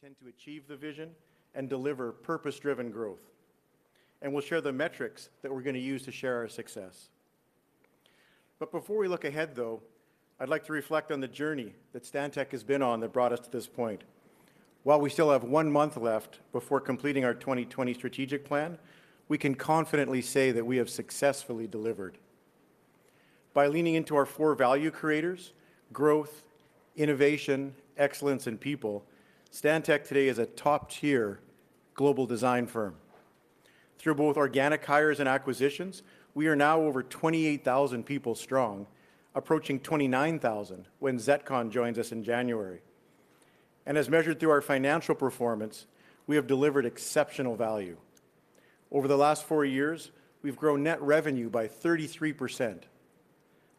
For how we intend to achieve the vision and deliver purpose-driven growth. We'll share the metrics that we're going to use to share our success. Before we look ahead, though, I'd like to reflect on the journey that Stantec has been on that brought us to this point. While we still have one month left before completing our 2020 strategic plan, we can confidently say that we have successfully delivered. By leaning into our four value creators: growth, innovation, excellence, and people, Stantec today is a top-tier global design firm. Through both organic hires and acquisitions, we are now over 28,000 people strong, approaching 29,000 when ZETCON joins us in January. As measured through our financial performance, we have delivered exceptional value. Over the last four years, we've grown net revenue by 33%,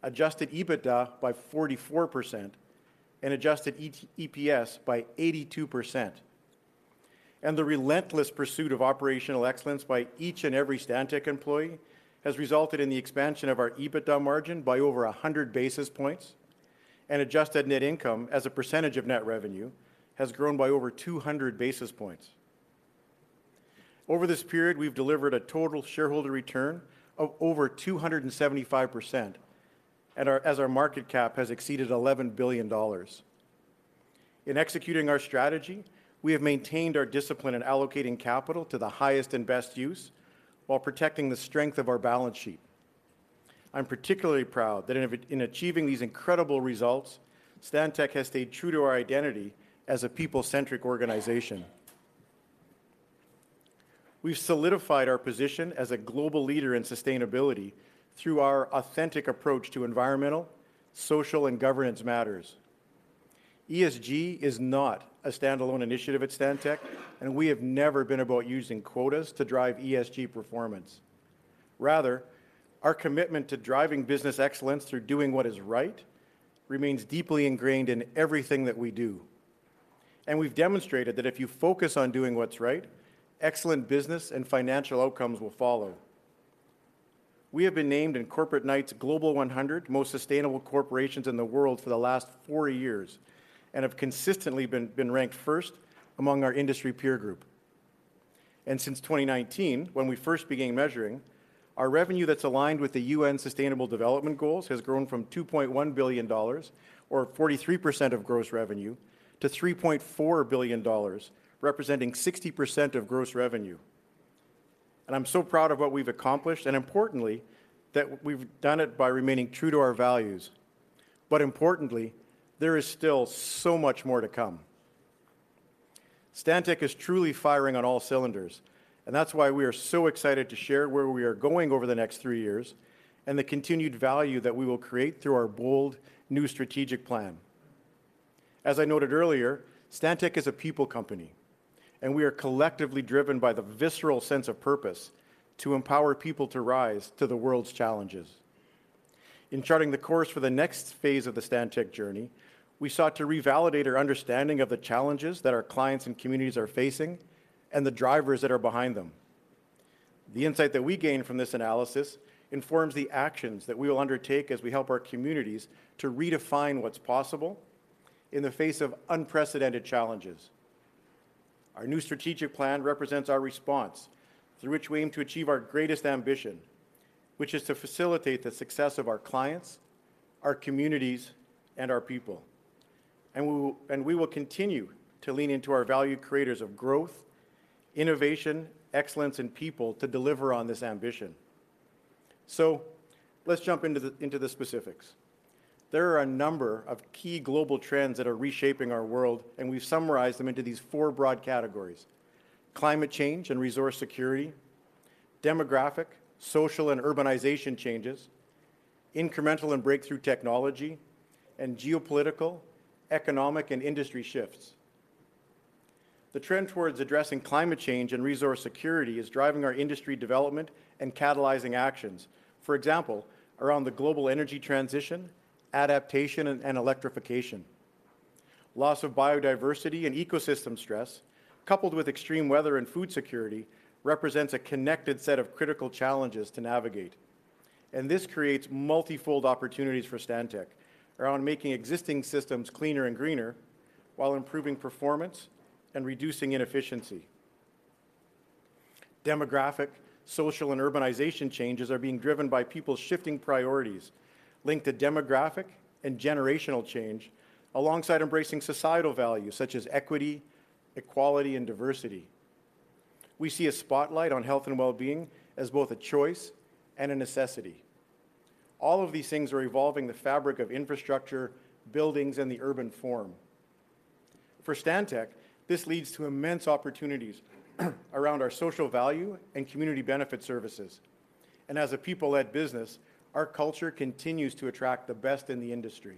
adjusted EBITDA by 44%, and adjusted EPS by 82%. The relentless pursuit of operational excellence by each and every Stantec employee has resulted in the expansion of our EBITDA margin by over 100 basis points, and adjusted net income as a percentage of net revenue has grown by over 200 basis points. Over this period, we've delivered a total shareholder return of over 275%, and our market cap has exceeded 11 billion dollars. In executing our strategy, we have maintained our discipline in allocating capital to the highest and best use while protecting the strength of our balance sheet. I'm particularly proud that in achieving these incredible results, Stantec has stayed true to our identity as a people-centric organization. We've solidified our position as a global leader in sustainability through our authentic approach to environmental, social, and governance matters. ESG is not a standalone initiative at Stantec, and we have never been about using quotas to drive ESG performance. Rather, our commitment to driving business excellence through doing what is right, remains deeply ingrained in everything that we do. And we've demonstrated that if you focus on doing what's right, excellent business and financial outcomes will follow. We have been named in Corporate Knights Global 100 Most Sustainable Corporations in the world for the last four years, and have consistently been ranked first among our industry peer group. And since 2019, when we first began measuring, our revenue that's aligned with the UN Sustainable Development Goals, has grown from CAD $2.1 billion or 43% of gross revenue, to CAD $3.4 billion, representing 60% of gross revenue. I'm so proud of what we've accomplished, and importantly, that we've done it by remaining true to our values. Importantly, there is still so much more to come. Stantec is truly firing on all cylinders, and that's why we are so excited to share where we are going over the next three years, and the continued value that we will create through our bold, new strategic plan. As I noted earlier, Stantec is a people company, and we are collectively driven by the visceral sense of purpose to empower people to rise to the world's challenges. In charting the course for the next phase of the Stantec journey, we sought to revalidate our understanding of the challenges that our clients and communities are facing, and the drivers that are behind them. The insight that we gain from this analysis informs the actions that we will undertake as we help our communities to redefine what's possible in the face of unprecedented challenges. Our new strategic plan represents our response, through which we aim to achieve our greatest ambition, which is to facilitate the success of our clients, our communities, and our people. And we will, and we will continue to lean into our value creators of growth, innovation, excellence, and people, to deliver on this ambition. So let's jump into the specifics. There are a number of key global trends that are reshaping our world, and we've summarized them into these four broad categories: climate change and resource security, demographic, social, and urbanization changes, incremental and breakthrough technology, and geopolitical, economic, and industry shifts. The trend towards addressing climate change and resource security is driving our industry development and catalyzing actions. For example, around the global energy transition, adaptation, and electrification. Loss of biodiversity and ecosystem stress, coupled with extreme weather and food security, represents a connected set of critical challenges to navigate, and this creates multifold opportunities for Stantec around making existing systems cleaner and greener while improving performance and reducing inefficiency. Demographic, social, and urbanization changes are being driven by people's shifting priorities, linked to demographic and generational change, alongside embracing societal values such as equity, equality, and diversity. We see a spotlight on health and well-being as both a choice and a necessity. All of these things are evolving the fabric of infrastructure, buildings, and the urban form. For Stantec, this leads to immense opportunities around our social value and community benefit services. And as a people-led business, our culture continues to attract the best in the industry.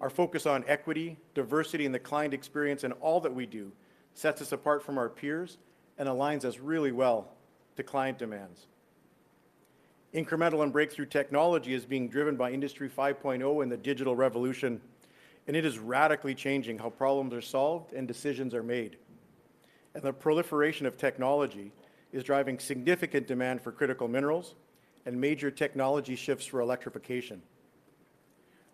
Our focus on equity, diversity, and the client experience in all that we do sets us apart from our peers and aligns us really well to client demands. Incremental and breakthrough technology is being driven by Industry 5.0 and the digital revolution, and it is radically changing how problems are solved and decisions are made.... and the proliferation of technology is driving significant demand for critical minerals and major technology shifts for electrification.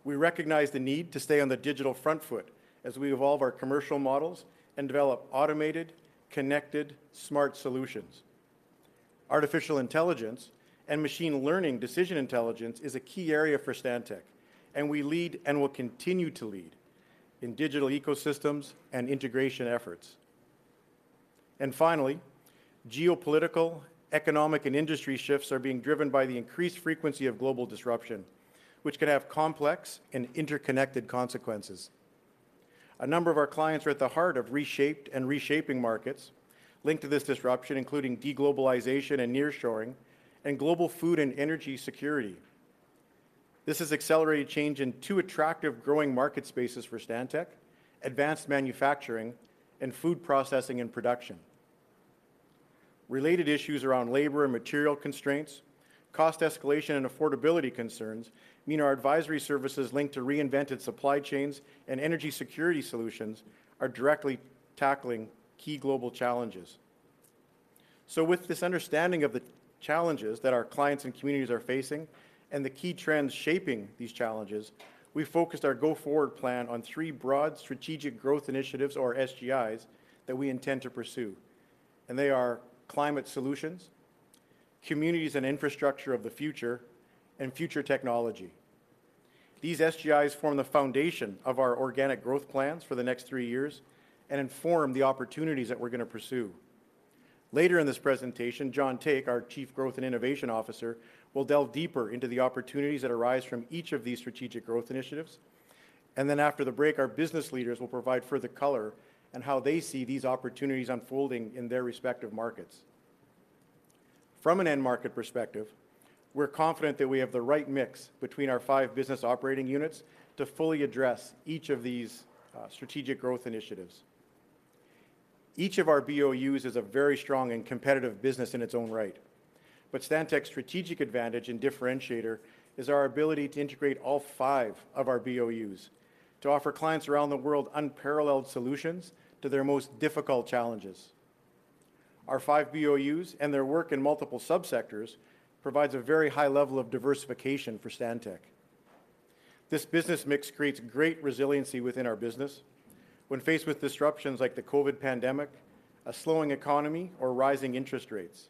We recognize the need to stay on the digital front foot as we evolve our commercial models and develop automated, connected, smart solutions. Artificial intelligence and machine learning decision intelligence is a key area for Stantec, and we lead and will continue to lead in digital ecosystems and integration efforts. And finally, geopolitical, economic, and industry shifts are being driven by the increased frequency of global disruption, which can have complex and interconnected consequences. A number of our clients are at the heart of reshaped and reshaping markets linked to this disruption, including de-globalization and nearshoring, and global food and energy security. This has accelerated change in two attractive growing market spaces for Stantec: advanced manufacturing and food processing and production. Related issues around labor and material constraints, cost escalation, and affordability concerns mean our advisory services linked to reinvented supply chains and energy security solutions are directly tackling key global challenges. With this understanding of the challenges that our clients and communities are facing and the key trends shaping these challenges, we focused our go-forward plan on three broad strategic growth initiatives or SGIs that we intend to pursue, and they are climate solutions, communities and infrastructure of the future, and future technology. These SGIs form the foundation of our organic growth plans for the next three years and inform the opportunities that we're going to pursue. Later in this presentation, John Take, our Chief Growth and Innovation Officer, will delve deeper into the opportunities that arise from each of these strategic growth initiatives. Then after the break, our business leaders will provide further color on how they see these opportunities unfolding in their respective markets. From an end market perspective, we're confident that we have the right mix between our five business operating units to fully address each of these, strategic growth initiatives. Each of our BOUs is a very strong and competitive business in its own right, but Stantec's strategic advantage and differentiator is our ability to integrate all five of our BOUs to offer clients around the world unparalleled solutions to their most difficult challenges. Our five BOUs and their work in multiple subsectors provides a very high level of diversification for Stantec. This business mix creates great resiliency within our business when faced with disruptions like the COVID pandemic, a slowing economy, or rising interest rates.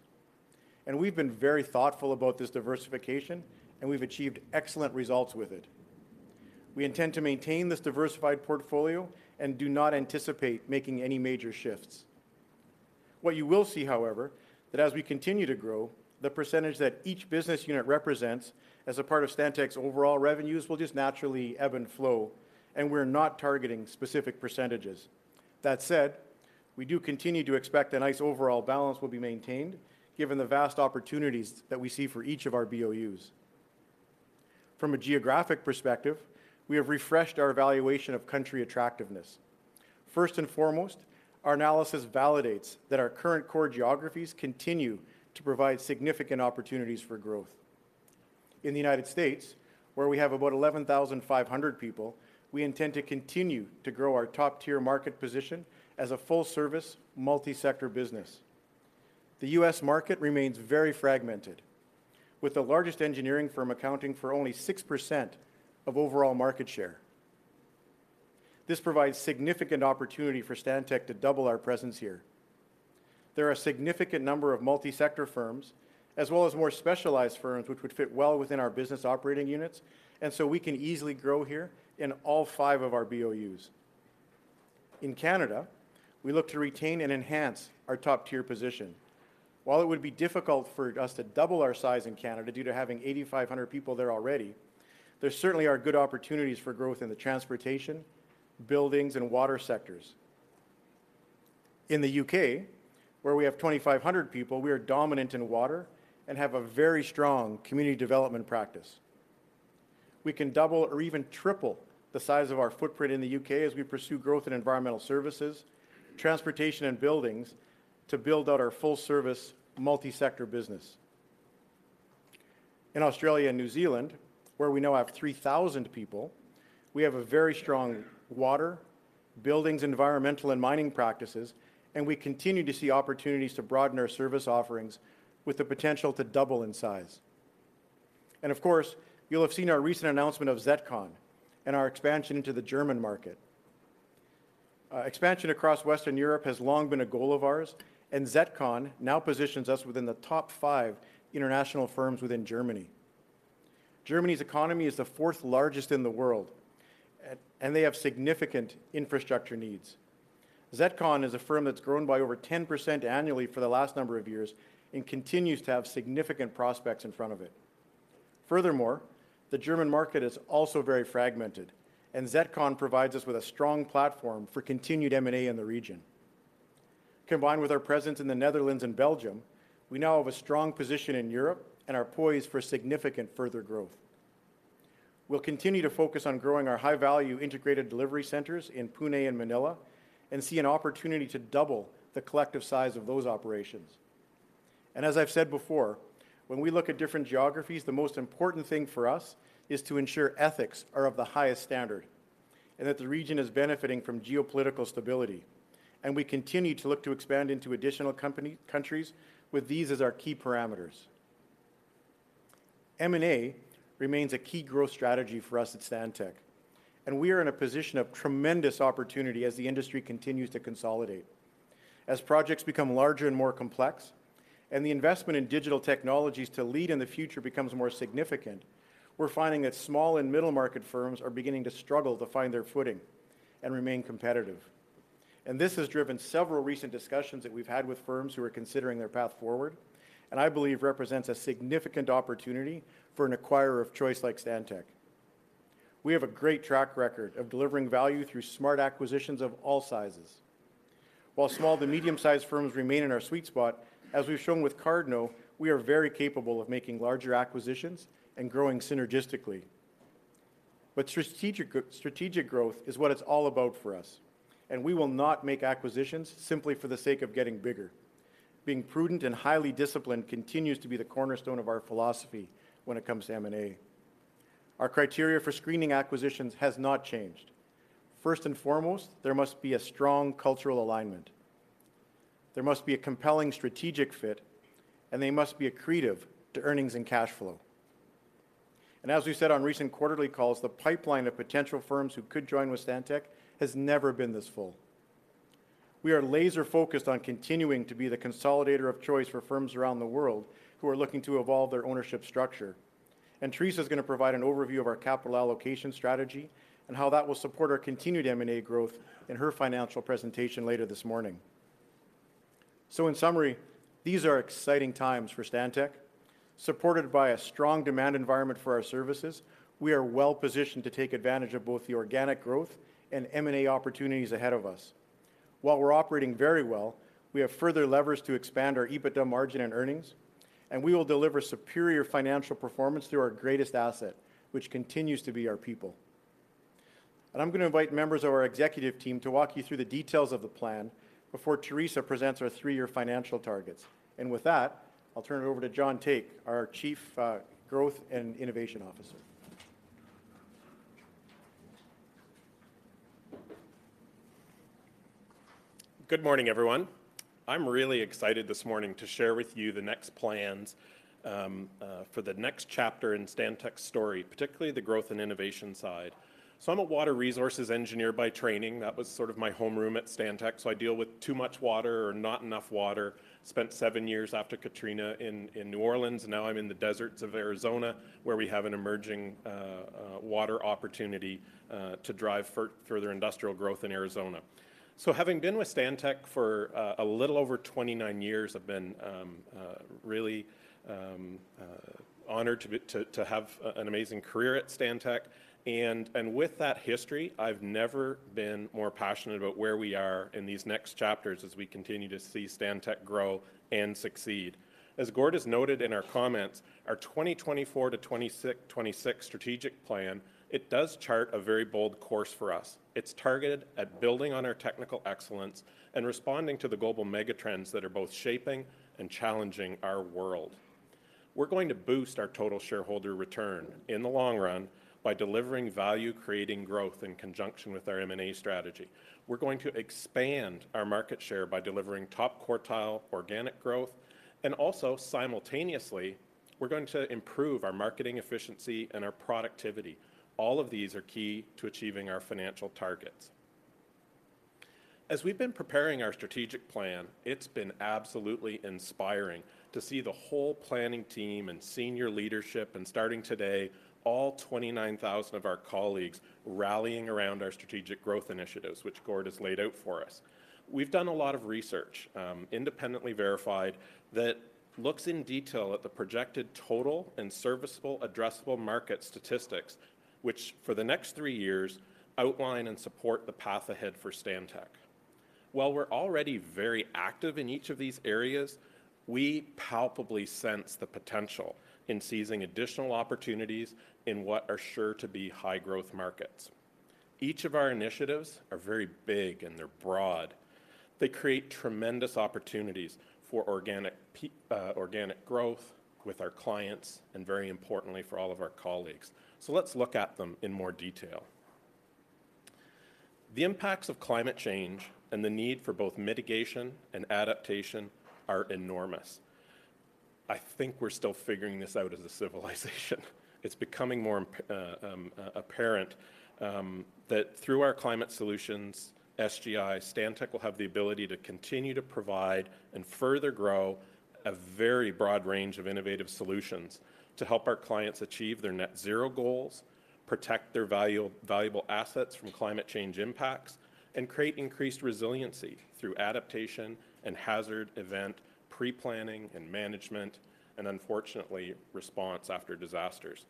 We've been very thoughtful about this diversification, and we've achieved excellent results with it. We intend to maintain this diversified portfolio and do not anticipate making any major shifts. What you will see, however, that as we continue to grow, the percentage that each business unit represents as a part of Stantec's overall revenues will just naturally ebb and flow, and we're not targeting specific percentages. That said, we do continue to expect a nice overall balance will be maintained, given the vast opportunities that we see for each of our BOUs. From a geographic perspective, we have refreshed our evaluation of country attractiveness. First and foremost, our analysis validates that our current core geographies continue to provide significant opportunities for growth. In the United States, where we have about 11,500 people, we intend to continue to grow our top-tier market position as a full-service, multi-sector business. The U.S. market remains very fragmented, with the largest engineering firm accounting for only 6% of overall market share. This provides significant opportunity for Stantec to double our presence here. There are a significant number of multi-sector firms, as well as more specialized firms, which would fit well within our business operating units, and so we can easily grow here in all five of our BOUs. In Canada, we look to retain and enhance our top-tier position. While it would be difficult for us to double our size in Canada due to having 8,500 people there already, there certainly are good opportunities for growth in the transportation, buildings, and water sectors. In the U.K., where we have 2,500 people, we are dominant in water and have a very strong community development practice. We can double or even triple the size of our footprint in the U.K. as we pursue growth in environmental services, transportation, and buildings to build out our full-service, multi-sector business. In Australia and New Zealand, where we now have 3,000 people, we have a very strong water, buildings, environmental, and mining practices, and we continue to see opportunities to broaden our service offerings with the potential to double in size. And of course, you'll have seen our recent announcement of ZETCON and our expansion into the German market. Expansion across Western Europe has long been a goal of ours, and ZETCON now positions us within the top five international firms within Germany. Germany's economy is the fourth largest in the world, and they have significant infrastructure needs. ZETCON is a firm that's grown by over 10% annually for the last number of years and continues to have significant prospects in front of it. Furthermore, the German market is also very fragmented, and ZETCON provides us with a strong platform for continued M&A in the region. Combined with our presence in the Netherlands and Belgium, we now have a strong position in Europe and are poised for significant further growth. We'll continue to focus on growing our high-value integrated delivery centers in Pune and Manila and see an opportunity to double the collective size of those operations. As I've said before, when we look at different geographies, the most important thing for us is to ensure ethics are of the highest standard and that the region is benefiting from geopolitical stability. We continue to look to expand into additional countries with these as our key parameters. M&A remains a key growth strategy for us at Stantec, and we are in a position of tremendous opportunity as the industry continues to consolidate. As projects become larger and more complex, and the investment in digital technologies to lead in the future becomes more significant, we're finding that small and middle-market firms are beginning to struggle to find their footing and remain competitive. This has driven several recent discussions that we've had with firms who are considering their path forward, and I believe represents a significant opportunity for an acquirer of choice like Stantec. We have a great track record of delivering value through smart acquisitions of all sizes. While small to medium-sized firms remain in our sweet spot, as we've shown with Cardno, we are very capable of making larger acquisitions and growing synergistically. But strategic growth is what it's all about for us, and we will not make acquisitions simply for the sake of getting bigger. Being prudent and highly disciplined continues to be the cornerstone of our philosophy when it comes to M&A. Our criteria for screening acquisitions has not changed. First and foremost, there must be a strong cultural alignment, there must be a compelling strategic fit, and they must be accretive to earnings and cash flow. As we've said on recent quarterly calls, the pipeline of potential firms who could join with Stantec has never been this full. We are laser-focused on continuing to be the consolidator of choice for firms around the world who are looking to evolve their ownership structure. And Theresa's gonna provide an overview of our capital allocation strategy and how that will support our continued M&A growth in her financial presentation later this morning. So in summary, these are exciting times for Stantec. Supported by a strong demand environment for our services, we are well-positioned to take advantage of both the organic growth and M&A opportunities ahead of us. While we're operating very well, we have further levers to expand our EBITDA margin and earnings, and we will deliver superior financial performance through our greatest asset, which continues to be our people. And I'm gonna invite members of our executive team to walk you through the details of the plan before Theresa presents our three-year financial targets. With that, I'll turn it over to John Take, our Chief Growth and Innovation Officer. Good morning, everyone. I'm really excited this morning to share with you the next plans for the next chapter in Stantec's story, particularly the growth and innovation side. I'm a water resources engineer by training. That was sort of my homeroom at Stantec, so I deal with too much water or not enough water. Spent seven years after Katrina in New Orleans, and now I'm in the deserts of Arizona, where we have an emerging water opportunity to drive further industrial growth in Arizona. Having been with Stantec for a little over 29 years, I've been really honored to have an amazing career at Stantec. And with that history, I've never been more passionate about where we are in these next chapters as we continue to see Stantec grow and succeed. As Gord has noted in our comments, our 2024 to 2026, 2026 strategic plan, it does chart a very bold course for us. It's targeted at building on our technical excellence and responding to the global mega trends that are both shaping and challenging our world. We're going to boost our total shareholder return in the long run by delivering value, creating growth in conjunction with our M&A strategy. We're going to expand our market share by delivering top-quartile organic growth, and also simultaneously, we're going to improve our marketing efficiency and our productivity. All of these are key to achieving our financial targets. As we've been preparing our strategic plan, it's been absolutely inspiring to see the whole planning team and senior leadership, and starting today, all 29,000 of our colleagues rallying around our strategic growth initiatives, which Gord has laid out for us. We've done a lot of research, independently verified, that looks in detail at the projected total and serviceable addressable market statistics, which for the next three years, outline and support the path ahead for Stantec. While we're already very active in each of these areas, we palpably sense the potential in seizing additional opportunities in what are sure to be high-growth markets. Each of our initiatives are very big, and they're broad. They create tremendous opportunities for organic growth with our clients, and very importantly, for all of our colleagues. So let's look at them in more detail. The impacts of climate change and the need for both mitigation and adaptation are enormous. I think we're still figuring this out as a civilization. It's becoming more apparent that through our climate solutions, SGI, Stantec will have the ability to continue to provide and further grow a very broad range of innovative solutions to help our clients achieve their net zero goals, protect their valuable assets from climate change impacts, and create increased resiliency through adaptation and hazard event pre-planning and management, and unfortunately, response after disasters,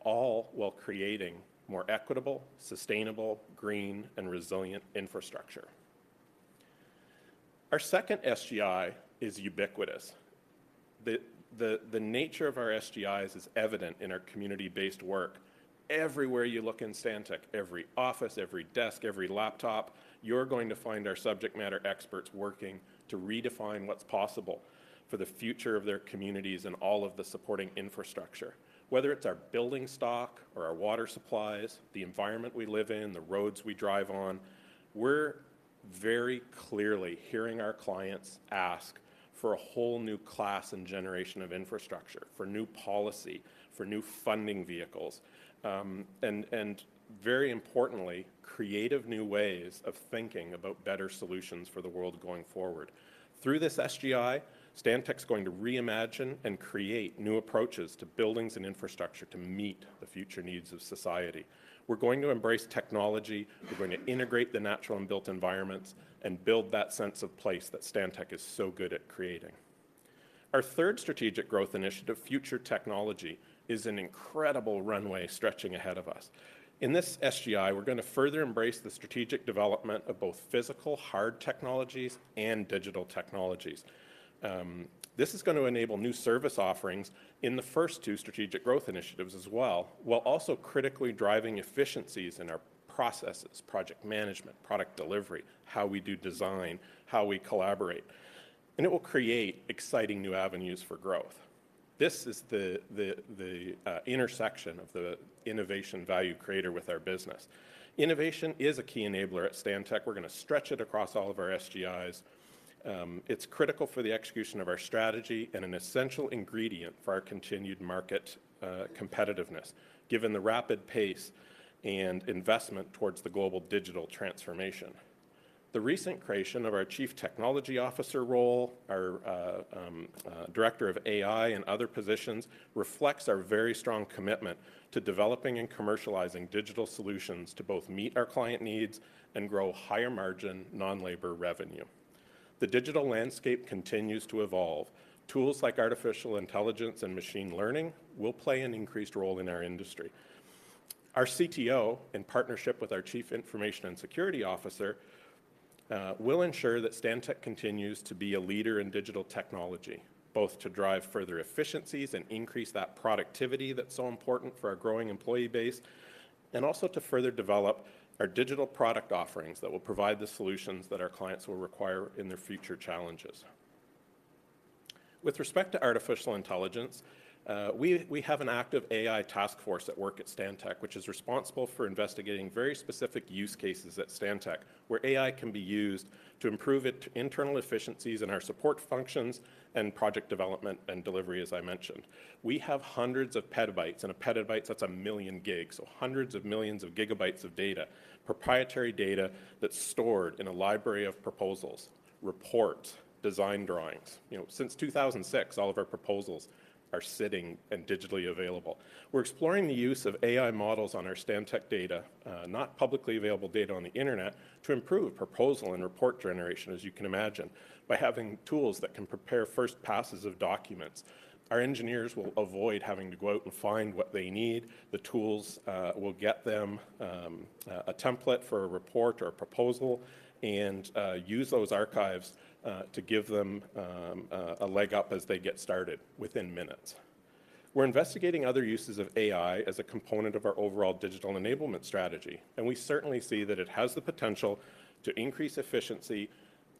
all while creating more equitable, sustainable, green, and resilient infrastructure. Our second SGI is ubiquitous. The nature of our SGIs is evident in our community-based work everywhere you look in Stantec, every office, every desk, every laptop, you're going to find our subject matter experts working to redefine what's possible for the future of their communities and all of the supporting infrastructure. Whether it's our building stock or our water supplies, the environment we live in, the roads we drive on, we're very clearly hearing our clients ask for a whole new class and generation of infrastructure, for new policy, for new funding vehicles, and very importantly, creative new ways of thinking about better solutions for the world going forward. Through this SGI, Stantec's going to reimagine and create new approaches to buildings and infrastructure to meet the future needs of society. We're going to embrace technology, we're going to integrate the natural and built environments, and build that sense of place that Stantec is so good at creating. Our third strategic growth initiative, future technology, is an incredible runway stretching ahead of us. In this SGI, we're gonna further embrace the strategic development of both physical hard technologies and digital technologies. This is gonna enable new service offerings in the first two strategic growth initiatives as well, while also critically driving efficiencies in our processes, project management, product delivery, how we do design, how we collaborate, and it will create exciting new avenues for growth. This is the intersection of the innovation value creator with our business. Innovation is a key enabler at Stantec. We're gonna stretch it across all of our SGIs. It's critical for the execution of our strategy and an essential ingredient for our continued market competitiveness, given the rapid pace and investment towards the global digital transformation. The recent creation of our Chief Technology Officer role, our Director of AI, and other positions, reflects our very strong commitment to developing and commercializing digital solutions to both meet our client needs and grow higher margin, non-labor revenue. The digital landscape continues to evolve. Tools like artificial intelligence and machine learning will play an increased role in our industry. Our CTO, in partnership with our Chief Information and Security Officer, will ensure that Stantec continues to be a leader in digital technology, both to drive further efficiencies and increase that productivity that's so important for our growing employee base, and also to further develop our digital product offerings that will provide the solutions that our clients will require in their future challenges. With respect to artificial intelligence, we, we have an active AI task force at work at Stantec, which is responsible for investigating very specific use cases at Stantec, where AI can be used to improve internal efficiencies in our support functions and project development and delivery, as I mentioned. We have hundreds of petabytes, and a petabyte, that's a million gigs, so hundreds of millions of gigabytes of data, proprietary data that's stored in a library of proposals, reports, design drawings. You know, since 2006, all of our proposals are sitting and digitally available. We're exploring the use of AI models on our Stantec data, not publicly available data on the internet, to improve proposal and report generation, as you can imagine. By having tools that can prepare first passes of documents, our engineers will avoid having to go out and find what they need. The tools will get them a template for a report or a proposal, and use those archives to give them a leg up as they get started within minutes. We're investigating other uses of AI as a component of our overall digital enablement strategy, and we certainly see that it has the potential to increase efficiency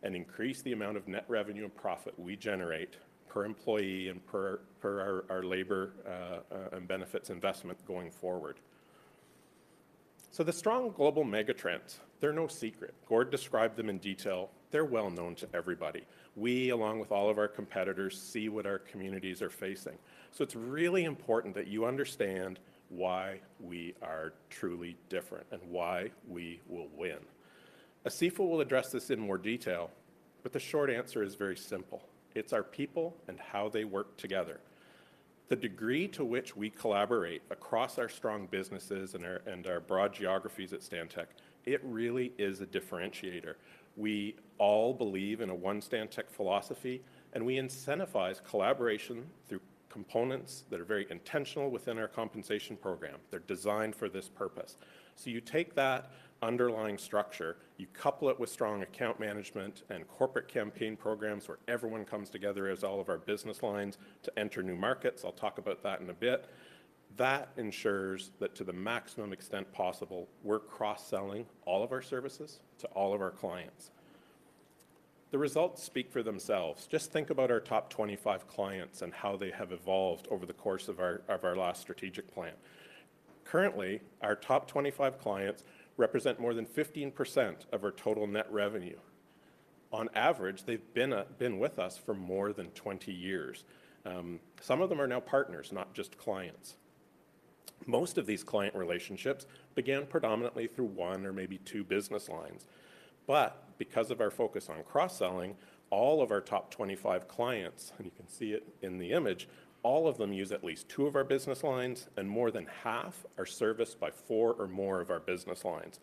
and increase the amount of net revenue and profit we generate per employee and per, per our, our labor, and benefits investment going forward. So the strong global mega trends, they're no secret. Gord described them in detail. They're well known to everybody. We, along with all of our competitors, see what our communities are facing, so it's really important that you understand why we are truly different and why we will win. Asifa will address this in more detail, but the short answer is very simple: It's our people and how they work together. The degree to which we collaborate across our strong businesses and our, and our broad geographies at Stantec, it really is a differentiator. We all believe in a one Stantec philosophy, and we incentivize collaboration through components that are very intentional within our compensation program. They're designed for this purpose. So you take that underlying structure, you couple it with strong account management and corporate campaign programs, where everyone comes together as all of our business lines to enter new markets. I'll talk about that in a bit. That ensures that to the maximum extent possible, we're cross-selling all of our services to all of our clients. The results speak for themselves. Just think about our top 25 clients and how they have evolved over the course of our last strategic plan. Currently, our top 25 clients represent more than 15% of our total net revenue. On average, they've been with us for more than 20 years. Some of them are now partners, not just clients. Most of these client relationships began predominantly through one or maybe two business lines, but because of our focus on cross-selling, all of our top 25 clients, and you can see it in the image, all of them use at least two of our business lines, and more than half are serviced by four or more of our business lines.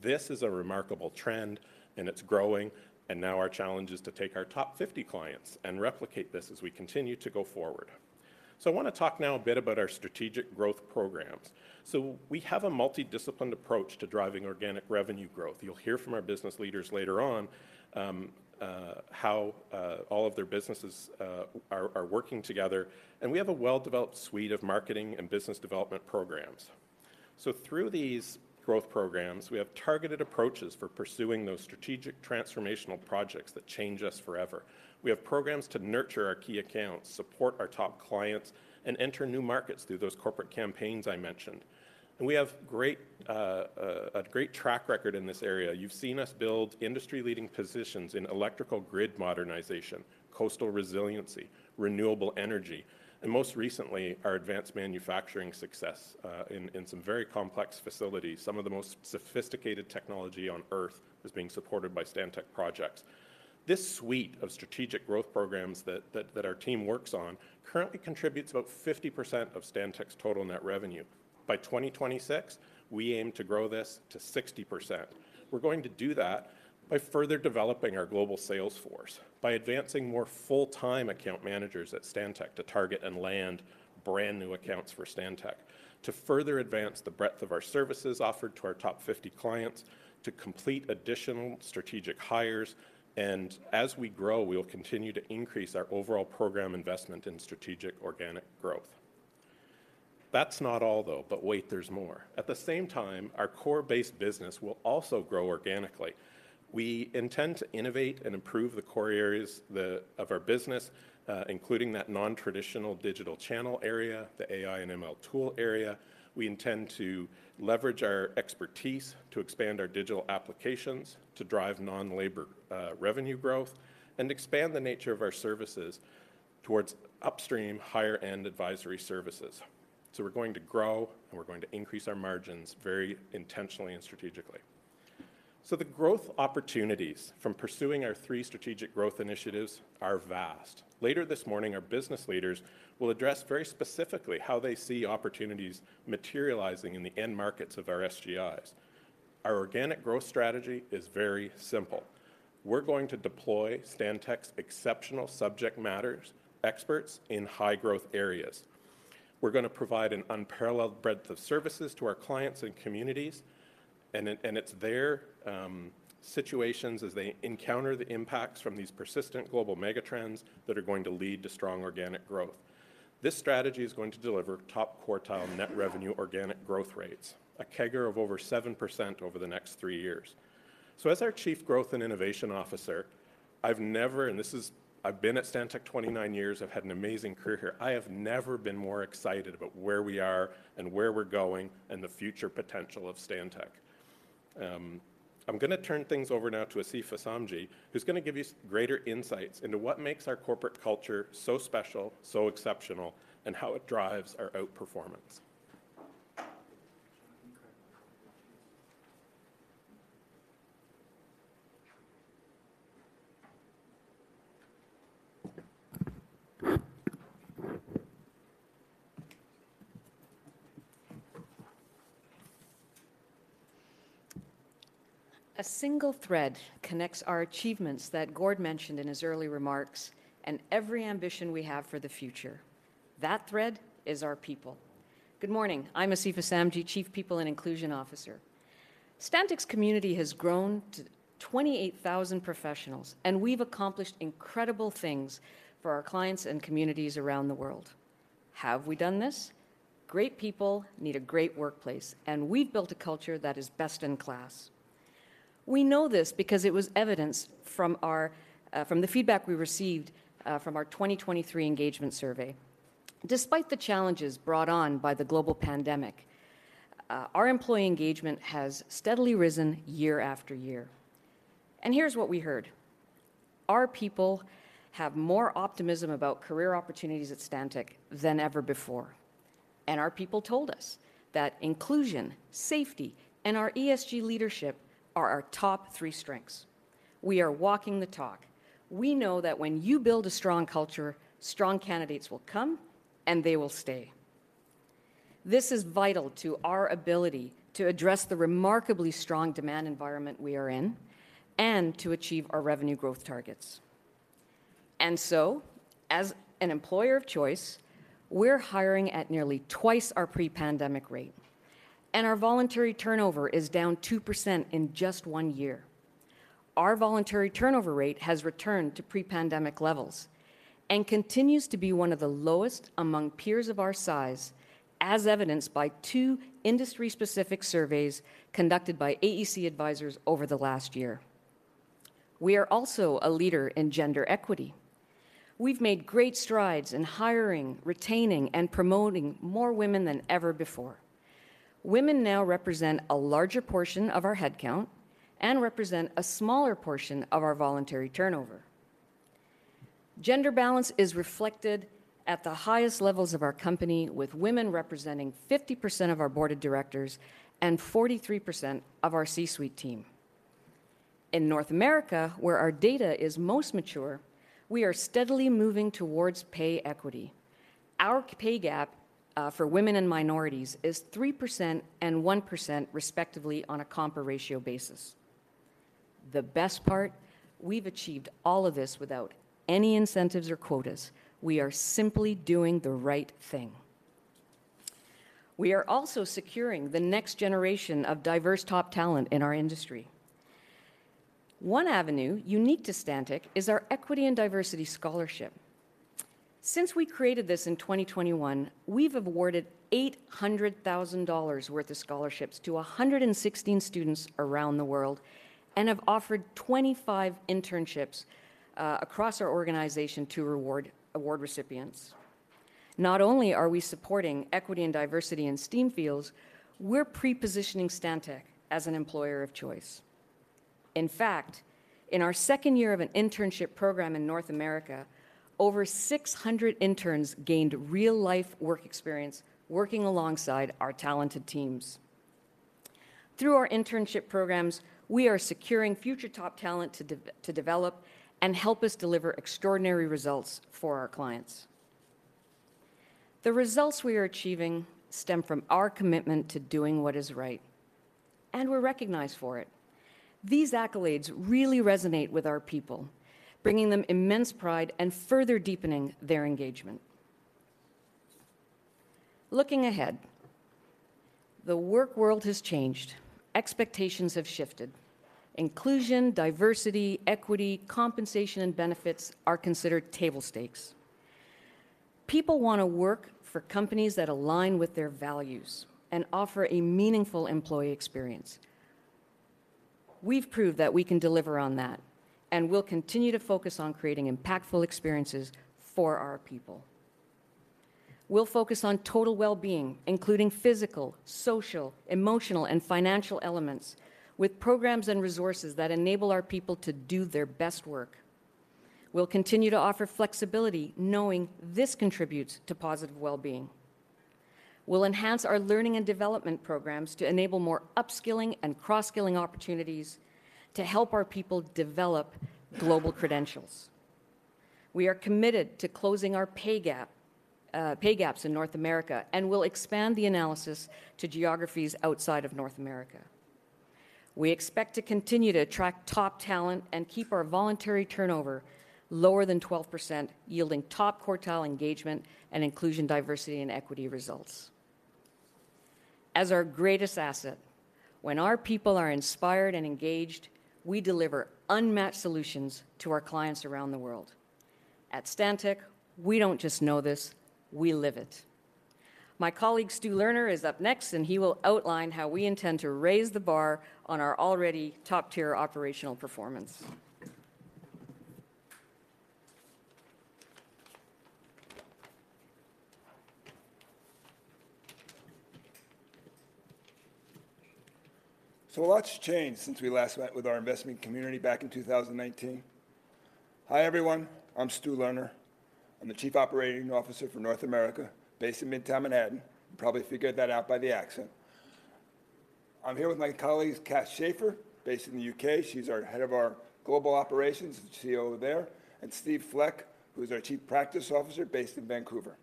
This is a remarkable trend, and it's growing, and now our challenge is to take our top 50 clients and replicate this as we continue to go forward. I want to talk now a bit about our strategic growth programs. We have a multi-disciplined approach to driving organic revenue growth. You'll hear from our business leaders later on, how all of their businesses are working together, and we have a well-developed suite of marketing and business development programs. So through these growth programs, we have targeted approaches for pursuing those strategic transformational projects that change us forever. We have programs to nurture our key accounts, support our top clients, and enter new markets through those corporate campaigns I mentioned. We have a great track record in this area. You've seen us build industry-leading positions in electrical grid modernization, coastal resiliency, renewable energy, and most recently, our advanced manufacturing success in some very complex facilities. Some of the most sophisticated technology on Earth is being supported by Stantec projects. This suite of strategic growth programs that our team works on currently contributes about 50% of Stantec's total net revenue. By 2026, we aim to grow this to 60%. We're going to do that by further developing our global sales force, by advancing more full-time account managers at Stantec to target and land brand-new accounts for Stantec, to further advance the breadth of our services offered to our top 50 clients, to complete additional strategic hires, and as we grow, we'll continue to increase our overall program investment in strategic organic growth. That's not all, though, but wait, there's more. At the same time, our core-based business will also grow organically. We intend to innovate and improve the core areas of our business, including that non-traditional digital channel area, the AI and ML tool area. We intend to leverage our expertise to expand our digital applications, to drive non-labor revenue growth, and expand the nature of our services towards upstream, higher-end advisory services. So we're going to grow, and we're going to increase our margins very intentionally and strategically. So the growth opportunities from pursuing our three strategic growth initiatives are vast. Later this morning, our business leaders will address very specifically how they see opportunities materializing in the end markets of our SGIs. Our organic growth strategy is very simple. We're going to deploy Stantec's exceptional subject matter experts in high-growth areas. We're gonna provide an unparalleled breadth of services to our clients and communities, and it's their situations as they encounter the impacts from these persistent global mega trends that are going to lead to strong organic growth. This strategy is going to deliver top-quartile net revenue organic growth rates, a CAGR of over 7% over the next three years. So as our Chief Growth and Innovation Officer, I've never, and this is—I've been at Stantec 29 years. I've had an amazing career here. I have never been more excited about where we are and where we're going, and the future potential of Stantec. I'm gonna turn things over now to Asifa Samji, who's gonna give you greater insights into what makes our corporate culture so special, so exceptional, and how it drives our outperformance. A single thread connects our achievements that Gord mentioned in his early remarks and every ambition we have for the future. That thread is our people. Good morning. I'm Asifa Samji, Chief People and Inclusion Officer. Stantec's community has grown to 28,000 professionals, and we've accomplished incredible things for our clients and communities around the world. How have we done this? Great people need a great workplace, and we've built a culture that is best in class. We know this because it was evidenced from our, from the feedback we received, from our 2023 engagement survey. Despite the challenges brought on by the global pandemic, our employee engagement has steadily risen year after year. And here's what we heard: Our people have more optimism about career opportunities at Stantec than ever before. Our people told us that inclusion, safety, and our ESG leadership are our top three strengths. We are walking the talk. We know that when you build a strong culture, strong candidates will come, and they will stay. This is vital to our ability to address the remarkably strong demand environment we are in and to achieve our revenue growth targets. So, as an employer of choice, we're hiring at nearly twice our pre-pandemic rate, and our voluntary turnover is down 2% in just one year. Our voluntary turnover rate has returned to pre-pandemic levels and continues to be one of the lowest among peers of our size, as evidenced by two industry-specific surveys conducted by AEC Advisors over the last year. We are also a leader in gender equity. We've made great strides in hiring, retaining, and promoting more women than ever before. Women now represent a larger portion of our headcount and represent a smaller portion of our voluntary turnover. Gender balance is reflected at the highest levels of our company, with women representing 50% of our board of directors and 43% of our C-suite team. In North America, where our data is most mature, we are steadily moving towards pay equity. Our pay gap for women and minorities is 3% and 1%, respectively, on a compa ratio basis. The best part? We've achieved all of this without any incentives or quotas. We are simply doing the right thing. We are also securing the next generation of diverse top talent in our industry. One avenue unique to Stantec is our Equity and Diversity Scholarship. Since we created this in 2021, we've awarded 800,000 dollars worth of scholarships to 116 students around the world, and have offered 25 internships across our organization to reward award recipients. Not only are we supporting equity and diversity in STEAM fields, we're pre-positioning Stantec as an employer of choice. In fact, in our second year of an internship program in North America, over 600 interns gained real-life work experience working alongside our talented teams. Through our internship programs, we are securing future top talent to develop and help us deliver extraordinary results for our clients. The results we are achieving stem from our commitment to doing what is right, and we're recognized for it. These accolades really resonate with our people, bringing them immense pride and further deepening their engagement. Looking ahead, the work world has changed. Expectations have shifted. Inclusion, diversity, equity, compensation, and benefits are considered table stakes. People wanna work for companies that align with their values and offer a meaningful employee experience. We've proved that we can deliver on that, and we'll continue to focus on creating impactful experiences for our people. We'll focus on total well-being, including physical, social, emotional, and financial elements, with programs and resources that enable our people to do their best work. We'll continue to offer flexibility, knowing this contributes to positive well-being. We'll enhance our learning and development programs to enable more upskilling and cross-skilling opportunities to help our people develop global credentials. We are committed to closing our pay gap, pay gaps in North America, and we'll expand the analysis to geographies outside of North America. We expect to continue to attract top talent and keep our voluntary turnover lower than 12%, yielding top-quartile engagement and inclusion, diversity, and equity results. As our greatest asset, when our people are inspired and engaged, we deliver unmatched solutions to our clients around the world. At Stantec, we don't just know this, we live it. My colleague, Stu Lerner, is up next, and he will outline how we intend to raise the bar on our already top-tier operational performance. So a lot's changed since we last met with our investment community back in 2019. Hi, everyone. I'm Stu Lerner. I'm the Chief Operating Officer for North America, based in Midtown Manhattan. You probably figured that out by the accent. I'm here with my colleagues, Cath Schefer, based in the U.K. She's our head of our global operations, the CEO over there, and Steve Fleck, who's our Chief Practice Officer, based in Vancouver.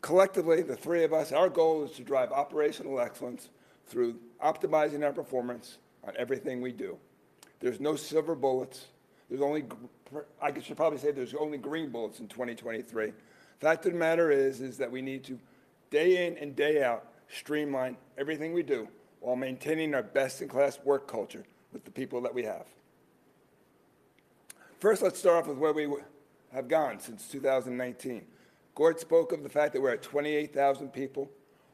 Collectively, the three of us, our goal is to drive operational excellence through optimizing our performance on everything we do. There's no silver bullets. There's only green bullets in 2023. Fact of the matter is, is that we need to, day in and day out, streamline everything we do while maintaining our best-in-class work culture with the people that we have. First, let's start off with where we have gone since 2019. Gord spoke of the fact that we're at 28,000 people.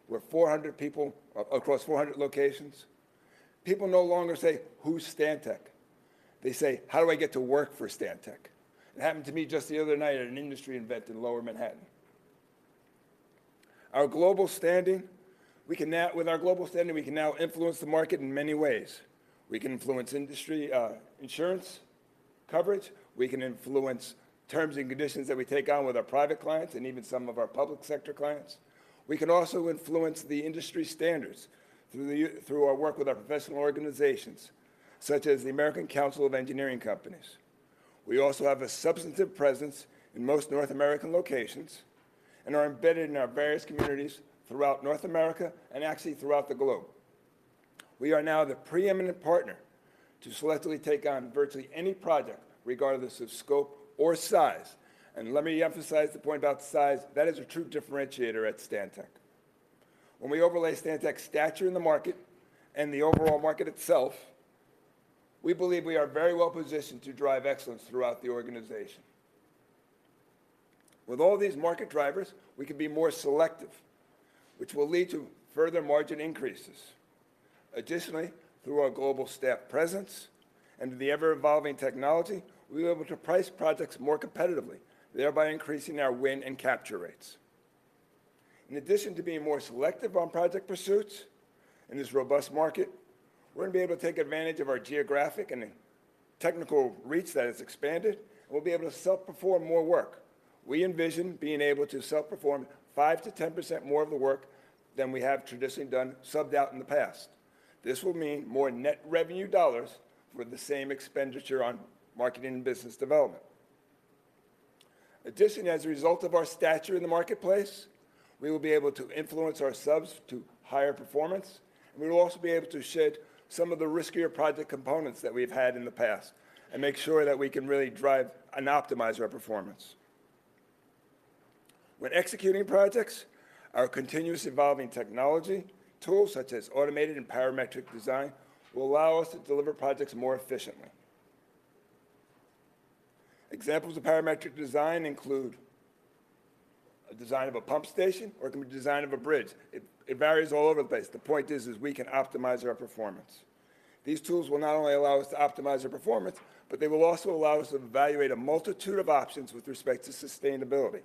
We're 400 people across 400 locations. People no longer say: "Who's Stantec?" They say: "How do I get to work for Stantec?" It happened to me just the other night at an industry event in Lower Manhattan. Our global standing, we can now... With our global standing, we can now influence the market in many ways. We can influence industry insurance coverage. We can influence terms and conditions that we take on with our private clients and even some of our public sector clients. We can also influence the industry standards through our work with our professional organizations, such as the American Council of Engineering Companies. We also have a substantive presence in most North American locations and are embedded in our various communities throughout North America and actually throughout the globe. We are now the preeminent partner to selectively take on virtually any project, regardless of scope or size. And let me emphasize the point about size: that is a true differentiator at Stantec. When we overlay Stantec's stature in the market and the overall market itself, we believe we are very well positioned to drive excellence throughout the organization. With all these market drivers, we can be more selective, which will lead to further margin increases. Additionally, through our global staff presence and the ever-evolving technology, we'll be able to price projects more competitively, thereby increasing our win and capture rates. In addition to being more selective on project pursuits in this robust market, we're gonna be able to take advantage of our geographic and technical reach that has expanded, and we'll be able to self-perform more work. We envision being able to self-perform 5%-10% more of the work than we have traditionally done subbed out in the past. This will mean more net revenue dollars for the same expenditure on marketing and business development. Additionally, as a result of our stature in the marketplace, we will be able to influence our subs to higher performance, and we will also be able to shed some of the riskier project components that we've had in the past and make sure that we can really drive and optimize our performance. When executing projects, our continuous evolving technology tools, such as automated and parametric design, will allow us to deliver projects more efficiently. Examples of parametric design include a design of a pump station or it can be a design of a bridge. It varies all over the place. The point is, we can optimize our performance. These tools will not only allow us to optimize our performance, but they will also allow us to evaluate a multitude of options with respect to sustainability.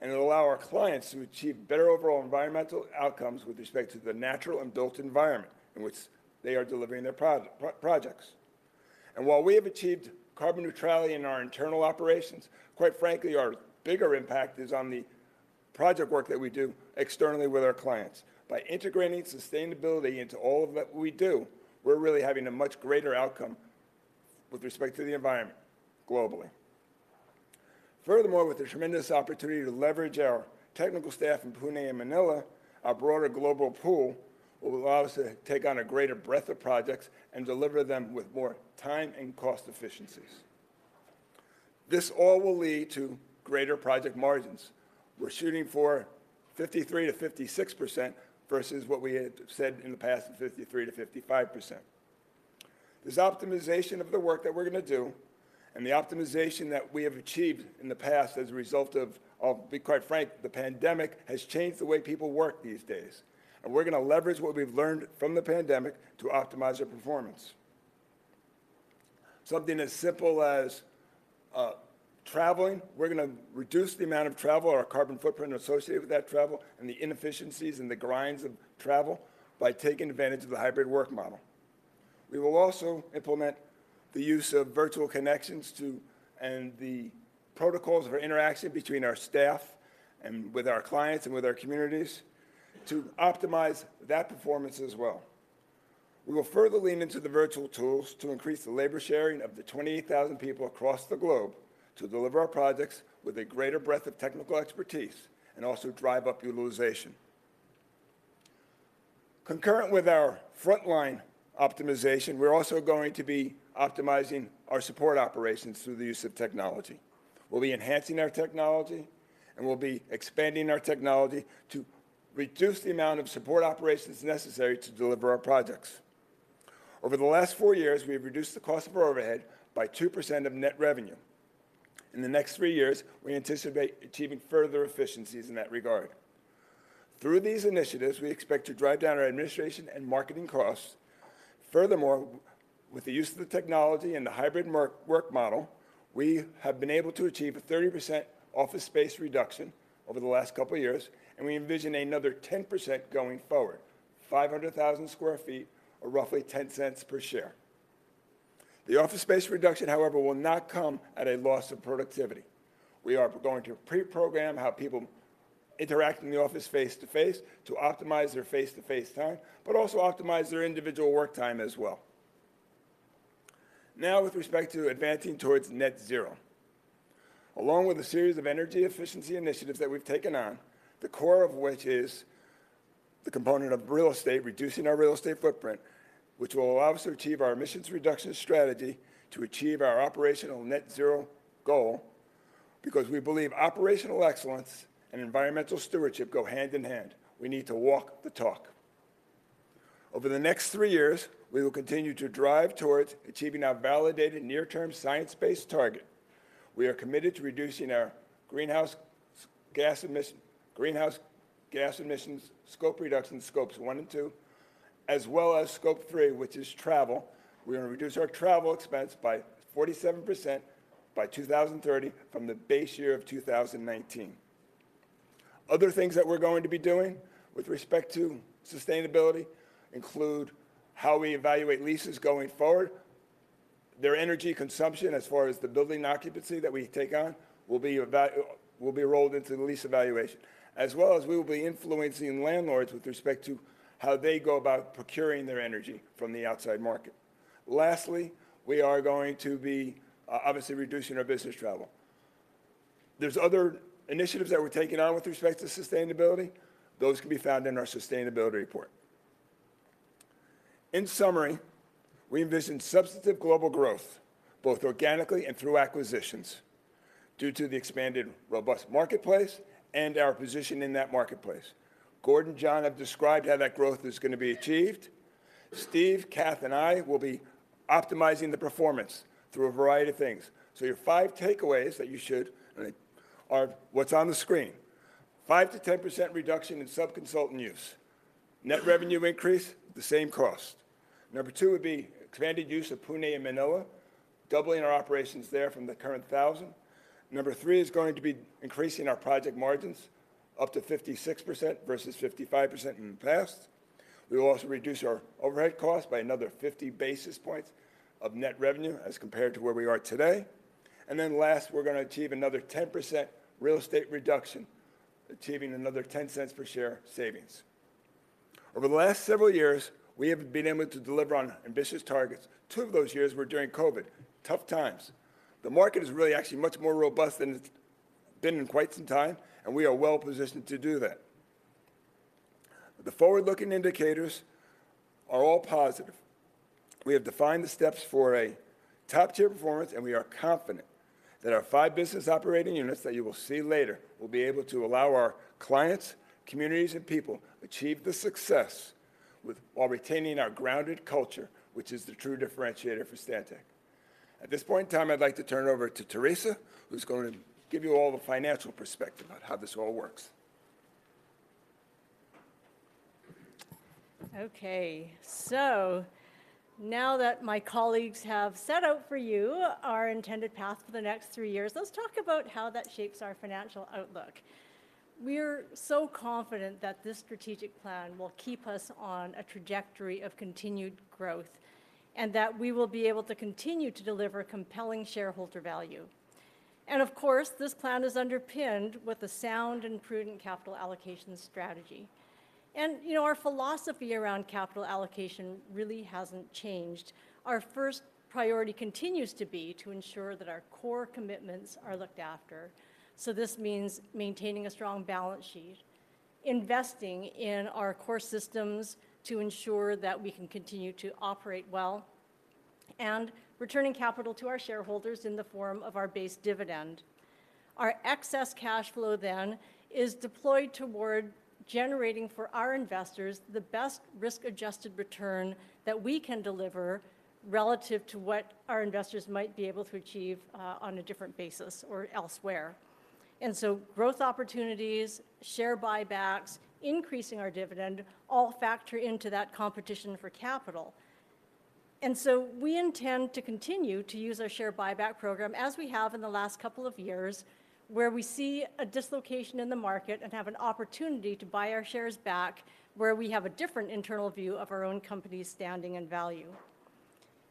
It'll allow our clients to achieve better overall environmental outcomes with respect to the natural and built environment in which they are delivering their projects. While we have achieved carbon neutrality in our internal operations, quite frankly, our bigger impact is on the project work that we do externally with our clients. By integrating sustainability into all of what we do, we're really having a much greater outcome with respect to the environment globally. Furthermore, with the tremendous opportunity to leverage our technical staff in Pune and Manila, our broader global pool will allow us to take on a greater breadth of projects and deliver them with more time and cost efficiencies. This all will lead to greater project margins. We're shooting for 53%-56% versus what we had said in the past, 53%-55%. This optimization of the work that we're going to do and the optimization that we have achieved in the past as a result of, I'll be quite frank, the pandemic, has changed the way people work these days, and we're going to leverage what we've learned from the pandemic to optimize our performance. Something as simple as traveling, we're going to reduce the amount of travel, our carbon footprint associated with that travel, and the inefficiencies and the grinds of travel by taking advantage of the hybrid work model. We will also implement the use of virtual connections to and the protocols for interaction between our staff and with our clients and with our communities to optimize that performance as well. We will further lean into the virtual tools to increase the labor sharing of the 28,000 people across the globe to deliver our projects with a greater breadth of technical expertise and also drive up utilization. Concurrent with our frontline optimization, we're also going to be optimizing our support operations through the use of technology. We'll be enhancing our technology, and we'll be expanding our technology to reduce the amount of support operations necessary to deliver our projects. Over the last four years, we have reduced the cost of our overhead by 2% of net revenue. In the next three years, we anticipate achieving further efficiencies in that regard. Through these initiatives, we expect to drive down our administration and marketing costs. Furthermore, with the use of the technology and the hybrid work model, we have been able to achieve a 30% office space reduction over the last couple of years, and we envision another 10% going forward, 500,000 sq ft or roughly 0.10 per share. The office space reduction, however, will not come at a loss of productivity. We are going to pre-program how people interact in the office face-to-face to optimize their face-to-face time, but also optimize their individual work time as well. Now, with respect to advancing towards net zero, along with a series of energy efficiency initiatives that we've taken on, the core of which is the component of real estate, reducing our real estate footprint, which will allow us to achieve our emissions reduction strategy to achieve our operational net zero goal, because we believe operational excellence and environmental stewardship go hand in hand. We need to walk the talk. Over the next three years, we will continue to drive towards achieving our validated near-term science-based target. We are committed to reducing our greenhouse gas emissions, scopes 1 and 2, as well as scope 3, which is travel. We're going to reduce our travel expense by 47% by 2030 from the base year of 2019. Other things that we're going to be doing with respect to sustainability include how we evaluate leases going forward. Their energy consumption, as far as the building occupancy that we take on, will be rolled into the lease evaluation, as well as we will be influencing landlords with respect to how they go about procuring their energy from the outside market. Lastly, we are going to be obviously reducing our business travel. There's other initiatives that we're taking on with respect to sustainability. Those can be found in our sustainability report. In summary, we envision substantive global growth, both organically and through acquisitions, due to the expanded, robust marketplace and our position in that marketplace. Gord, John have described how that growth is going to be achieved. Steve, Cath, and I will be optimizing the performance through a variety of things. So your five takeaways that you should... are what's on the screen. 5%-10% reduction in sub-consultant use, net revenue increase, the same cost. Number two would be expanded use of Pune and Manila, doubling our operations there from the current 1,000. Number three is going to be increasing our project margins up to 56% versus 55% in the past. We will also reduce our overhead costs by another 50 basis points of net revenue as compared to where we are today. And then last, we're going to achieve another 10% real estate reduction, achieving another 0.10 per share savings.... Over the last several years, we have been able to deliver on ambitious targets. Two of those years were during COVID, tough times! The market is really actually much more robust than it's been in quite some time, and we are well-positioned to do that. The forward-looking indicators are all positive. We have defined the steps for a top-tier performance, and we are confident that our five business operating units that you will see later will be able to allow our clients, communities, and people achieve the success with, while retaining our grounded culture, which is the true differentiator for Stantec. At this point in time, I'd like to turn it over to Theresa, who's going to give you all the financial perspective on how this all works. Okay, so now that my colleagues have set out for you our intended path for the next three years, let's talk about how that shapes our financial outlook. We're so confident that this strategic plan will keep us on a trajectory of continued growth and that we will be able to continue to deliver compelling shareholder value. Of course, this plan is underpinned with a sound and prudent capital allocation strategy. You know, our philosophy around capital allocation really hasn't changed. Our first priority continues to be to ensure that our core commitments are looked after. So this means maintaining a strong balance sheet, investing in our core systems to ensure that we can continue to operate well and returning capital to our shareholders in the form of our base dividend. Our excess cash flow then is deployed toward generating for our investors the best risk-adjusted return that we can deliver relative to what our investors might be able to achieve on a different basis or elsewhere. And so growth opportunities, share buybacks, increasing our dividend, all factor into that competition for capital. And so we intend to continue to use our share buyback program as we have in the last couple of years, where we see a dislocation in the market and have an opportunity to buy our shares back, where we have a different internal view of our own company's standing and value.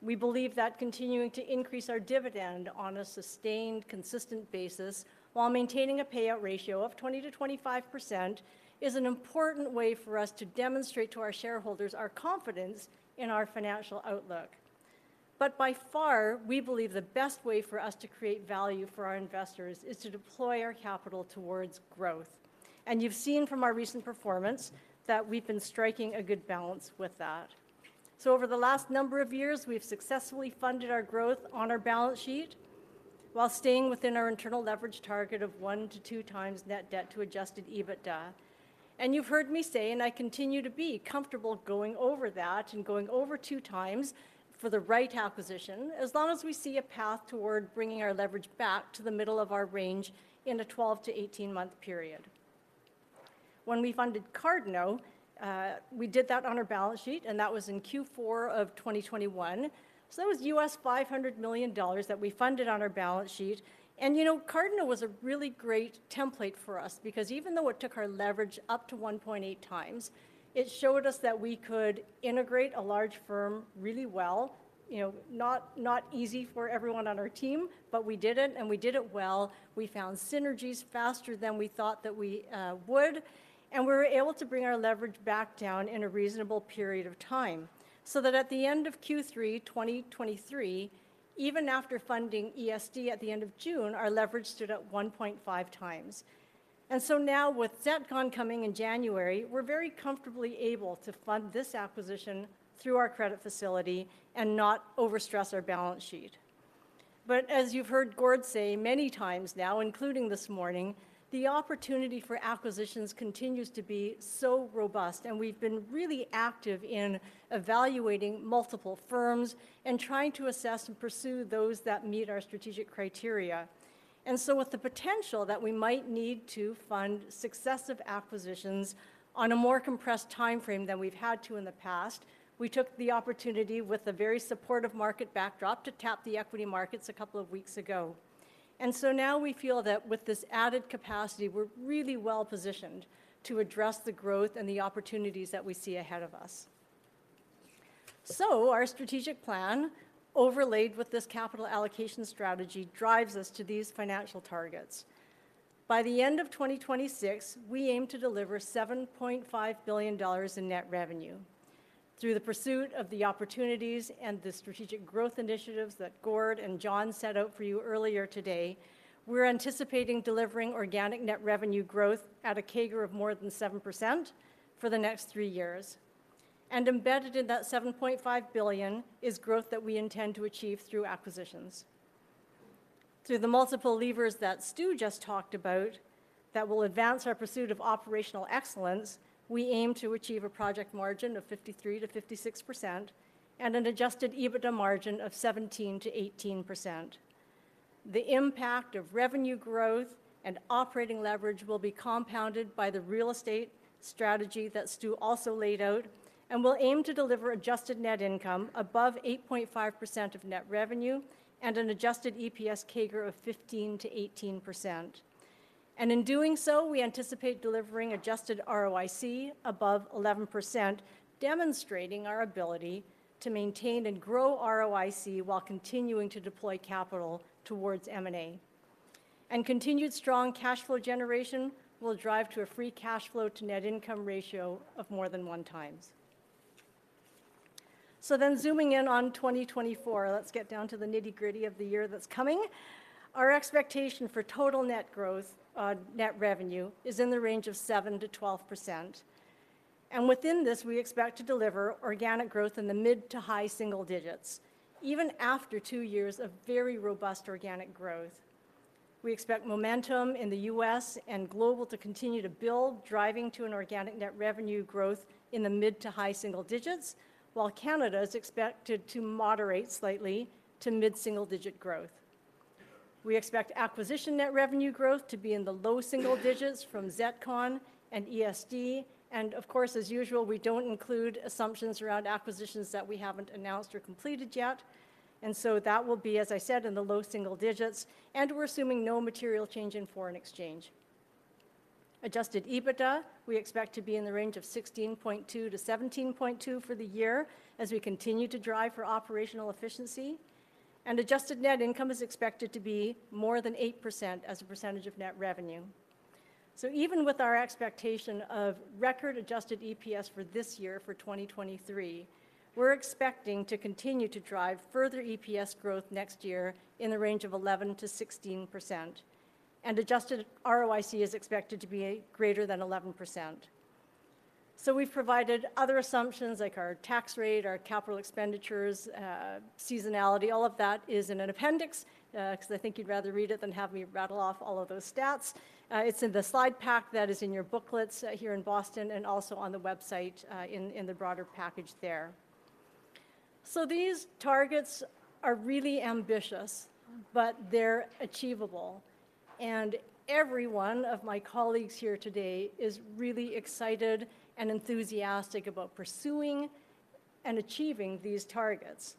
We believe that continuing to increase our dividend on a sustained, consistent basis while maintaining a payout ratio of 20%-25%, is an important way for us to demonstrate to our shareholders our confidence in our financial outlook. But by far, we believe the best way for us to create value for our investors is to deploy our capital towards growth. And you've seen from our recent performance that we've been striking a good balance with that. So over the last number of years, we've successfully funded our growth on our balance sheet while staying within our internal leverage target of 1x-2x net debt to adjusted EBITDA. And you've heard me say, and I continue to be comfortable going over that and going over 2x for the right acquisition, as long as we see a path toward bringing our leverage back to the middle of our range in a 12-18-month period. When we funded Cardno, we did that on our balance sheet, and that was in Q4 of 2021. So that was $500 million that we funded on our balance sheet. And, you know, Cardno was a really great template for us because even though it took our leverage up to 1.8x, it showed us that we could integrate a large firm really well. You know, not, not easy for everyone on our team, but we did it, and we did it well. We found synergies faster than we thought that we would, and we were able to bring our leverage back down in a reasonable period of time. So that at the end of Q3 2023, even after funding ESD at the end of June, our leverage stood at 1.5x. And so now with ZETCON coming in January, we're very comfortably able to fund this acquisition through our credit facility and not overstress our balance sheet. As you've heard Gord say many times now, including this morning, the opportunity for acquisitions continues to be so robust, and we've been really active in evaluating multiple firms and trying to assess and pursue those that meet our strategic criteria. With the potential that we might need to fund successive acquisitions on a more compressed timeframe than we've had to in the past, we took the opportunity with a very supportive market backdrop to tap the equity markets a couple of weeks ago. Now we feel that with this added capacity, we're really well-positioned to address the growth and the opportunities that we see ahead of us. Our strategic plan, overlaid with this capital allocation strategy, drives us to these financial targets. By the end of 2026, we aim to deliver 7.5 billion dollars in net revenue. Through the pursuit of the opportunities and the strategic growth initiatives that Gord and John set out for you earlier today, we're anticipating delivering organic net revenue growth at a CAGR of more than 7% for the next three years, and embedded in that 7.5 billion is growth that we intend to achieve through acquisitions. Through the multiple levers that Stu just talked about that will advance our pursuit of operational excellence, we aim to achieve a project margin of 53%-56% and an adjusted EBITDA margin of 17%-18%. The impact of revenue growth and operating leverage will be compounded by the real estate strategy that Stu also laid out, and we'll aim to deliver adjusted net income above 8.5% of net revenue and an adjusted EPS CAGR of 15%-18%. In doing so, we anticipate delivering adjusted ROIC above 11%, demonstrating our ability to maintain and grow ROIC while continuing to deploy capital towards M&A, and continued strong cash flow generation will drive to a free cash flow to net income ratio of more than 1x. Zooming in on 2024, let's get down to the nitty-gritty of the year that's coming. Our expectation for total net growth on net revenue is in the range of 7%-12%, and within this, we expect to deliver organic growth in the mid to high single digits, even after two years of very robust organic growth. We expect momentum in the U.S. and global to continue to build, driving to an organic net revenue growth in the mid to high single digits, while Canada is expected to moderate slightly to mid-single-digit growth. We expect acquisition net revenue growth to be in the low single digits from ZETCON and ESD, and of course, as usual, we don't include assumptions around acquisitions that we haven't announced or completed yet, and so that will be, as I said, in the low single digits, and we're assuming no material change in foreign exchange. Adjusted EBITDA, we expect to be in the range of 16.2-17.2 for the year as we continue to drive for operational efficiency, and adjusted net income is expected to be more than 8% as a percentage of net revenue. So even with our expectation of record adjusted EPS for this year, for 2023, we're expecting to continue to drive further EPS growth next year in the range of 11%-16%, and adjusted ROIC is expected to be a greater than 11%. So we've provided other assumptions like our tax rate, our capital expenditures, seasonality, all of that is in an appendix, 'cause I think you'd rather read it than have me rattle off all of those stats. It's in the slide pack that is in your booklets, here in Boston and also on the website, in the broader package there. So these targets are really ambitious, but they're achievable, and every one of my colleagues here today is really excited and enthusiastic about pursuing and achieving these targets.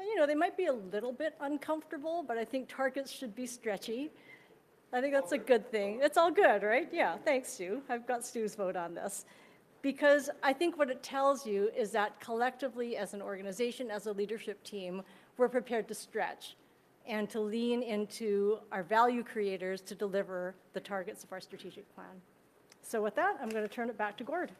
And, you know, they might be a little bit uncomfortable, but I think targets should be stretchy. I think that's a good thing. It's all good, right? Yeah. Thanks, Stu. I've got Stu's vote on this. Because I think what it tells you is that collectively, as an organization, as a leadership team, we're prepared to stretch and to lean into our value creators to deliver the targets of our strategic plan. With that, I'm gonna turn it back to Gord.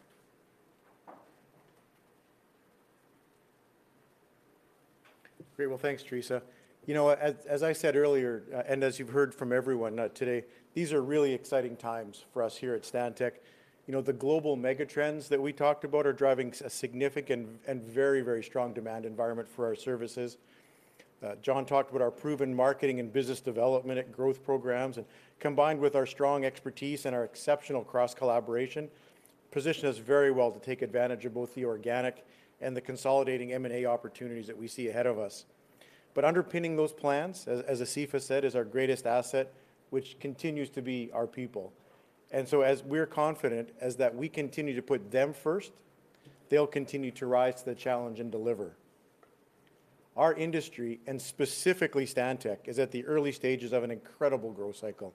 Great. Well, thanks, Theresa. You know, as I said earlier, and as you've heard from everyone today, these are really exciting times for us here at Stantec. You know, the global mega trends that we talked about are driving a significant and very, very strong demand environment for our services. John talked about our proven marketing and business development and growth programs, and combined with our strong expertise and our exceptional cross-collaboration, position us very well to take advantage of both the organic and the consolidating M&A opportunities that we see ahead of us. But underpinning those plans, as Asifa said, is our greatest asset, which continues to be our people. And so as we're confident that we continue to put them first, they'll continue to rise to the challenge and deliver. Our industry, and specifically Stantec, is at the early stages of an incredible growth cycle,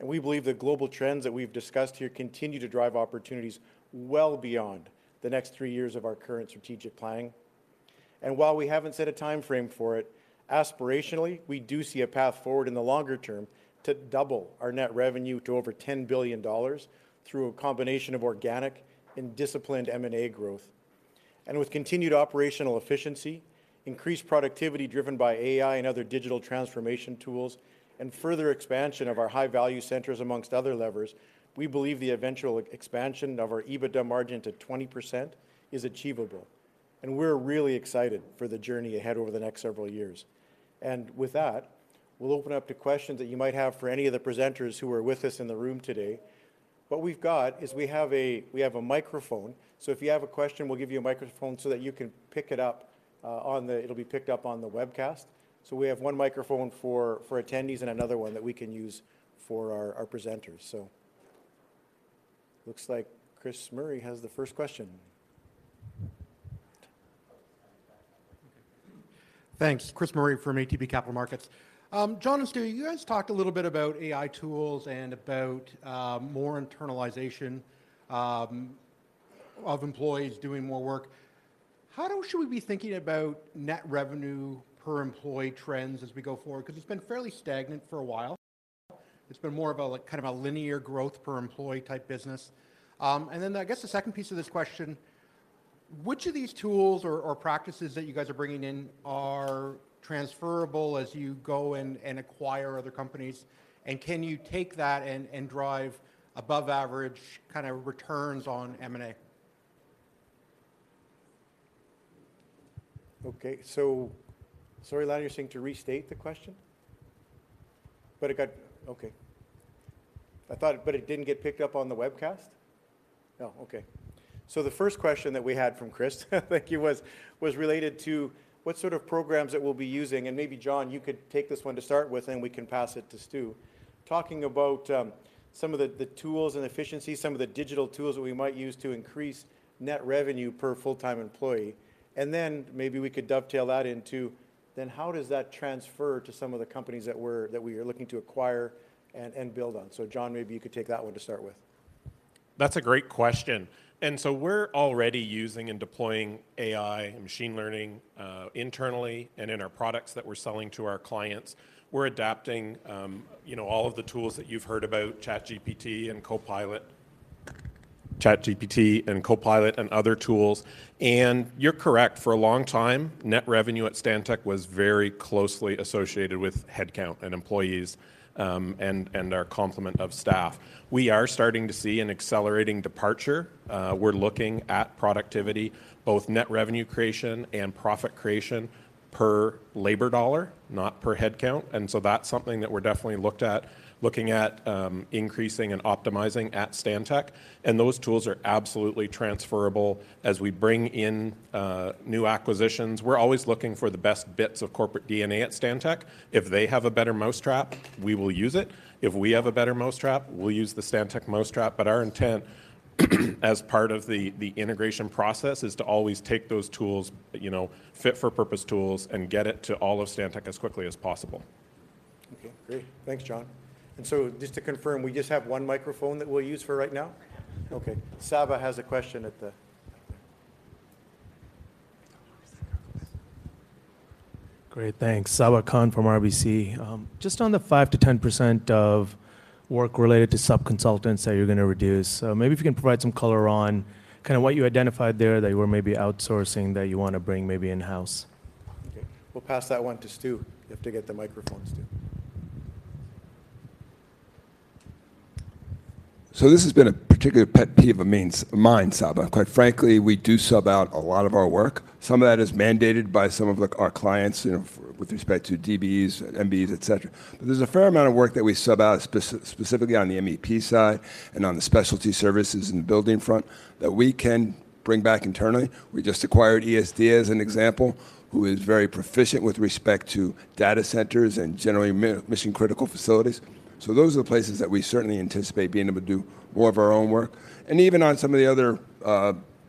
and we believe the global trends that we've discussed here continue to drive opportunities well beyond the next three years of our current strategic planning. While we haven't set a time frame for it, aspirationally, we do see a path forward in the longer term to double our net revenue to over 10 billion dollars through a combination of organic and disciplined M&A growth. With continued operational efficiency, increased productivity driven by AI and other digital transformation tools, and further expansion of our high-value centers amongst other levers, we believe the eventual expansion of our EBITDA margin to 20% is achievable, and we're really excited for the journey ahead over the next several years. With that, we'll open up to questions that you might have for any of the presenters who are with us in the room today. What we've got is we have a microphone, so if you have a question, we'll give you a microphone so that you can pick it up on the webcast. It'll be picked up on the webcast. We have one microphone for attendees and another one that we can use for our presenters. Looks like Chris Murray has the first question. Thanks. Chris Murray from ATB Capital Markets. John and Stu, you guys talked a little bit about AI tools and about more internalization of employees doing more work. How should we be thinking about net revenue per employee trends as we go forward? 'Cause it's been fairly stagnant for a while. It's been more of a, like, kind of a linear growth per employee type business. And then I guess the second piece of this question: Which of these tools or practices that you guys are bringing in are transferable as you go and acquire other companies, and can you take that and drive above average kind of returns on M&A? Okay. So sorry, Larry, you're saying to restate the question? But it got... Okay. I thought, but it didn't get picked up on the webcast? No. Okay. So the first question that we had from Chris, thank you, was related to what sort of programs that we'll be using, and maybe, John, you could take this one to start with, and we can pass it to Stu. Talking about some of the tools and efficiency, some of the digital tools that we might use to increase net revenue per full-time employee, and then maybe we could dovetail that into then how does that transfer to some of the companies that we are looking to acquire and build on? So, John, maybe you could take that one to start with.... That's a great question. And so we're already using and deploying AI and machine learning internally and in our products that we're selling to our clients. We're adapting, you know, all of the tools that you've heard about, ChatGPT and Copilot, ChatGPT and Copilot, and other tools. And you're correct, for a long time, net revenue at Stantec was very closely associated with headcount and employees, and our complement of staff. We are starting to see an accelerating departure. We're looking at productivity, both net revenue creation and profit creation per labor dollar, not per headcount, and so that's something that we're definitely looking at increasing and optimizing at Stantec, and those tools are absolutely transferable as we bring in new acquisitions. We're always looking for the best bits of corporate DNA at Stantec. If they have a better mousetrap, we will use it. If we have a better mousetrap, we'll use the Stantec mousetrap, but our intent as part of the integration process is to always take those tools, you know, fit-for-purpose tools, and get it to all of Stantec as quickly as possible. Okay, great. Thanks, John. And so just to confirm, we just have one microphone that we'll use for right now? Yeah. Okay. Saba has a question at the- Great, thanks. Saba Khan from RBC. Just on the 5%-10% of work related to sub-consultants that you're going to reduce, so maybe if you can provide some color on kind of what you identified there that you were maybe outsourcing that you want to bring maybe in-house? Okay. We'll pass that one to Stu. You have to get the microphone to Stu. So this has been a particular pet peeve of mine, as a. Quite frankly, we do sub out a lot of our work. Some of that is mandated by some of, like, our clients, you know, for, with respect to DBEs, MBEs, et cetera. But there's a fair amount of work that we sub out specifically on the MEP side and on the specialty services and the building front, that we can bring back internally. We just acquired ESD as an example, who is very proficient with respect to data centers and generally mission-critical facilities. So those are the places that we certainly anticipate being able to do more of our own work. Even on some of the other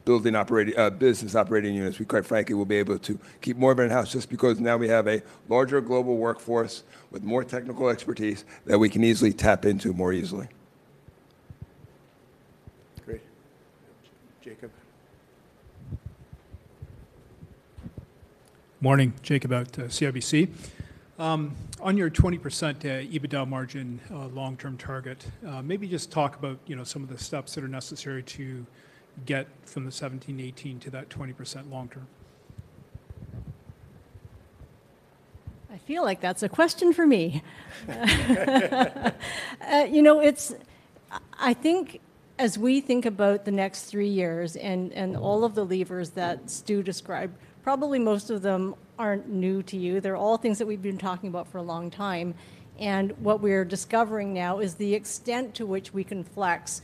building operating business operating units, we quite frankly will be able to keep more of it in-house just because now we have a larger global workforce with more technical expertise that we can easily tap into more easily. Great. Jacob? Morning. Jacob from CIBC. On your 20% EBITDA margin long-term target, maybe just talk about, you know, some of the steps that are necessary to get from the 17%-18% to that 20% long term. I feel like that's a question for me. You know, it's. I think as we think about the next three years and all of the levers that Stu described, probably most of them aren't new to you. They're all things that we've been talking about for a long time, and what we're discovering now is the extent to which we can flex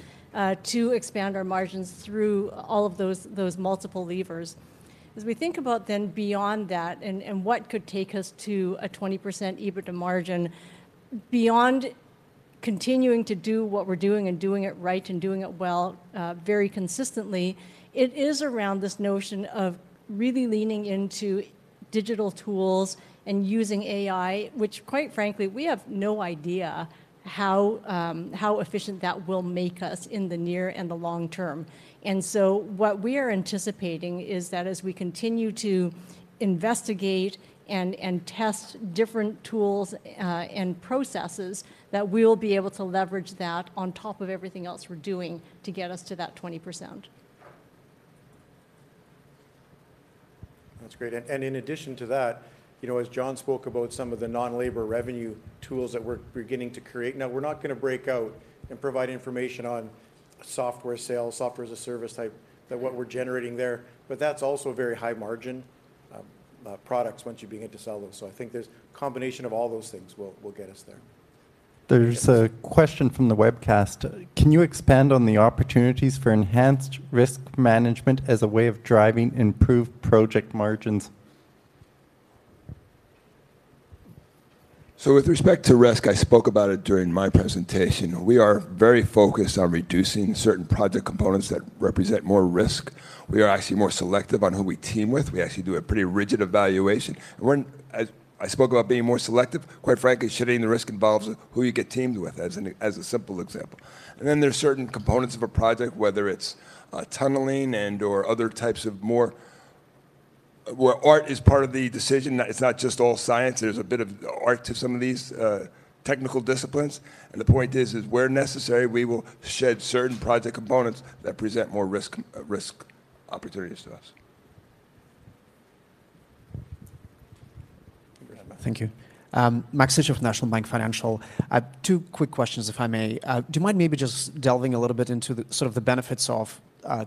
to expand our margins through all of those multiple levers. As we think about then beyond that and what could take us to a 20% EBITDA margin, beyond continuing to do what we're doing and doing it right and doing it well very consistently, it is around this notion of really leaning into digital tools and using AI, which, quite frankly, we have no idea how efficient that will make us in the near and the long term. So what we are anticipating is that as we continue to investigate and test different tools and processes, that we'll be able to leverage that on top of everything else we're doing to get us to that 20%. That's great. And in addition to that, you know, as John spoke about some of the non-labor revenue tools that we're beginning to create. Now, we're not going to break out and provide information on software sales, software as a service type, that what we're generating there, but that's also very high margin products once you begin to sell those. So I think there's a combination of all those things will get us there. There's a question from the webcast. Can you expand on the opportunities for enhanced risk management as a way of driving improved project margins? So with respect to risk, I spoke about it during my presentation. We are very focused on reducing certain project components that represent more risk. We are actually more selective on who we team with. We actually do a pretty rigid evaluation, and we're as I spoke about being more selective, quite frankly, shedding the risk involves who you get teamed with, as a simple example. And then there's certain components of a project, whether it's tunneling and/or other types of more where art is part of the decision, it's not just all science. There's a bit of art to some of these technical disciplines, and the point is, where necessary, we will shed certain project components that present more risk, risk opportunities to us. Thank you. Max Sytchev with National Bank Financial. I have two quick questions, if I may. Do you mind maybe just delving a little bit into the, sort of the benefits of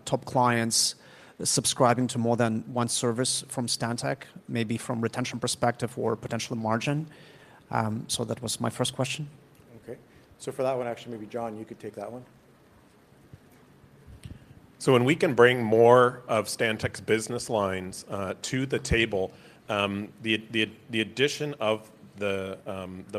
top clients subscribing to more than one service from Stantec, maybe from retention perspective or potential margin? So that was my first question. Okay. So for that one, actually, maybe John, you could take that one.... So when we can bring more of Stantec's business lines to the table, the addition of the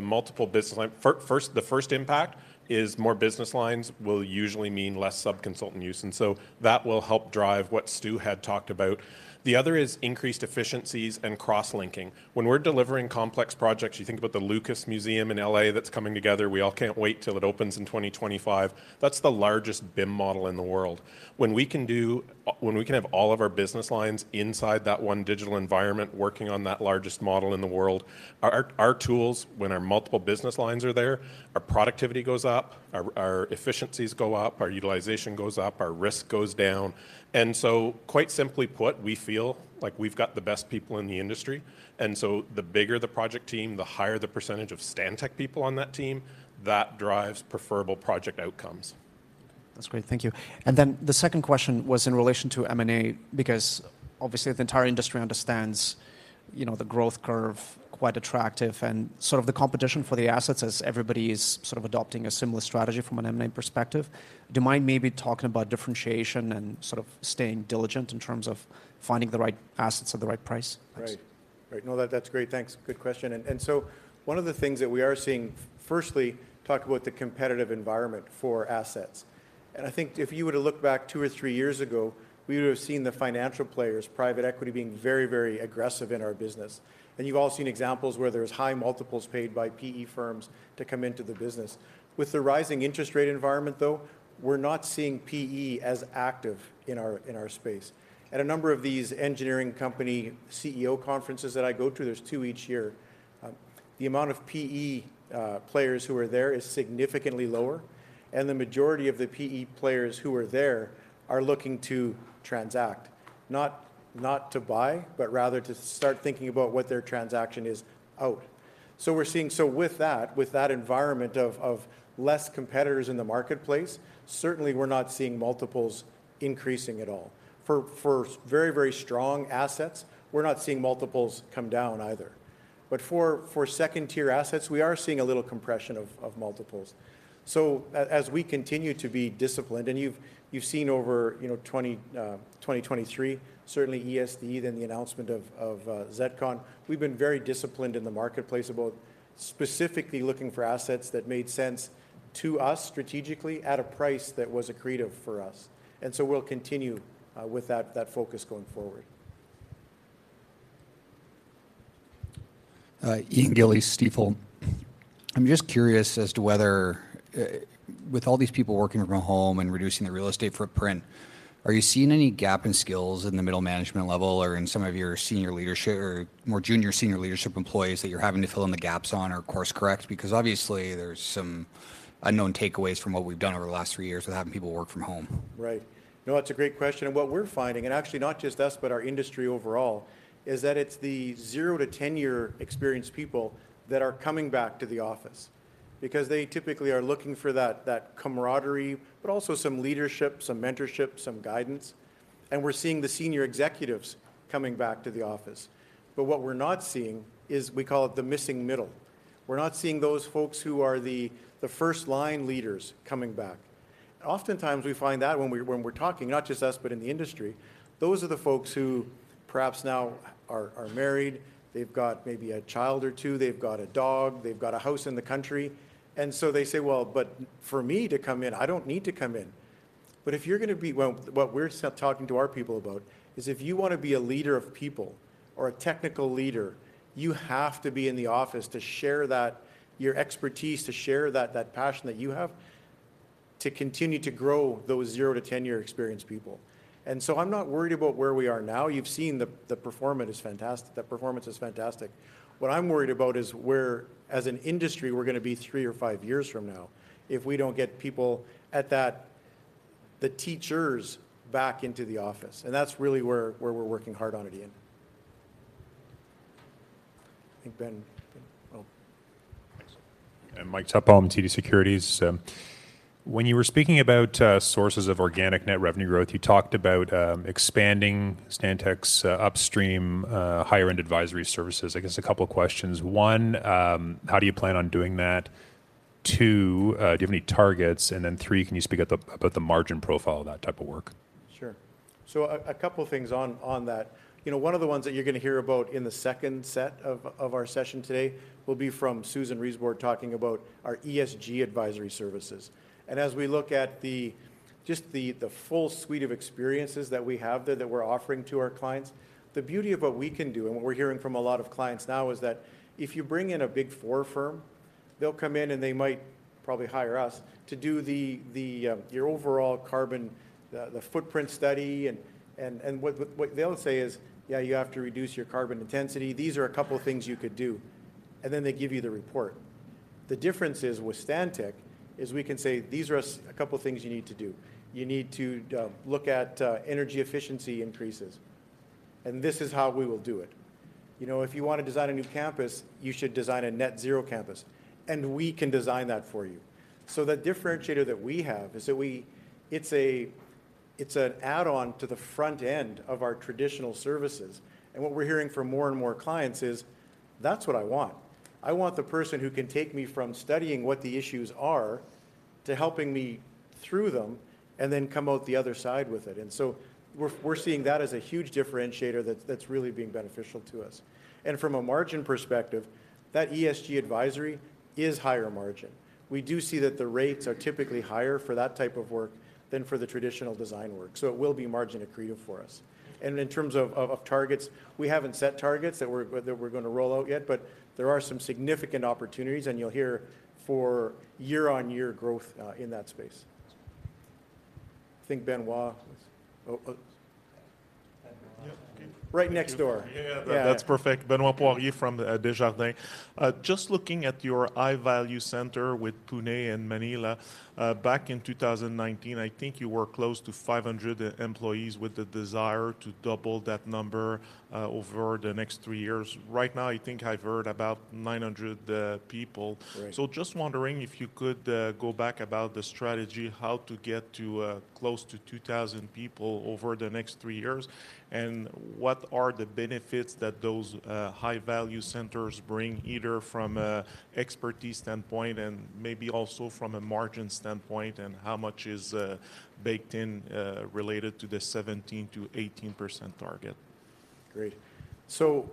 multiple business line, first, the first impact is more business lines will usually mean less sub-consultant use, and so that will help drive what Stu had talked about. The other is increased efficiencies and cross-linking. When we're delivering complex projects, you think about the Lucas Museum in L.A. that's coming together, we all can't wait till it opens in 2025, that's the largest BIM model in the world. When we can have all of our business lines inside that one digital environment working on that largest model in the world, our tools, when our multiple business lines are there, our productivity goes up, our efficiencies go up, our utilization goes up, our risk goes down. Quite simply put, we feel like we've got the best people in the industry, and so the bigger the project team, the higher the percentage of Stantec people on that team, that drives preferable project outcomes. That's great, thank you. And then the second question was in relation to M&A, because obviously, the entire industry understands, you know, the growth curve, quite attractive, and sort of the competition for the assets as everybody is sort of adopting a similar strategy from an M&A perspective. Do you mind maybe talking about differentiation and sort of staying diligent in terms of finding the right assets at the right price? Thanks. Right. Right. No, that's great. Thanks. Good question. And so one of the things that we are seeing, firstly, talk about the competitive environment for assets. And I think if you were to look back two or three years ago, we would have seen the financial players, private equity, being very, very aggressive in our business. And you've all seen examples where there's high multiples paid by PE firms to come into the business. With the rising interest rate environment, though, we're not seeing PE as active in our space. At a number of these engineering company CEO conferences that I go to, there's 2 each year, the amount of PE players who are there is significantly lower, and the majority of the PE players who are there are looking to transact, not, not to buy, but rather to start thinking about what their transaction is out. So we're seeing... So with that, with that environment of less competitors in the marketplace, certainly we're not seeing multiples increasing at all. For very, very strong assets, we're not seeing multiples come down either. But for second-tier assets, we are seeing a little compression of multiples. As we continue to be disciplined, and you've seen over, you know, 2023, certainly ESD, then the announcement of ZETCON, we've been very disciplined in the marketplace about specifically looking for assets that made sense to us strategically at a price that was accretive for us. And so we'll continue with that focus going forward. Ian Gillies, Stifel. I'm just curious as to whether, with all these people working from home and reducing their real estate footprint, are you seeing any gap in skills in the middle management level or in some of your senior leadership or more junior senior leadership employees that you're having to fill in the gaps on or course correct? Because obviously, there's some unknown takeaways from what we've done over the last three years of having people work from home. Right. No, that's a great question, and what we're finding, and actually not just us, but our industry overall, is that it's the 0-10-year experienced people that are coming back to the office because they typically are looking for that, that camaraderie, but also some leadership, some mentorship, some guidance, and we're seeing the senior executives coming back to the office. But what we're not seeing is, we call it the missing middle. We're not seeing those folks who are the, the first-line leaders coming back. Oftentimes, we find that when we're talking, not just us, but in the industry, those are the folks who perhaps now are married, they've got maybe a child or two, they've got a dog, they've got a house in the country, and so they say, "Well, but for me to come in, I don't need to come in." But if you're gonna be... Well, what we're start talking to our people about is, if you want to be a leader of people or a technical leader, you have to be in the office to share that, your expertise, to share that, that passion that you have, to continue to grow those 0-10-year experienced people. And so I'm not worried about where we are now. You've seen the performance is fantastic. The performance is fantastic. What I'm worried about is where, as an industry, we're gonna be three or five years from now if we don't get people at that, the teachers back into the office, and that's really where, where we're working hard on it, Ian. I think Ben. Oh. Thanks. Mike Tupholme, TD Securities. When you were speaking about sources of organic net revenue growth, you talked about expanding Stantec's upstream higher-end advisory services. I guess a couple of questions. One, how do you plan on doing that? Two, do you have any targets? And then three, can you speak about the margin profile of that type of work? Sure. So a couple of things on that. You know, one of the ones that you're gonna hear about in the second set of our session today will be from Susan Reisbord talking about our ESG advisory services. And as we look at just the full suite of experiences that we have there that we're offering to our clients, the beauty of what we can do, and what we're hearing from a lot of clients now, is that if you bring in a Big Four firm, they'll come in, and they might probably hire us to do the your overall carbon footprint study, and what they'll say is, "Yeah, you have to reduce your carbon intensity. These are a couple of things you could do." And then they give you the report. The difference is, with Stantec, is we can say, "These are a couple of things you need to do. You need to look at energy efficiency increases, and this is how we will do it. You know, if you want to design a new campus, you should design a net zero campus, and we can design that for you." So the differentiator that we have is that it's a, it's an add-on to the front end of our traditional services, and what we're hearing from more and more clients is: "That's what I want.... I want the person who can take me from studying what the issues are to helping me through them, and then come out the other side with it." We're seeing that as a huge differentiator that's really being beneficial to us. And from a margin perspective, that ESG advisory is higher margin. We do see that the rates are typically higher for that type of work than for the traditional design work, so it will be margin accretive for us. And in terms of targets, we haven't set targets that we're gonna roll out yet, but there are some significant opportunities, and you'll hear for year-on-year growth in that space. I think Benoit... Oh, oh- Yeah. Right next door. Yeah. Yeah. That's perfect. Benoit Poirier from Desjardins. Just looking at your high-value center with Pune and Manila, back in 2019, I think you were close to 500 employees with the desire to double that number, over the next three years. Right now, I think I've heard about 900, people. Right. Just wondering if you could go back about the strategy, how to get to close to 2,000 people over the next three years, and what are the benefits that those high-value centers bring, either from an expertise standpoint and maybe also from a margin standpoint, and how much is baked in related to the 17%-18% target? Great. So,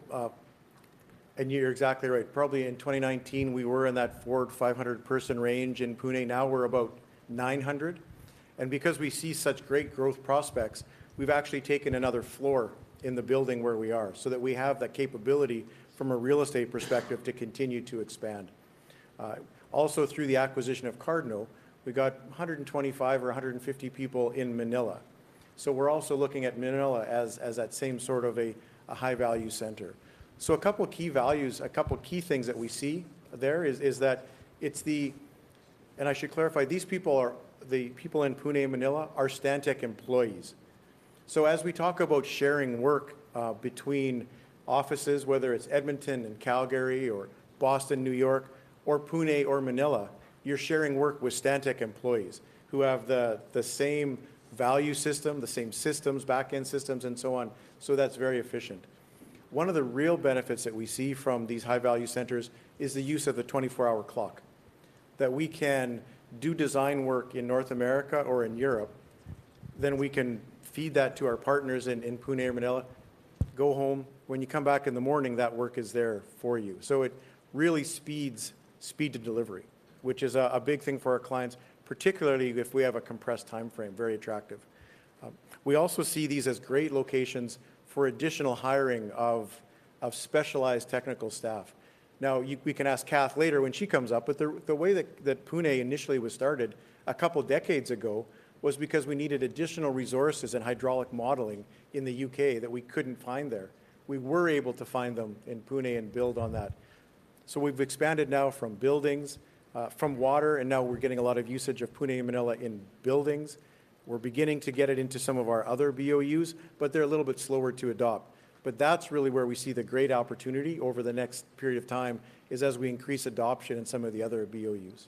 And you're exactly right. Probably in 2019, we were in that 400-500 person range in Pune. Now we're about 900, and because we see such great growth prospects, we've actually taken another floor in the building where we are, so that we have the capability from a real estate perspective to continue to expand. Also through the acquisition of Cardno, we've got 125 or 150 people in Manila. So we're also looking at Manila as, as that same sort of a, a high-value center. So a couple key values, a couple key things that we see there is, is that it's the... And I should clarify, these people are, the people in Pune and Manila are Stantec employees. So as we talk about sharing work between offices, whether it's Edmonton and Calgary, or Boston, New York, or Pune, or Manila, you're sharing work with Stantec employees who have the same value system, the same systems, back-end systems, and so on, so that's very efficient. One of the real benefits that we see from these high-value centers is the use of the 24-hour clock. That we can do design work in North America or in Europe, then we can feed that to our partners in Pune or Manila, go home. When you come back in the morning, that work is there for you. So it really speeds speed to delivery, which is a big thing for our clients, particularly if we have a compressed timeframe, very attractive. We also see these as great locations for additional hiring of specialized technical staff. Now, you... We can ask Cath later when she comes up, but the way that Pune initially was started a couple decades ago was because we needed additional resources in hydraulic modeling in the U.K. that we couldn't find there. We were able to find them in Pune and build on that. So we've expanded now from buildings, from water, and now we're getting a lot of usage of Pune and Manila in buildings. We're beginning to get it into some of our other BOUs, but they're a little bit slower to adopt. But that's really where we see the great opportunity over the next period of time, is as we increase adoption in some of the other BOUs.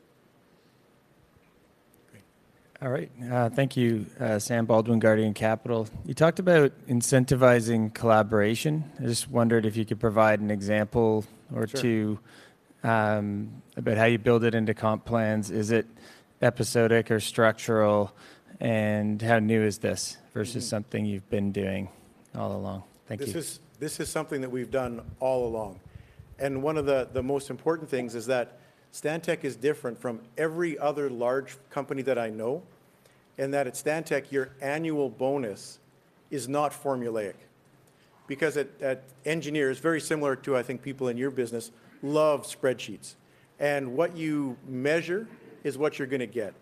Great. All right. Thank you. Sam Baldwin, Guardian Capital. You talked about incentivizing collaboration. I just wondered if you could provide an example or two? Sure... about how you build it into comp plans. Is it episodic or structural? And how new is this- Mm-hmm... versus something you've been doing all along? Thank you. This is something that we've done all along. And one of the most important things is that Stantec is different from every other large company that I know, in that at Stantec, your annual bonus is not formulaic. Because at... Engineers, very similar to, I think, people in your business, love spreadsheets, and what you measure is what you're gonna get.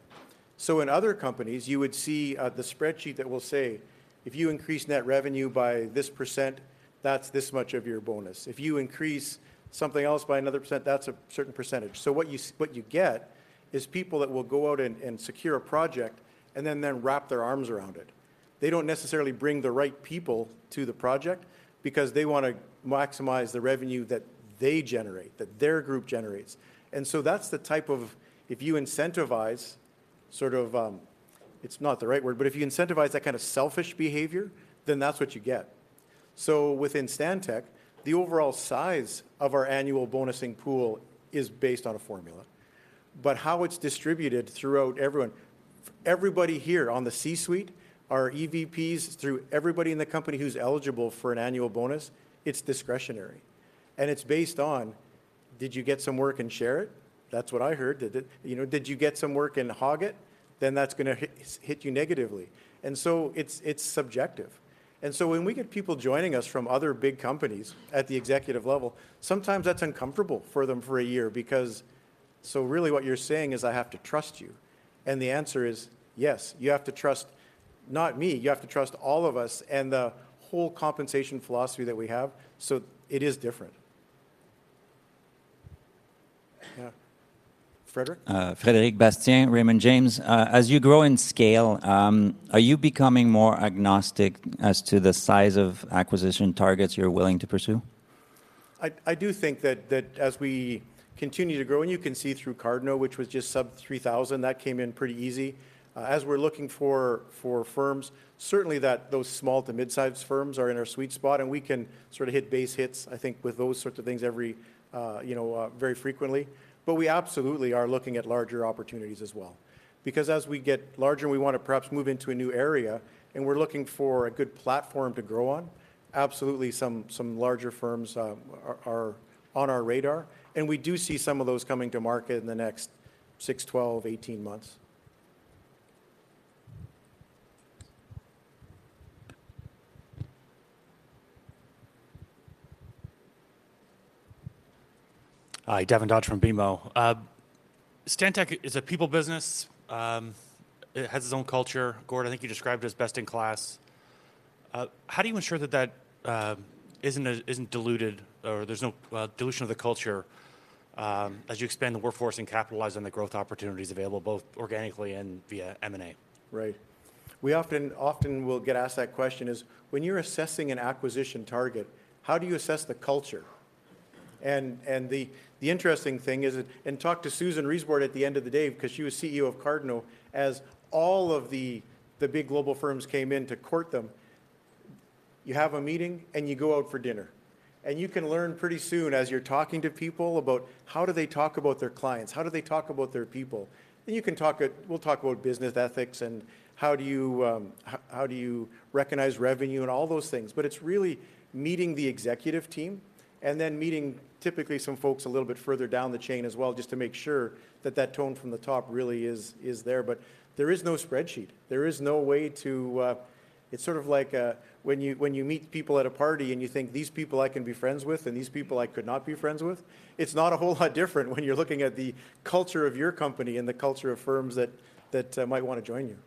So in other companies, you would see the spreadsheet that will say, "If you increase net revenue by this percent, that's this much of your bonus. If you increase something else by another percent, that's a certain percentage." So what you get is people that will go out and secure a project, and then wrap their arms around it. They don't necessarily bring the right people to the project, because they wanna maximize the revenue that they generate, that their group generates. So that's the type of, if you incentivize, sort of, It's not the right word, but if you incentivize that kind of selfish behavior, then that's what you get. So within Stantec, the overall size of our annual bonusing pool is based on a formula, but how it's distributed throughout everyone, everybody here on the C-suite, our EVPs, through everybody in the company who's eligible for an annual bonus, it's discretionary. And it's based on, did you get some work and share it? That's what I heard. You know, did you get some work and hog it? Then that's gonna hit, hit you negatively. And so it's, it's subjective. So when we get people joining us from other big companies at the executive level, sometimes that's uncomfortable for them for a year, because, so really what you're saying is: "I have to trust you." And the answer is, yes, you have to trust, not me, you have to trust all of us and the whole compensation philosophy that we have, so it is different. Yeah. Frédéric? Frédéric Bastien, Raymond James. As you grow in scale, are you becoming more agnostic as to the size of acquisition targets you're willing to pursue?... I do think that as we continue to grow, and you can see through Cardno, which was just sub 3,000, that came in pretty easy. As we're looking for firms, certainly those small to mid-sized firms are in our sweet spot, and we can sort of hit base hits, I think, with those sorts of things every, you know, very frequently. But we absolutely are looking at larger opportunities as well. Because as we get larger, and we want to perhaps move into a new area, and we're looking for a good platform to grow on, absolutely some larger firms are on our radar, and we do see some of those coming to market in the next six, 12, 18 months. Hi, Devin Dodge from BMO. Stantec is a people business. It has its own culture. Gord, I think you described it as best in class. How do you ensure that that isn't diluted, or there's no dilution of the culture, as you expand the workforce and capitalize on the growth opportunities available, both organically and via M&A? Right. We often, often will get asked that question, is: "When you're assessing an acquisition target, how do you assess the culture?" And, and the, the interesting thing is that. And talk to Susan Reisbord at the end of the day, because she was CEO of Cardno. As all of the, the big global firms came in to court them, you have a meeting, and you go out for dinner. And you can learn pretty soon as you're talking to people about how do they talk about their clients? How do they talk about their people? And you can talk. We'll talk about business ethics, and how do you recognize revenue, and all those things. But it's really meeting the executive team, and then meeting, typically, some folks a little bit further down the chain as well, just to make sure that tone from the top really is there. But there is no spreadsheet. There is no way to. It's sort of like, when you meet people at a party, and you think, "These people I can be friends with, and these people I could not be friends with." It's not a whole lot different when you're looking at the culture of your company and the culture of firms that might want to join you.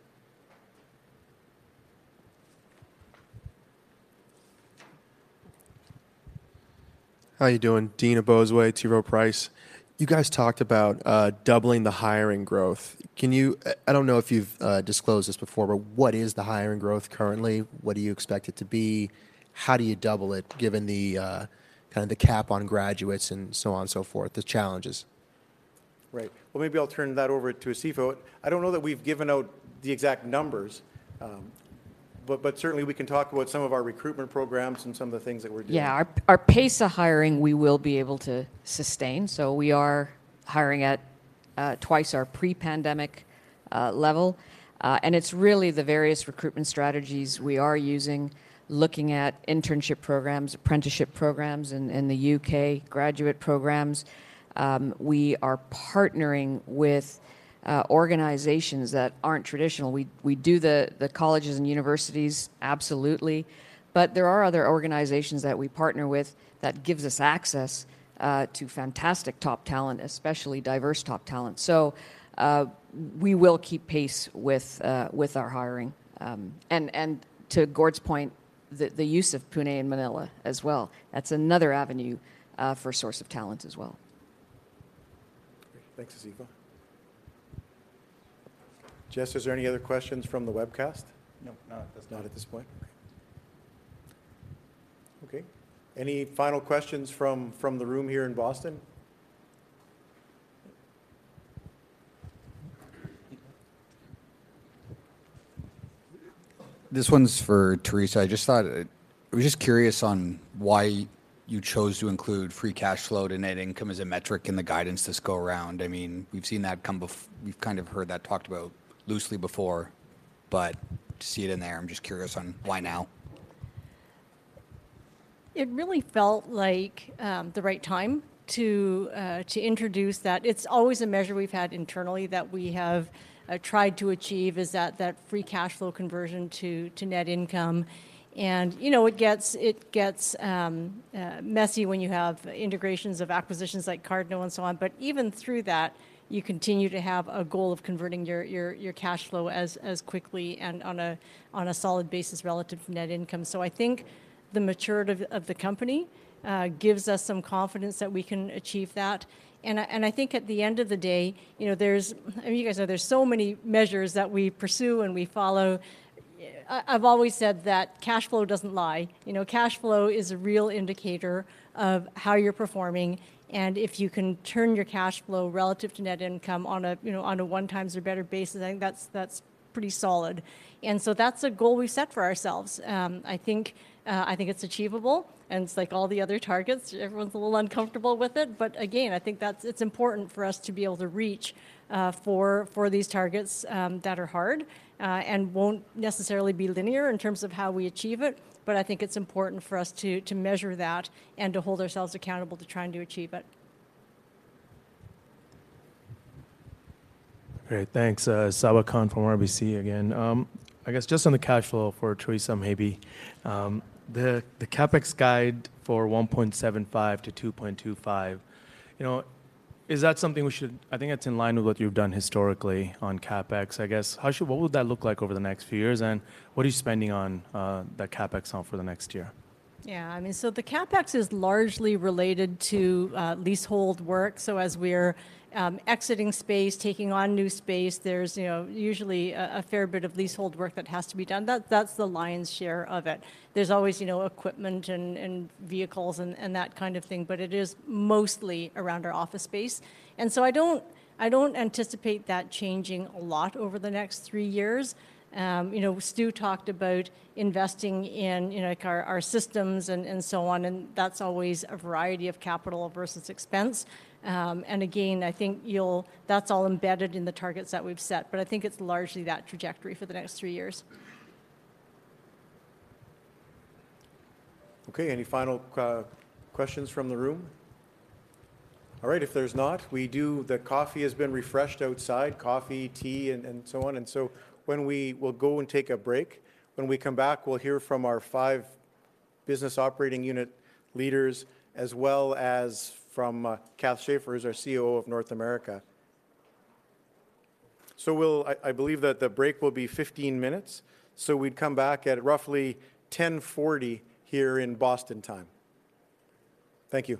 How are you doing? Dean Ebozue, T. Rowe Price. You guys talked about doubling the hiring growth. I don't know if you've disclosed this before, but what is the hiring growth currently? What do you expect it to be? How do you double it, given the kind of the cap on graduates and so on and so forth, the challenges? Right. Well, maybe I'll turn that over to Asifa. I don't know that we've given out the exact numbers, but certainly, we can talk about some of our recruitment programs and some of the things that we're doing. Yeah. Our pace of hiring, we will be able to sustain. So we are hiring at twice our pre-pandemic level. And it's really the various recruitment strategies we are using, looking at internship programs, apprenticeship programs in the U.K., graduate programs. We are partnering with organizations that aren't traditional. We do the colleges and universities, absolutely, but there are other organizations that we partner with that gives us access to fantastic top talent, especially diverse top talent. So we will keep pace with our hiring. And to Gord's point, the use of Pune and Manila as well. That's another avenue for a source of talent as well. Great. Thanks, Asifa. Jess, is there any other questions from the webcast? No, not, not at this point. Okay. Any final questions from the room here in Boston? This one's for Theresa. I just thought, I was just curious on why you chose to include free cash flow to net income as a metric in the guidance this go around. I mean, we've seen that come before, we've kind of heard that talked about loosely before, but to see it in there, I'm just curious on why now? It really felt like the right time to introduce that. It's always a measure we've had internally that we have tried to achieve, is that free cash flow conversion to net income. And, you know, it gets messy when you have integrations of acquisitions like Cardno and so on. But even through that, you continue to have a goal of converting your cash flow as quickly and on a solid basis relative to net income. So I think the maturity of the company gives us some confidence that we can achieve that. And I think at the end of the day, you know, there's... I mean, you guys know, there's so many measures that we pursue and we follow. I've always said that cash flow doesn't lie. You know, cash flow is a real indicator of how you're performing, and if you can turn your cash flow relative to net income on a, you know, on a 1x or better basis, I think that's, that's pretty solid. And so that's a goal we've set for ourselves. I think I think it's achievable, and it's like all the other targets, everyone's a little uncomfortable with it. But again, I think that's it's important for us to be able to reach for these targets that are hard and won't necessarily be linear in terms of how we achieve it, but I think it's important for us to measure that and to hold ourselves accountable to trying to achieve it. Great, thanks. Saba Khan from RBC again. I guess just on the cash flow for Theresa, maybe. The CapEx guide for 1.75-2.25, you know, is that something we should- I think that's in line with what you've done historically on CapEx. I guess, how should- what would that look like over the next few years, and what are you spending on, that CapEx on for the next year?... Yeah, I mean, so the CapEx is largely related to leasehold work. So as we're exiting space, taking on new space, there's, you know, usually a fair bit of leasehold work that has to be done. That's the lion's share of it. There's always, you know, equipment and vehicles and that kind of thing, but it is mostly around our office space. And so I don't anticipate that changing a lot over the next three years. You know, Stu talked about investing in, you know, like our systems and so on, and that's always a variety of capital versus expense. And again, I think you'll, that's all embedded in the targets that we've set, but I think it's largely that trajectory for the next three years. Okay, any final questions from the room? All right, if there's not, we do... The coffee has been refreshed outside, coffee, tea, and so on. So when we'll go and take a break. When we come back, we'll hear from our five business operating unit leaders, as well as from Cath Shafer, who's our CEO of North America. So we'll I believe that the break will be 15 minutes, so we'd come back at roughly 10:40 here in Boston time. Thank you.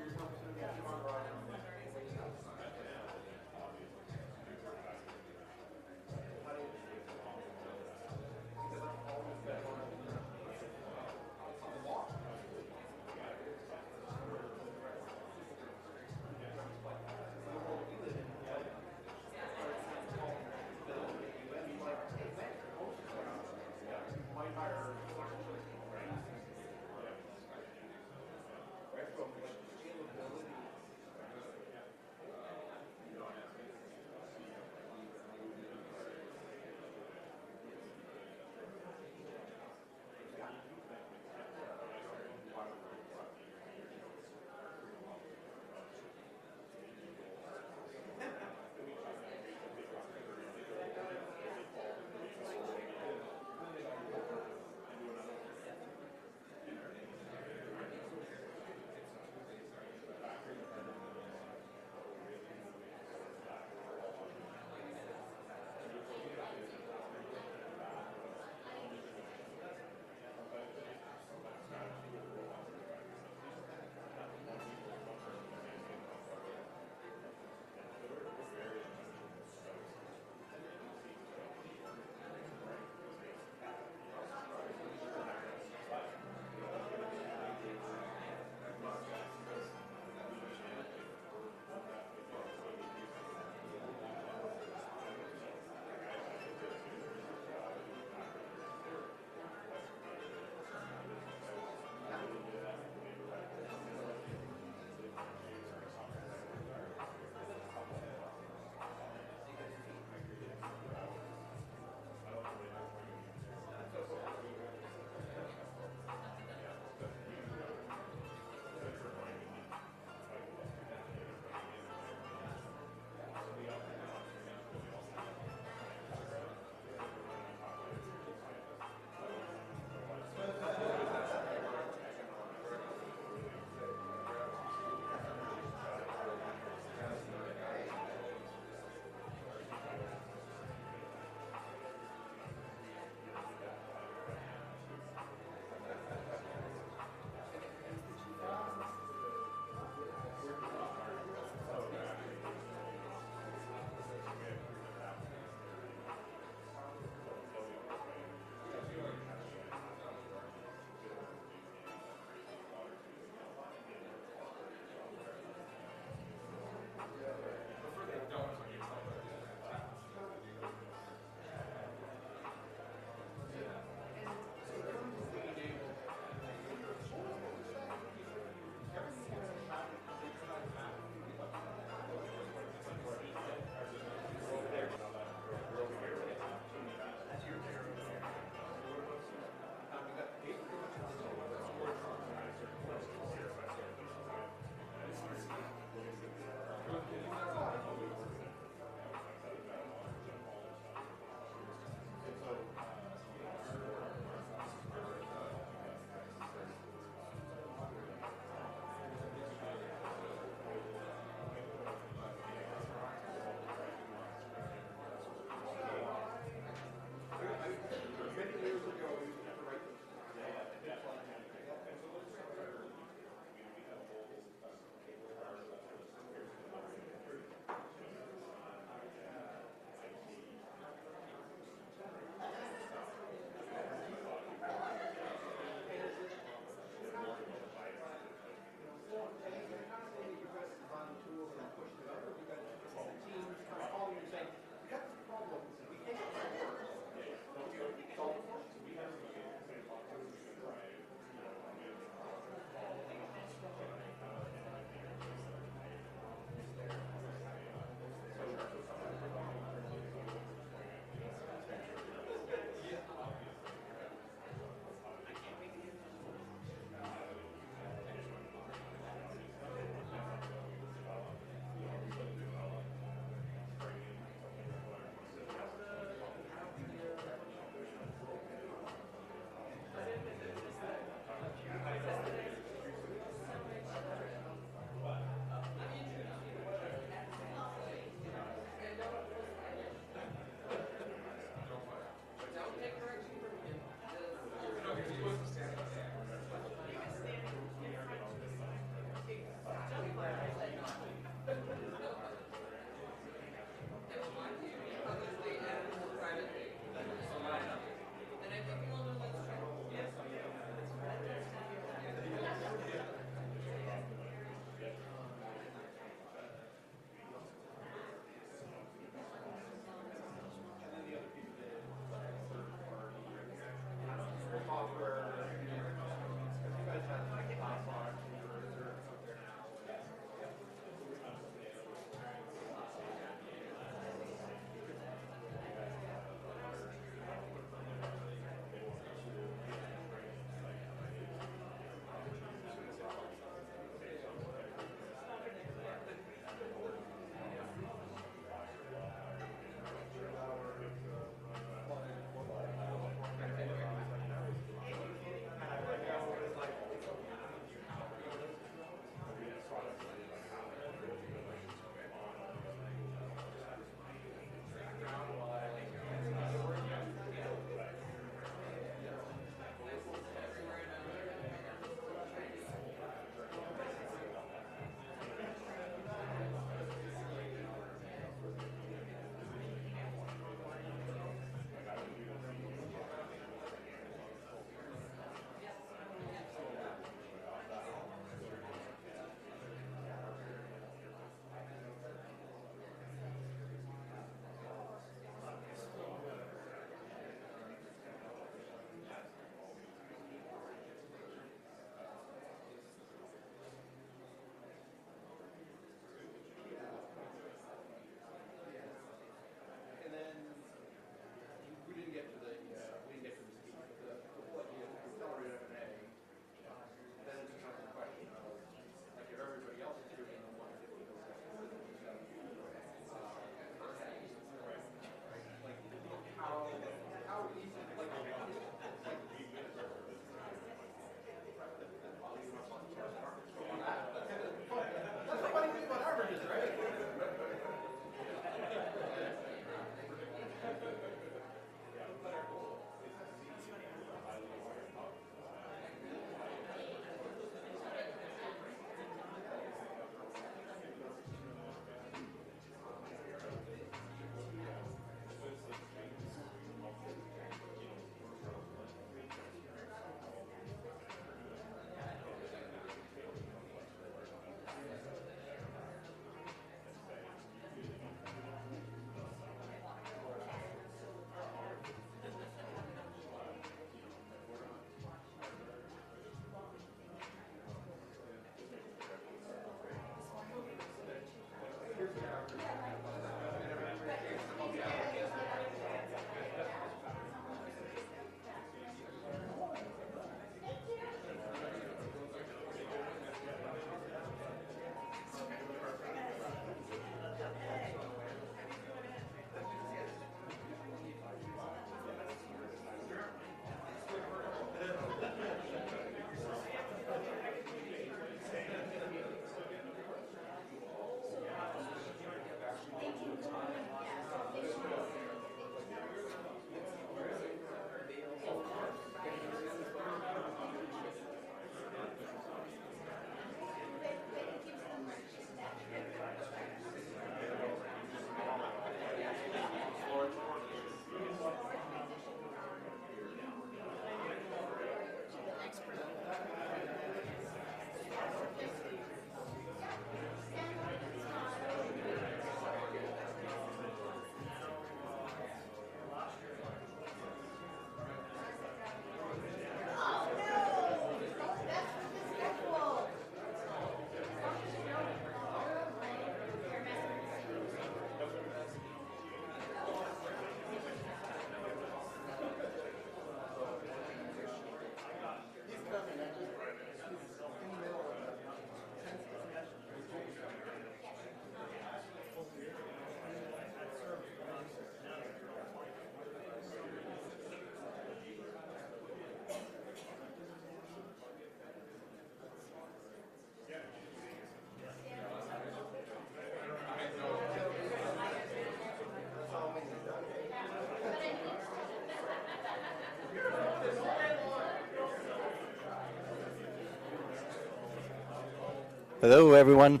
Hello, everyone.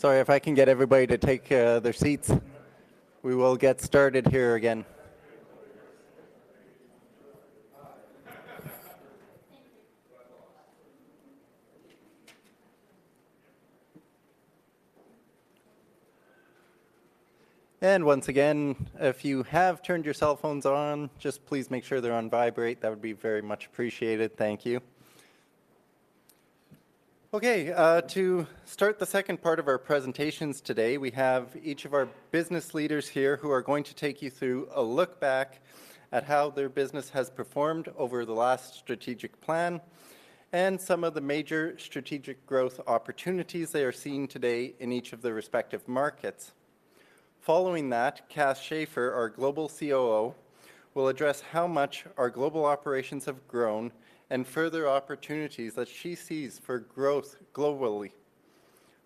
Sorry, if I can get everybody to take their seats, we will get started here again. Once again, if you have turned your cell phones on, just please make sure they're on vibrate. That would be very much appreciated. Thank you. Okay, to start the second part of our presentations today, we have each of our business leaders here who are going to take you through a look back at how their business has performed over the last strategic plan and some of the major strategic growth opportunities they are seeing today in each of their respective markets. Following that, Cath Shafer, our Global COO, will address how much our global operations have grown and further opportunities that she sees for growth globally.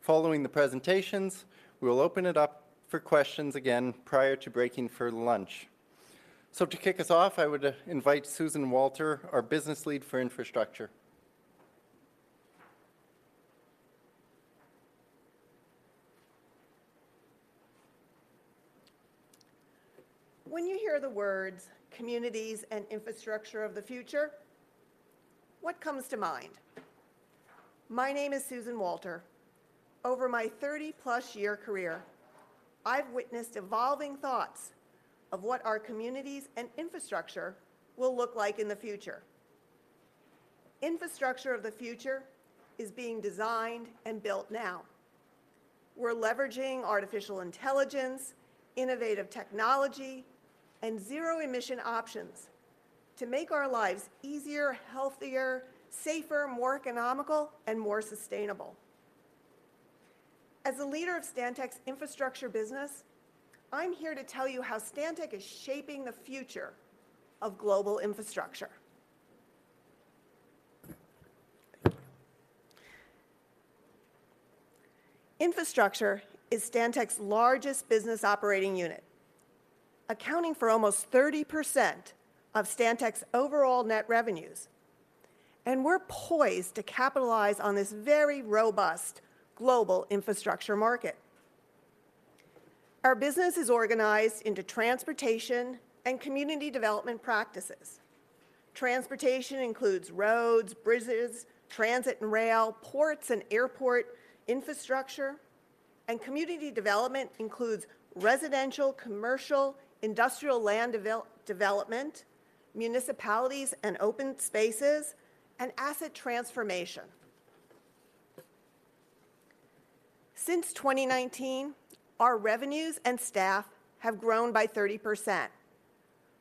Following the presentations, we will open it up for questions again prior to breaking for lunch. To kick us off, I would invite Susan Walter, our Business Lead for Infrastructure. When you hear the words communities and infrastructure of the future, what comes to mind? My name is Susan Walter. Over my 30+ year career, I've witnessed evolving thoughts of what our communities and infrastructure will look like in the future. Infrastructure of the future is being designed and built now. We're leveraging artificial intelligence, innovative technology, and zero emission options to make our lives easier, healthier, safer, more economical, and more sustainable. As the leader of Stantec's infrastructure business, I'm here to tell you how Stantec is shaping the future of global infrastructure. Infrastructure is Stantec's largest business operating unit, accounting for almost 30% of Stantec's overall net revenues, and we're poised to capitalize on this very robust global infrastructure market. Our business is organized into transportation and community development practices. Transportation includes roads, bridges, transit and rail, ports and airport infrastructure, and community development includes residential, commercial, industrial land development, municipalities and open spaces, and asset transformation. Since 2019, our revenues and staff have grown by 30%,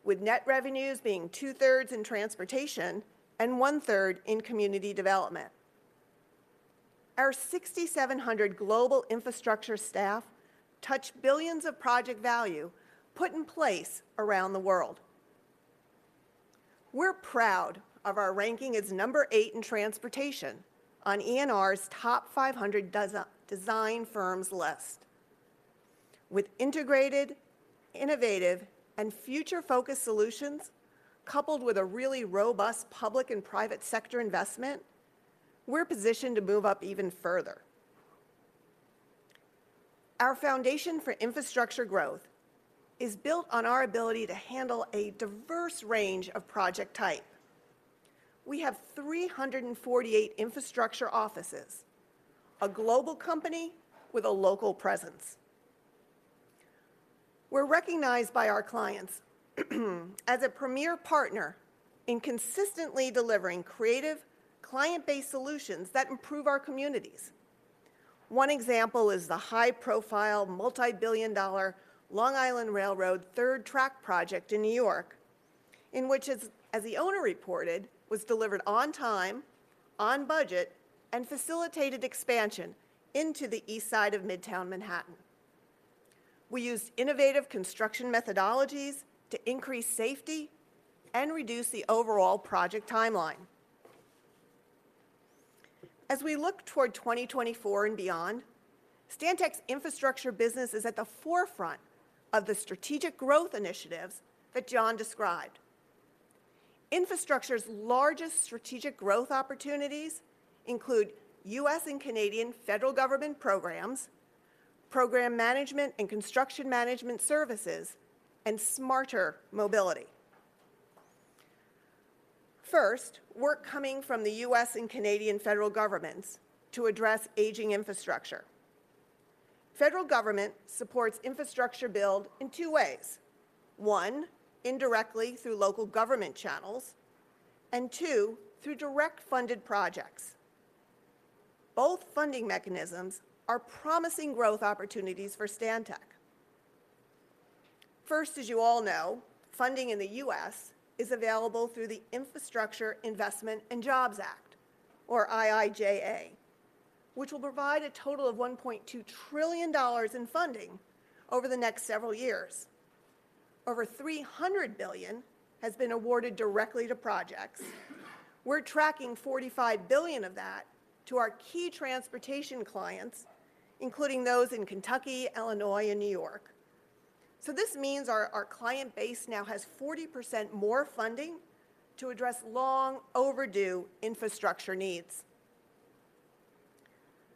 with net revenues being two-thirds in transportation and one-third in community development. Our 6,700 global infrastructure staff touch billions of project value put in place around the world. We're proud of our ranking as number eight in transportation on ENR's top 500 design firms list. With integrated, innovative, and future-focused solutions, coupled with a really robust public and private sector investment, we're positioned to move up even further. Our foundation for infrastructure growth is built on our ability to handle a diverse range of project type. We have 348 infrastructure offices, a global company with a local presence. We're recognized by our clients as a premier partner in consistently delivering creative, client-based solutions that improve our communities. One example is the high-profile, multi-billion-dollar Long Island Railroad Third Track project in New York, in which, as the owner reported, was delivered on time, on budget, and facilitated expansion into the East Side of Midtown Manhattan. We used innovative construction methodologies to increase safety and reduce the overall project timeline. As we look toward 2024 and beyond, Stantec's infrastructure business is at the forefront of the strategic growth initiatives that John described. Infrastructure's largest strategic growth opportunities include U.S. and Canadian federal government programs, program management and construction management services, and smarter mobility. First, work coming from the U.S. and Canadian federal governments to address aging infrastructure. Federal government supports infrastructure build in two ways: one, indirectly through local government channels, and two, through direct funded projects. Both funding mechanisms are promising growth opportunities for Stantec. First, as you all know, funding in the U.S. is available through the Infrastructure Investment and Jobs Act, or IIJA, which will provide a total of $1.2 trillion in funding over the next several years. Over $300 billion has been awarded directly to projects. We're tracking $45 billion of that to our key transportation clients, including those in Kentucky, Illinois, and New York. So this means our client base now has 40% more funding to address long-overdue infrastructure needs.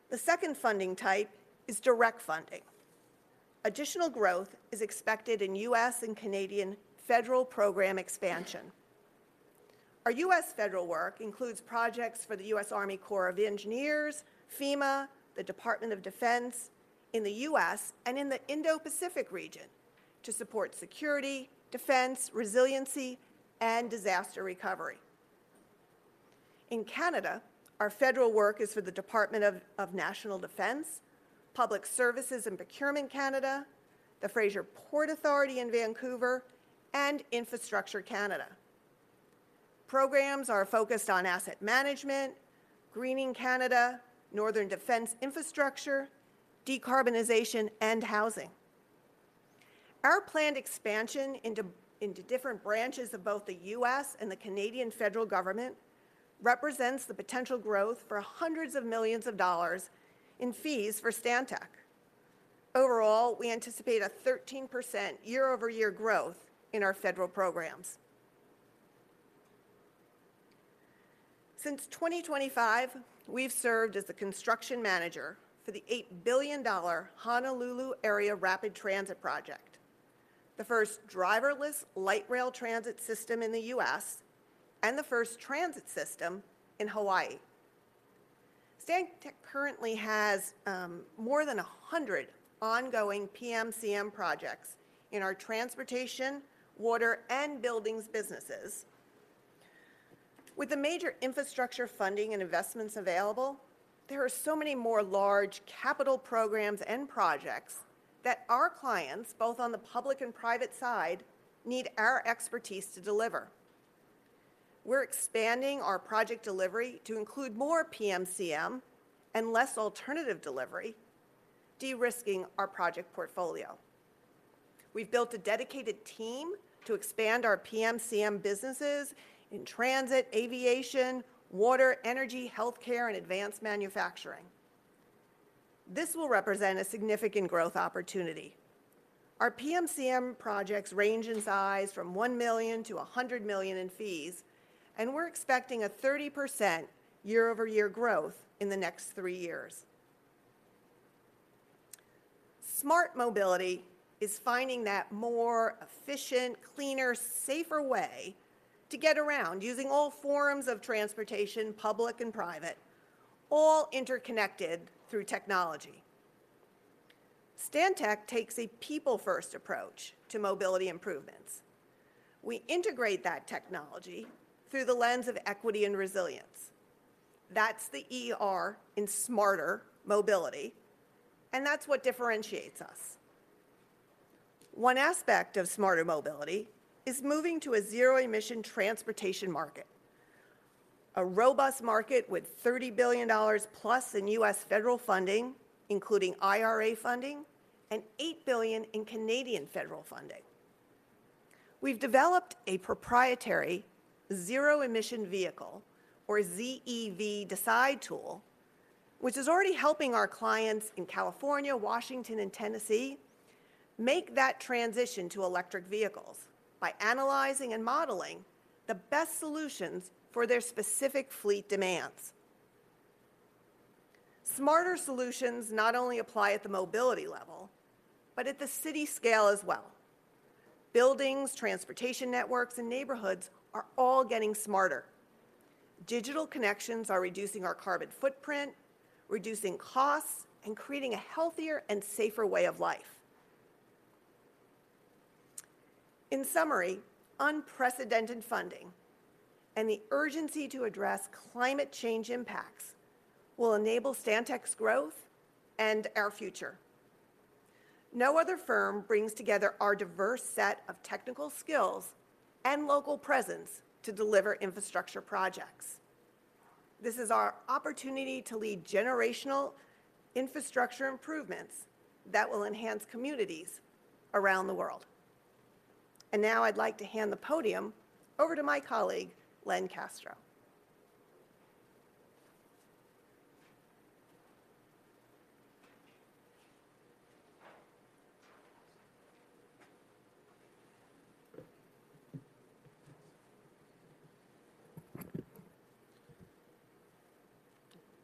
The second funding type is direct funding. Additional growth is expected in U.S. and Canadian federal program expansion. Our U.S. federal work includes projects for the U.S. Army Corps of Engineers, FEMA, the Department of Defense in the U.S. and in the Indo-Pacific region to support security, defense, resiliency, and disaster recovery. In Canada, our federal work is for the Department of National Defense, Public Services and Procurement Canada, the Fraser Port Authority in Vancouver, and Infrastructure Canada. Programs are focused on asset management, greening Canada, northern defense infrastructure, decarbonization, and housing. Our planned expansion into different branches of both the U.S. and the Canadian federal government represents the potential growth for hundreds of millions of dollars in fees for Stantec. Overall, we anticipate a 13% year-over-year growth in our federal programs. Since 2025, we've served as the construction manager for the $8 billion Honolulu Area Rapid Transit project, the first driverless light rail transit system in the U.S. and the first transit system in Hawaii. Stantec currently has more than 100 ongoing PM/CM projects in our transportation, water, and buildings businesses. With the major infrastructure funding and investments available, there are so many more large capital programs and projects that our clients, both on the public and private side, need our expertise to deliver. We're expanding our project delivery to include more PM/CM and less alternative delivery, de-risking our project portfolio.... We've built a dedicated team to expand our PMCM businesses in transit, aviation, water, energy, healthcare, and advanced manufacturing. This will represent a significant growth opportunity. Our PMCM projects range in size from 1 million to 100 million in fees, and we're expecting a 30% year-over-year growth in the next three years. Smart mobility is finding that more efficient, cleaner, safer way to get around using all forms of transportation, public and private, all interconnected through technology. Stantec takes a people-first approach to mobility improvements. We integrate that technology through the lens of equity and resilience. That's the ER in smarter mobility, and that's what differentiates us. One aspect of smarter mobility is moving to a zero-emission transportation market, a robust market with $30 billion plus in U.S. federal funding, including IRA funding, and 8 billion in Canadian federal funding. We've developed a proprietary zero-emission vehicle, or ZEV DecIDE, which is already helping our clients in California, Washington, and Tennessee make that transition to electric vehicles by analyzing and modeling the best solutions for their specific fleet demands. Smarter solutions not only apply at the mobility level, but at the city scale as well. Buildings, transportation networks, and neighborhoods are all getting smarter. Digital connections are reducing our carbon footprint, reducing costs, and creating a healthier and safer way of life. In summary, unprecedented funding and the urgency to address climate change impacts will enable Stantec's growth and our future. No other firm brings together our diverse set of technical skills and local presence to deliver infrastructure projects. This is our opportunity to lead generational infrastructure improvements that will enhance communities around the world. And now I'd like to hand the podium over to my colleague, Len Castro.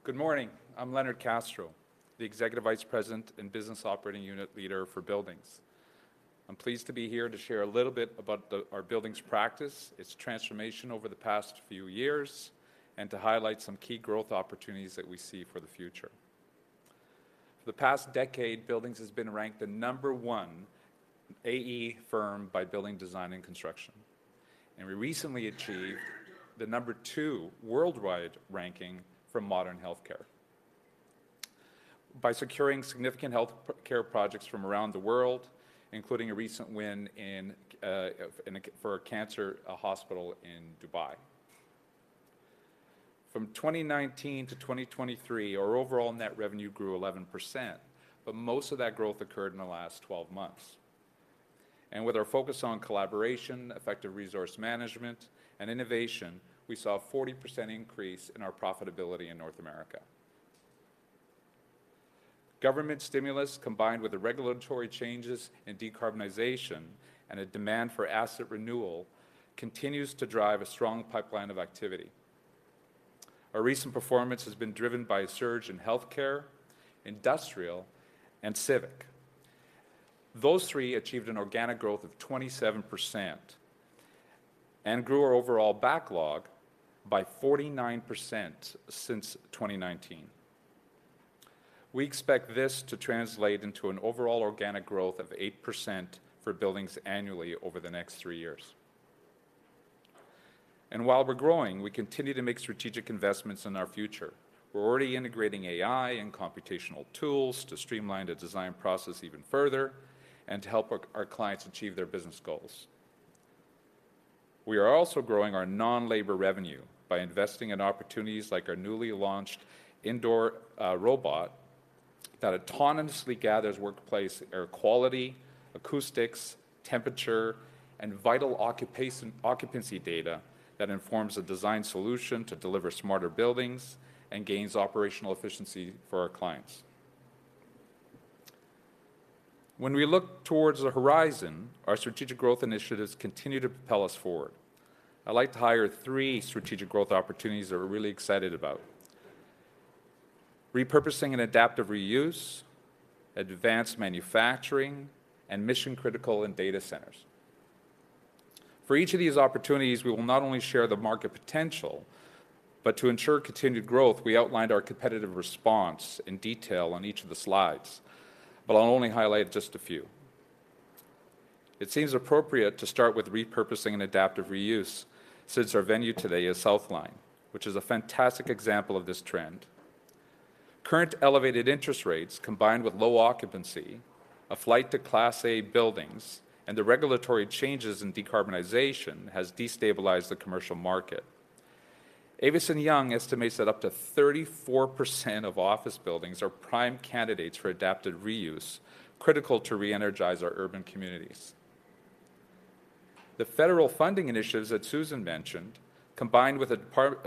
Good morning. I'm Leonard Castro, the Executive Vice President and Business Operating Unit Leader for Buildings. I'm pleased to be here to share a little bit about the, our buildings practice, its transformation over the past few years, and to highlight some key growth opportunities that we see for the future. For the past decade, Buildings has been ranked the number one AE firm by building design and construction. We recently achieved the number two worldwide ranking from Modern Healthcare. By securing significant healthcare projects from around the world, including a recent win in, in a, for a cancer hospital in Dubai. From 2019 to 2023, our overall net revenue grew 11%, but most of that growth occurred in the last 12 months. With our focus on collaboration, effective resource, and innovation, we saw a 40% increase in our profitability in North America. Government stimulus, combined with the regulatory changes in decarbonization and a demand for asset renewal, continues to drive a strong pipeline of activity. Our recent performance has been driven by a surge in healthcare, industrial, and civic. Those three achieved an organic growth of 27% and grew our overall backlog by 49% since 2019. We expect this to translate into an overall organic growth of 8% for buildings annually over the next three years. While we're growing, we continue to make strategic investments in otur future. We're already integrating AI and computational tools to streamline the design process even further and to help our, our clients achieve their business goals. We are also growing our non-labor revenue by investing in opportunities like our newly launched indoor robot that autonomously gathers workplace air quality, acoustics, temperature, and vital occupancy data that informs a design solution to deliver smarter buildings and gains operational efficiency for our clients. When we look towards the horizon, our strategic growth initiatives continue to propel us forward. I'd like to highlight three strategic growth opportunities that we're really excited about: repurposing and adaptive reuse, advanced manufacturing, and mission-critical and data centers. For each of these opportunities, we will not only share the market potential, but to ensure continued growth, we outlined our competitive response in detail on each of the slides, but I'll only highlight just a few. It seems appropriate to start with repurposing and adaptive reuse, since our venue today is Southline, which is a fantastic example of this trend. Current elevated interest rates, combined with low occupancy, a flight to Class A buildings, and the regulatory changes in decarbonization, has destabilized the commercial market. Avison Young estimates that up to 34% of office buildings are prime candidates for adapted reuse critical to re-energize our urban communities. The federal funding initiatives that Susan mentioned combined with an award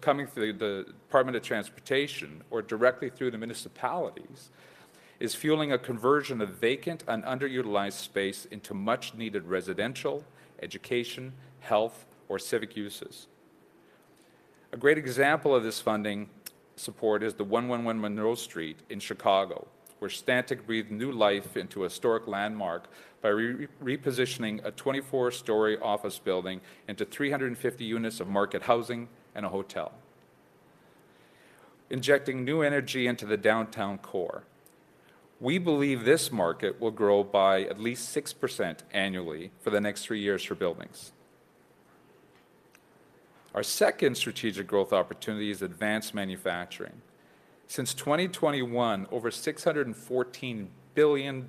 coming through the Department of Transportation or directly through the municipalities is fueling a conversion of vacant and underutilized space into much needed residential, education, health, or civic uses. A great example of this funding support is the 111 Monroe Street in Chicago, where Stantec breathed new life into a historic landmark by repositioning a 24-story office building into 350 units of market housing and a hotel, injecting new energy into the downtown core. We believe this market will grow by at least 6% annually for the next three years for buildings. Our second strategic growth opportunity is advanced manufacturing. Since 2021, over $614 billion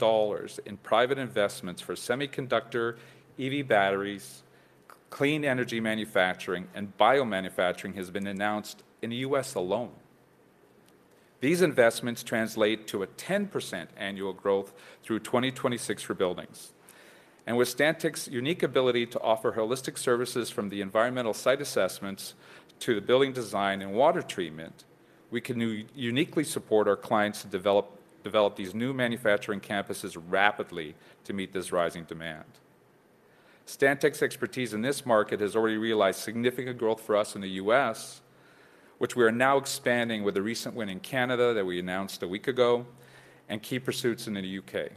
in private investments for semiconductor, EV batteries, clean energy manufacturing, and biomanufacturing has been announced in the U.S. alone. These investments translate to a 10% annual growth through 2026 for buildings. And with Stantec's unique ability to offer holistic services from the environmental site assessments to the building design and water treatment, we can uniquely support our clients to develop these new manufacturing campuses rapidly to meet this rising demand. Stantec's expertise in this market has already realized significant growth for us in the U.S., which we are now expanding with a recent win in Canada that we announced a week ago, and key pursuits in the U.K.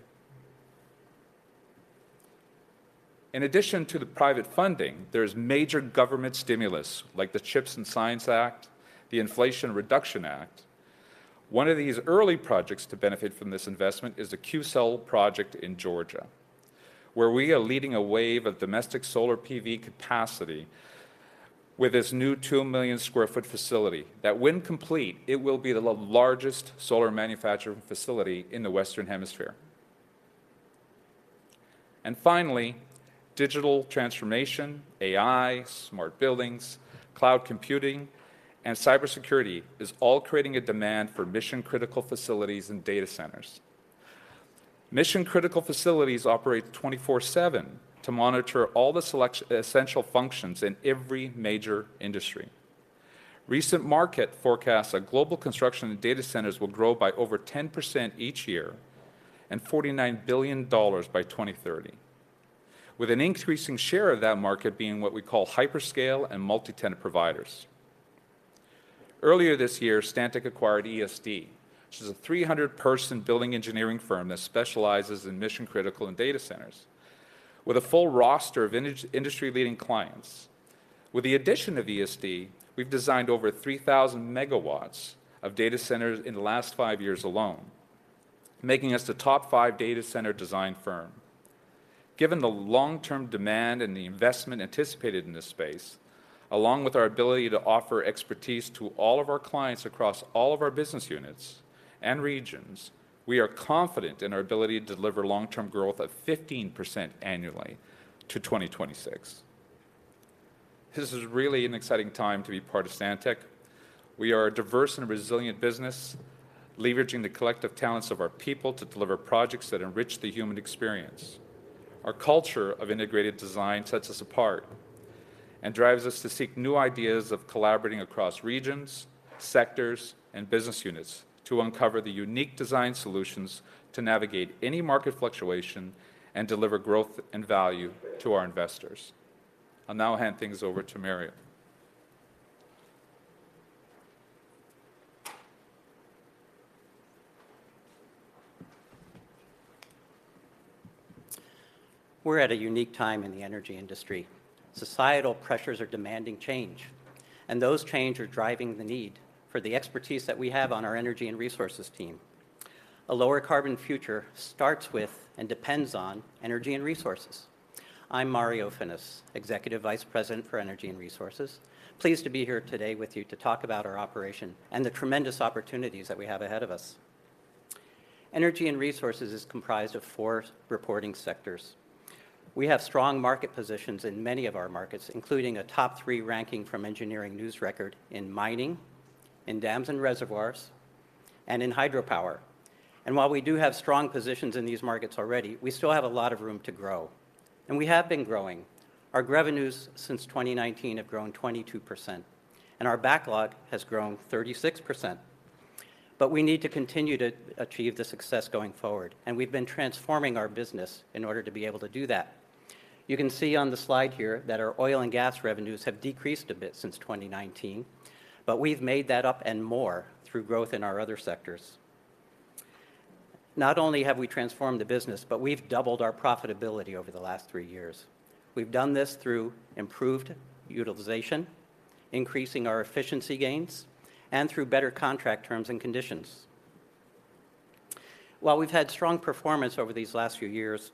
In addition to the private funding, there's major government stimulus, like the CHIPS and Science Act, the Inflation Reduction Act. One of these early projects to benefit from this investment is the Qcells project in Georgia, where we are leading a wave of domestic solar PV capacity with this new 2 million sq ft facility, that when complete, it will be the largest solar manufacturing facility in the Western Hemisphere. And finally, digital transformation, AI, smart buildings, cloud computing, and cybersecurity is all creating a demand for mission-critical facilities and data centers. Mission-critical facilities operate 24/7 to monitor all the select essential functions in every major industry. Recent market forecasts that global construction and data centers will grow by over 10% each year and $49 billion by 2030, with an increasing share of that market being what we call hyperscale and multi-tenant providers. Earlier this year, Stantec acquired ESD, which is a 300-person building engineering firm that specializes in mission-critical and data centers, with a full roster of industry-leading clients. With the addition of ESD, we've designed over 3,000 megawatts of data centers in the last five years alone, making us the top five data center design firm. Given the long-term demand and the investment anticipated in this space, along with our ability to offer expertise to all of our clients across all of our business units and regions, we are confident in our ability to deliver long-term growth of 15% annually to 2026. This is really an exciting time to be part of Stantec. We are a diverse and resilient business, leveraging the collective talents of our people to deliver projects that enrich the human experience. Our culture of integrated design sets us apart and drives us to seek new ideas of collaborating across regions, sectors, and business units to uncover the unique design solutions to navigate any market fluctuation and deliver growth and value to our investors. I'll now hand things over to Mario. We're at a unique time in the energy industry. Societal pressures are demanding change, and those changes are driving the need for the expertise that we have on our energy and resources team. A lower carbon future starts with and depends on energy and resources. I'm Mario Finis, Executive Vice President for Energy and Resources. Pleased to be here today with you to talk about our operations and the tremendous opportunities that we have ahead of us. Energy and resources is comprised of four reporting sectors. We have strong market positions in many of our markets, including a top three ranking from Engineering News-Record in mining, in dams and reservoirs, and in hydropower. While we do have strong positions in these markets already, we still have a lot of room to grow, and we have been growing. Our revenues since 2019 have grown 22%, and our backlog has grown 36%. We need to continue to achieve this success going forward, and we've been transforming our business in order to be able to do that. You can see on the slide here that our oil and gas revenues have decreased a bit since 2019, but we've made that up and more through growth in our other sectors. Not only have we transformed the business, but we've doubled our profitability over the last three years. We've done this through improved utilization, increasing our efficiency gains, and through better contract terms and conditions. While we've had strong performance over these last few years,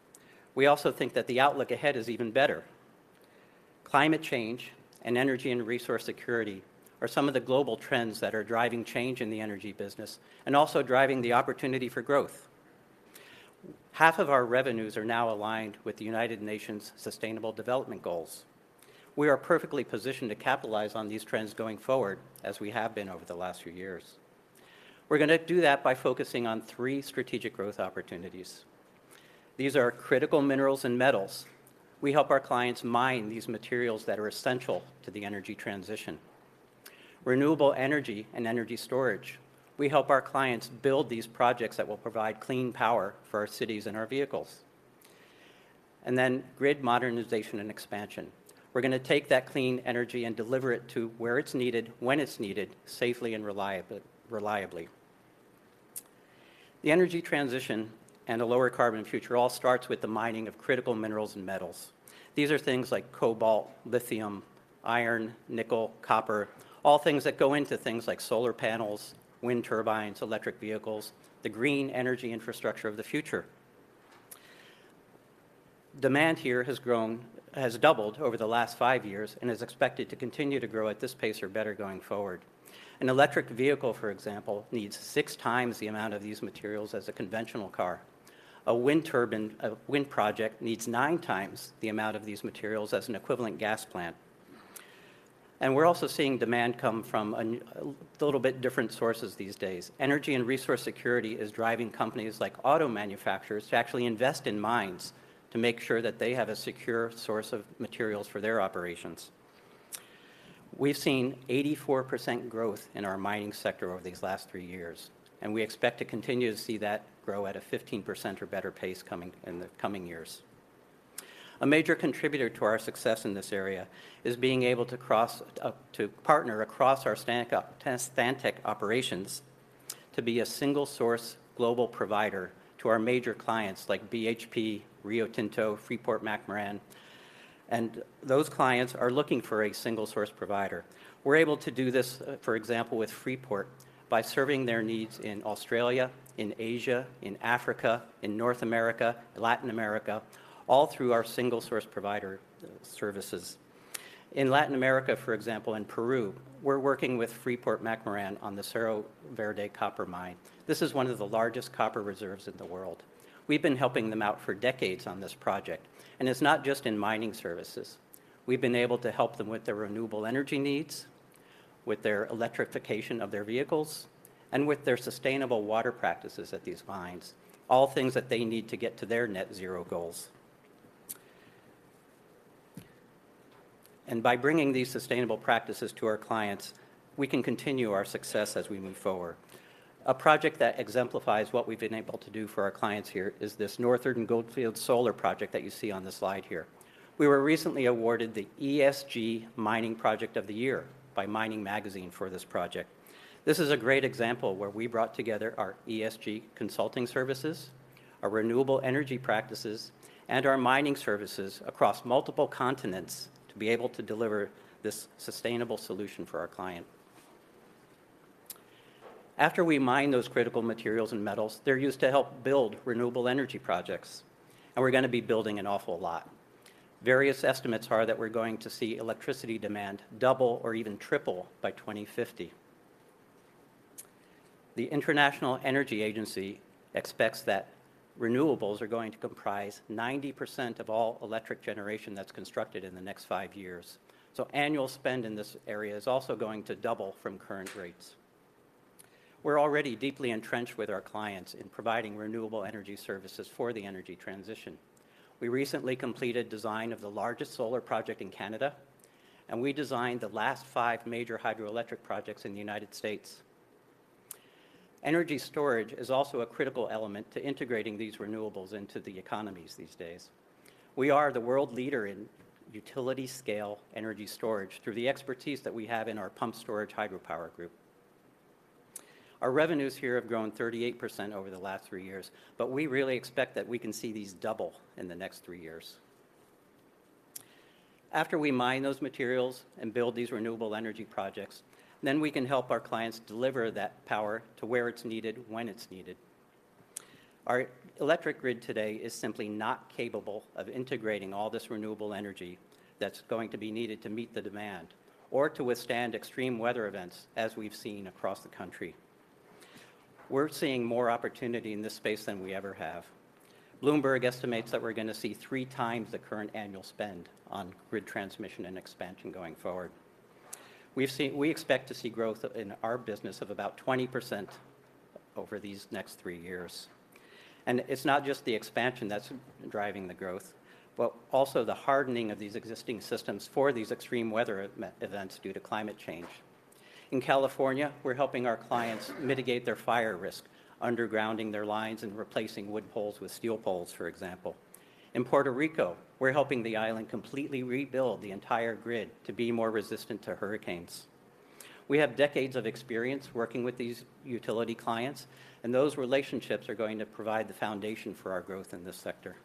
we also think that the outlook ahead is even better. Climate change and energy and resource security are some of the global trends that are driving change in the energy business and also driving the opportunity for growth. Half of our revenues are now aligned with the United Nations Sustainable Development Goals. We are perfectly positioned to capitalize on these trends going forward, as we have been over the last few years. We're gonna do that by focusing on three strategic growth opportunities. These are critical minerals and metals. We help our clients mine these materials that are essential to the energy transition. Renewable energy and energy storage. We help our clients build these projects that will provide clean power for our cities and our vehicles. And then grid modernization and expansion. We're gonna take that clean energy and deliver it to where it's needed, when it's needed, safely and reliably. The energy transition and a lower carbon future all starts with the mining of critical minerals and metals. These are things like cobalt, lithium, iron, nickel, copper, all things that go into things like solar panels, wind turbines, electric vehicles, the green energy infrastructure of the future. Demand here has grown, has doubled over the five years and is expected to continue to grow at this pace or better going forward. An electric vehicle, for example, needs 6x the amount of these materials as a conventional car. A wind turbine, a wind project needs 9x the amount of these materials as an equivalent gas plant. And we're also seeing demand come from a little bit different sources these days. Energy and resource security is driving companies like auto manufacturers to actually invest in mines, to make sure that they have a secure source of materials for their operations. We've seen 84% growth in our mining sector over these last three years, and we expect to continue to see that grow at a 15% or better pace coming, in the coming years. A major contributor to our success in this area is being able to cross, to partner across our Stantec, Stantec operations, to be a single-source global provider to our major clients like BHP, Rio Tinto, Freeport-McMoRan, and those clients are looking for a single-source provider. We're able to do this, for example, with Freeport by serving their needs in Australia, in Asia, in Africa, in North America, Latin America, all through our single-source provider services. In Latin America, for example, in Peru, we're working with Freeport-McMoRan on the Cerro Verde copper mine. This is one of the largest copper reserves in the world. We've been helping them out for decades on this project, and it's not just in mining services. We've been able to help them with their renewable energy needs, with their electrification of their vehicles, and with their sustainable water practices at these mines, all things that they need to get to their net zero goals. And by bringing these sustainable practices to our clients, we can continue our success as we move forward. A project that exemplifies what we've been able to do for our clients here is this Northern Goldfields solar project that you see on the slide here. We were recently awarded the ESG Mining Project of the Year by Mining Magazine for this project. This is a great example where we brought together our ESG consulting services, our renewable energy practices, and our mining services across multiple continents to be able to deliver this sustainable solution for our client. After we mine those critical materials and metals, they're used to help build renewable energy projects, and we're gonna be building an awful lot. Various estimates are that we're going to see electricity demand double or even triple by 2050. The International Energy Agency expects that renewables are going to comprise 90% of all electric generation that's constructed in the next five years. So annual spend in this area is also going to double from current rates. We're already deeply entrenched with our clients in providing renewable energy services for the energy transition. We recently completed design of the largest solar project in Canada, and we designed the last five major hydroelectric projects in the United States. Energy storage is also a critical element to integrating these renewables into the economies these days. We are the world leader in utility-scale energy storage through the expertise that we have in our pump storage hydropower group. Our revenues here have grown 38% over the last three years, but we really expect that we can see these double in the next three years. After we mine those materials and build these renewable energy projects, then we can help our clients deliver that power to where it's needed, when it's needed. Our electric grid today is simply not capable of integrating all this renewable energy that's going to be needed to meet the demand or to withstand extreme weather events, as we've seen across the country. We're seeing more opportunity in this space than we ever have. Bloomberg estimates that we're gonna see three times the current annual spend on grid transmission and expansion going forward. We expect to see growth in our business of about 20% over these next three years. And it's not just the expansion that's driving the growth, but also the hardening of these existing systems for these extreme weather events due to climate change. In California, we're helping our clients mitigate their fire risk, undergrounding their lines and replacing wood poles with steel poles, for example. In Puerto Rico, we're helping the island completely rebuild the entire grid to be more resistant to hurricanes. We have decades of experience working with these utility clients, and those relationships are going to provide the foundation for our growth in this sector.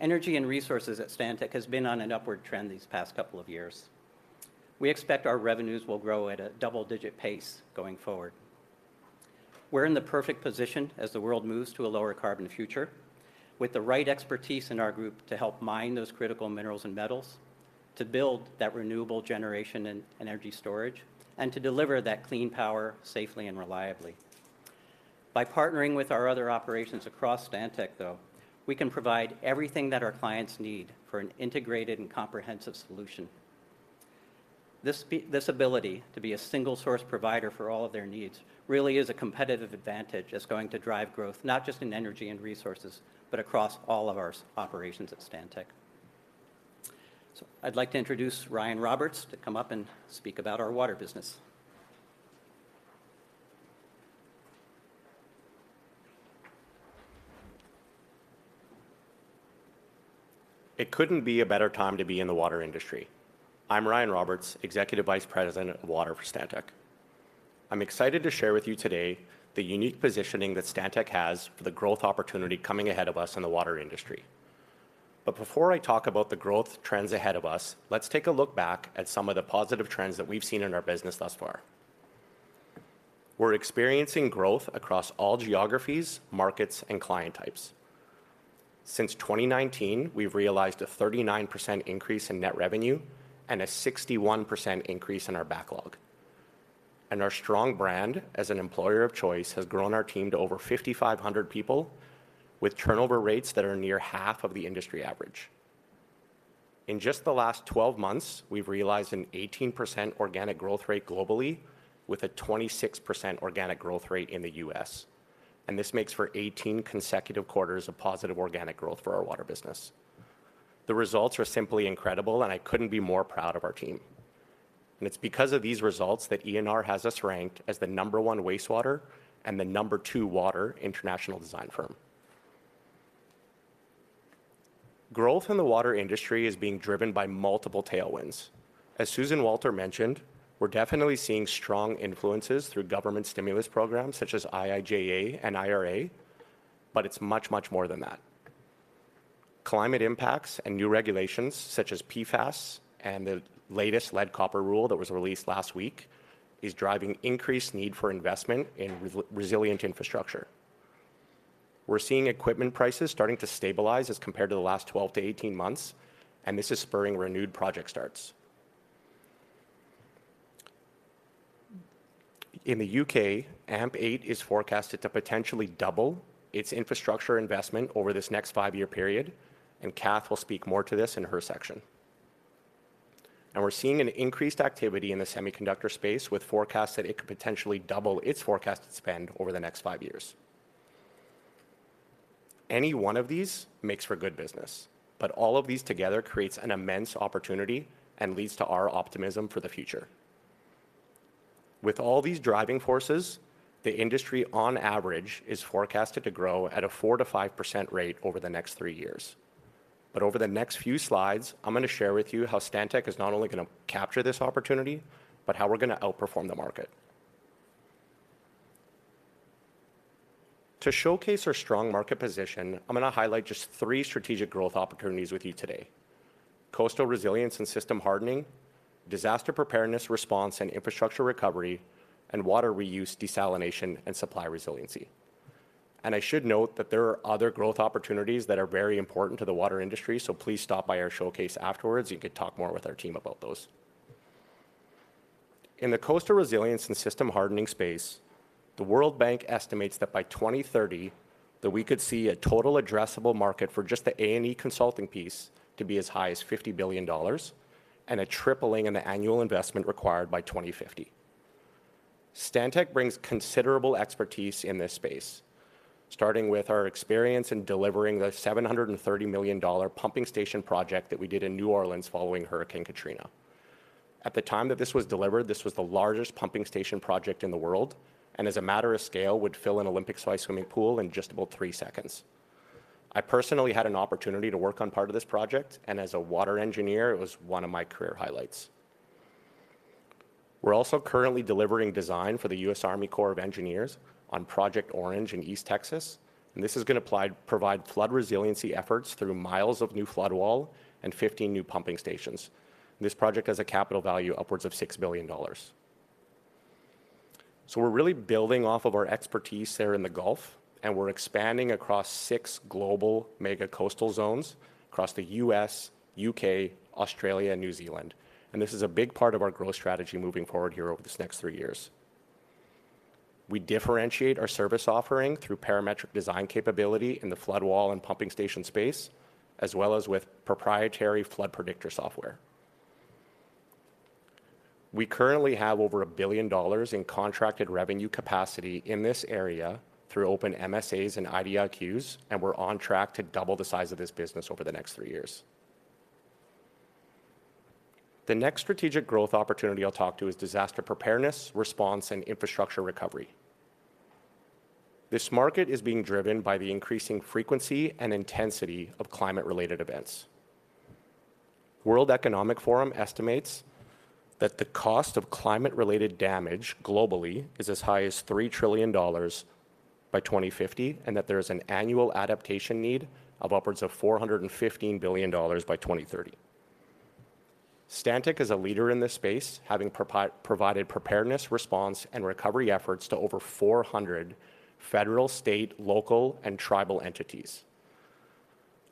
Energy and resources at Stantec has been on an upward trend these past couple of years. We expect our revenues will grow at a double-digit pace going forward. We're in the perfect position as the world moves to a lower carbon future, with the right expertise in our group to help mine those critical minerals and metals.... to build that renewable generation and energy storage, and to deliver that clean power safely and reliably. By partnering with our other operations across Stantec, though, we can provide everything that our clients need for an integrated and comprehensive solution. This ability to be a single-source provider for all of their needs really is a competitive advantage that's going to drive growth, not just in energy and resources, but across all of our operations at Stantec. I'd like to introduce Ryan Roberts to come up and speak about our water business. It couldn't be a better time to be in the water industry. I'm Ryan Roberts, Executive Vice President of Water for Stantec. I'm excited to share with you today the unique positioning that Stantec has for the growth opportunity coming ahead of us in the water industry. Before I talk about the growth trends ahead of us, let's take a look back at some of the positive trends that we've seen in our business thus far. We're experiencing growth across all geographies, markets, and client types. Since 2019, we've realized a 39% increase in net revenue and a 61% increase in our backlog. Our strong brand as an employer of choice has grown our team to over 5,500 people, with turnover rates that are near half of the industry average. In just the last 12 months, we've realized an 18% organic growth rate globally, with a 26% organic growth rate in the U.S., and this makes for 18 consecutive quarters of positive organic growth for our water business. The results are simply incredible, and I couldn't be more proud of our team. It's because of these results that ENR has us ranked as the number one wastewater and the number two water international design firm. Growth in the water industry is being driven by multiple tailwinds. As Susan Walter mentioned, we're definitely seeing strong influences through government stimulus programs such as IIJA and IRA, but it's much, much more than that. Climate impacts and new regulations, such as PFAS and the latest lead copper rule that was released last week, is driving increased need for investment in resilient infrastructure. We're seeing equipment prices starting to stabilize as compared to the last 12-18 months, and this is spurring renewed project starts. In the U.K., AMP8 is forecasted to potentially double its infrastructure investment over this next five-year period, and Kath will speak more to this in her section. We're seeing an increased activity in the semiconductor space, with forecasts that it could potentially double its forecasted spend over the next five years. Any one of these makes for good business, but all of these together creates an immense opportunity and leads to our optimism for the future. With all these driving forces, the industry on average is forecasted to grow at a 4%-5% rate over the next three years. But over the next few slides, I'm going to share with you how Stantec is not only going to capture this opportunity, but how we're going to outperform the market. To showcase our strong market position, I'm going to highlight just three strategic growth opportunities with you today: coastal resilience and system hardening, disaster preparedness, response, and infrastructure recovery, and water reuse, desalination, and supply resiliency. I should note that there are other growth opportunities that are very important to the water industry, so please stop by our showcase afterwards, you could talk more with our team about those. In the coastal resilience and system hardening space, the World Bank estimates that by 2030, that we could see a total addressable market for just the A&E consulting piece to be as high as $50 billion, and a tripling in the annual investment required by 2050. Stantec brings considerable expertise in this space, starting with our experience in delivering the $730 million pumping station project that we did in New Orleans following Hurricane Katrina. At the time that this was delivered, this was the largest pumping station project in the world, and as a matter of scale, would fill an Olympic-size swimming pool in just about three seconds. I personally had an opportunity to work on part of this project, and as a water engineer, it was one of my career highlights. We're also currently delivering design for the U.S. Army Corps of Engineers on Project Orange in East Texas, and this is going to provide flood resiliency efforts through miles of new flood wall and 15 new pumping stations. This project has a capital value upwards of $6 billion. We're really building off of our expertise there in the Gulf, and we're expanding across six global mega coastal zones across the U.S., U.K., Australia, and New Zealand. This is a big part of our growth strategy moving forward here over this next three years. We differentiate our service offering through parametric design capability in the flood wall and pumping station space, as well as with proprietary flood predictor software. We currently have over $1 billion in contracted revenue capacity in this area through open MSAs and IDIQs, and we're on track to double the size of this business over the next three years. The next strategic growth opportunity I'll talk to is disaster preparedness, response, and infrastructure recovery. This market is being driven by the increasing frequency and intensity of climate-related events. World Economic Forum estimates that the cost of climate-related damage globally is as high as $3 trillion by 2050, and that there is an annual adaptation need of upwards of $415 billion by 2030. Stantec is a leader in this space, having provided preparedness, response, and recovery efforts to over 400 federal, state, local, and tribal entities.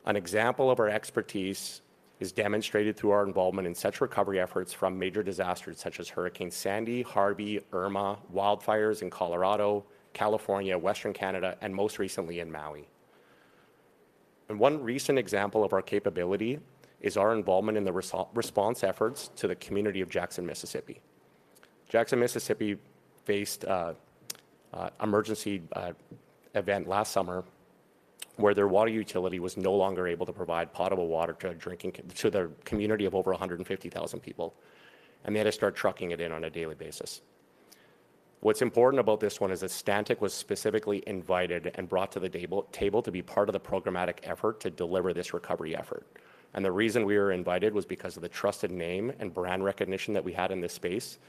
An example of our expertise is demonstrated through our involvement in such recovery efforts from major disasters such as Hurricane Sandy, Harvey, Irma, wildfires in Colorado, California, Western Canada, and most recently in Maui. One recent example of our capability is our involvement in the response efforts to the community of Jackson, Mississippi. Jackson, Mississippi, faced an emergency event last summer, where their water utility was no longer able to provide potable water to their community of over 150,000 people, and they had to start trucking it in on a daily basis. What's important about this one is that Stantec was specifically invited and brought to the table to be part of the programmatic effort to deliver this recovery effort. The reason we were invited was because of the trusted name and brand recognition that we had in this space,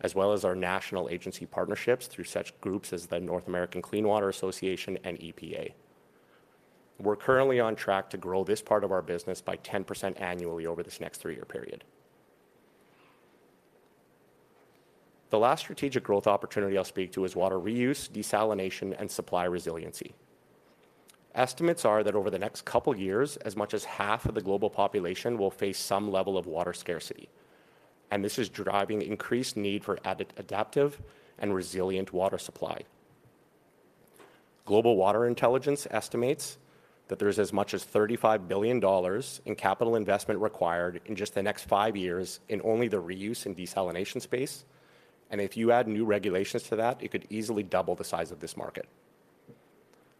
as well as our national agency partnerships through such groups as the North American Clean Water Association and EPA. We're currently on track to grow this part of our business by 10% annually over this next three-year period. The last strategic growth opportunity I'll speak to is water reuse, desalination, and supply resiliency. Estimates are that over the next couple years, as much as half of the global population will face some level of water scarcity, and this is driving increased need for adaptive and resilient water supply. Global Water Intelligence estimates that there's as much as $35 billion in capital investment required in just the five years in only the reuse and desalination space, and if you add new regulations to that, it could easily double the size of this market.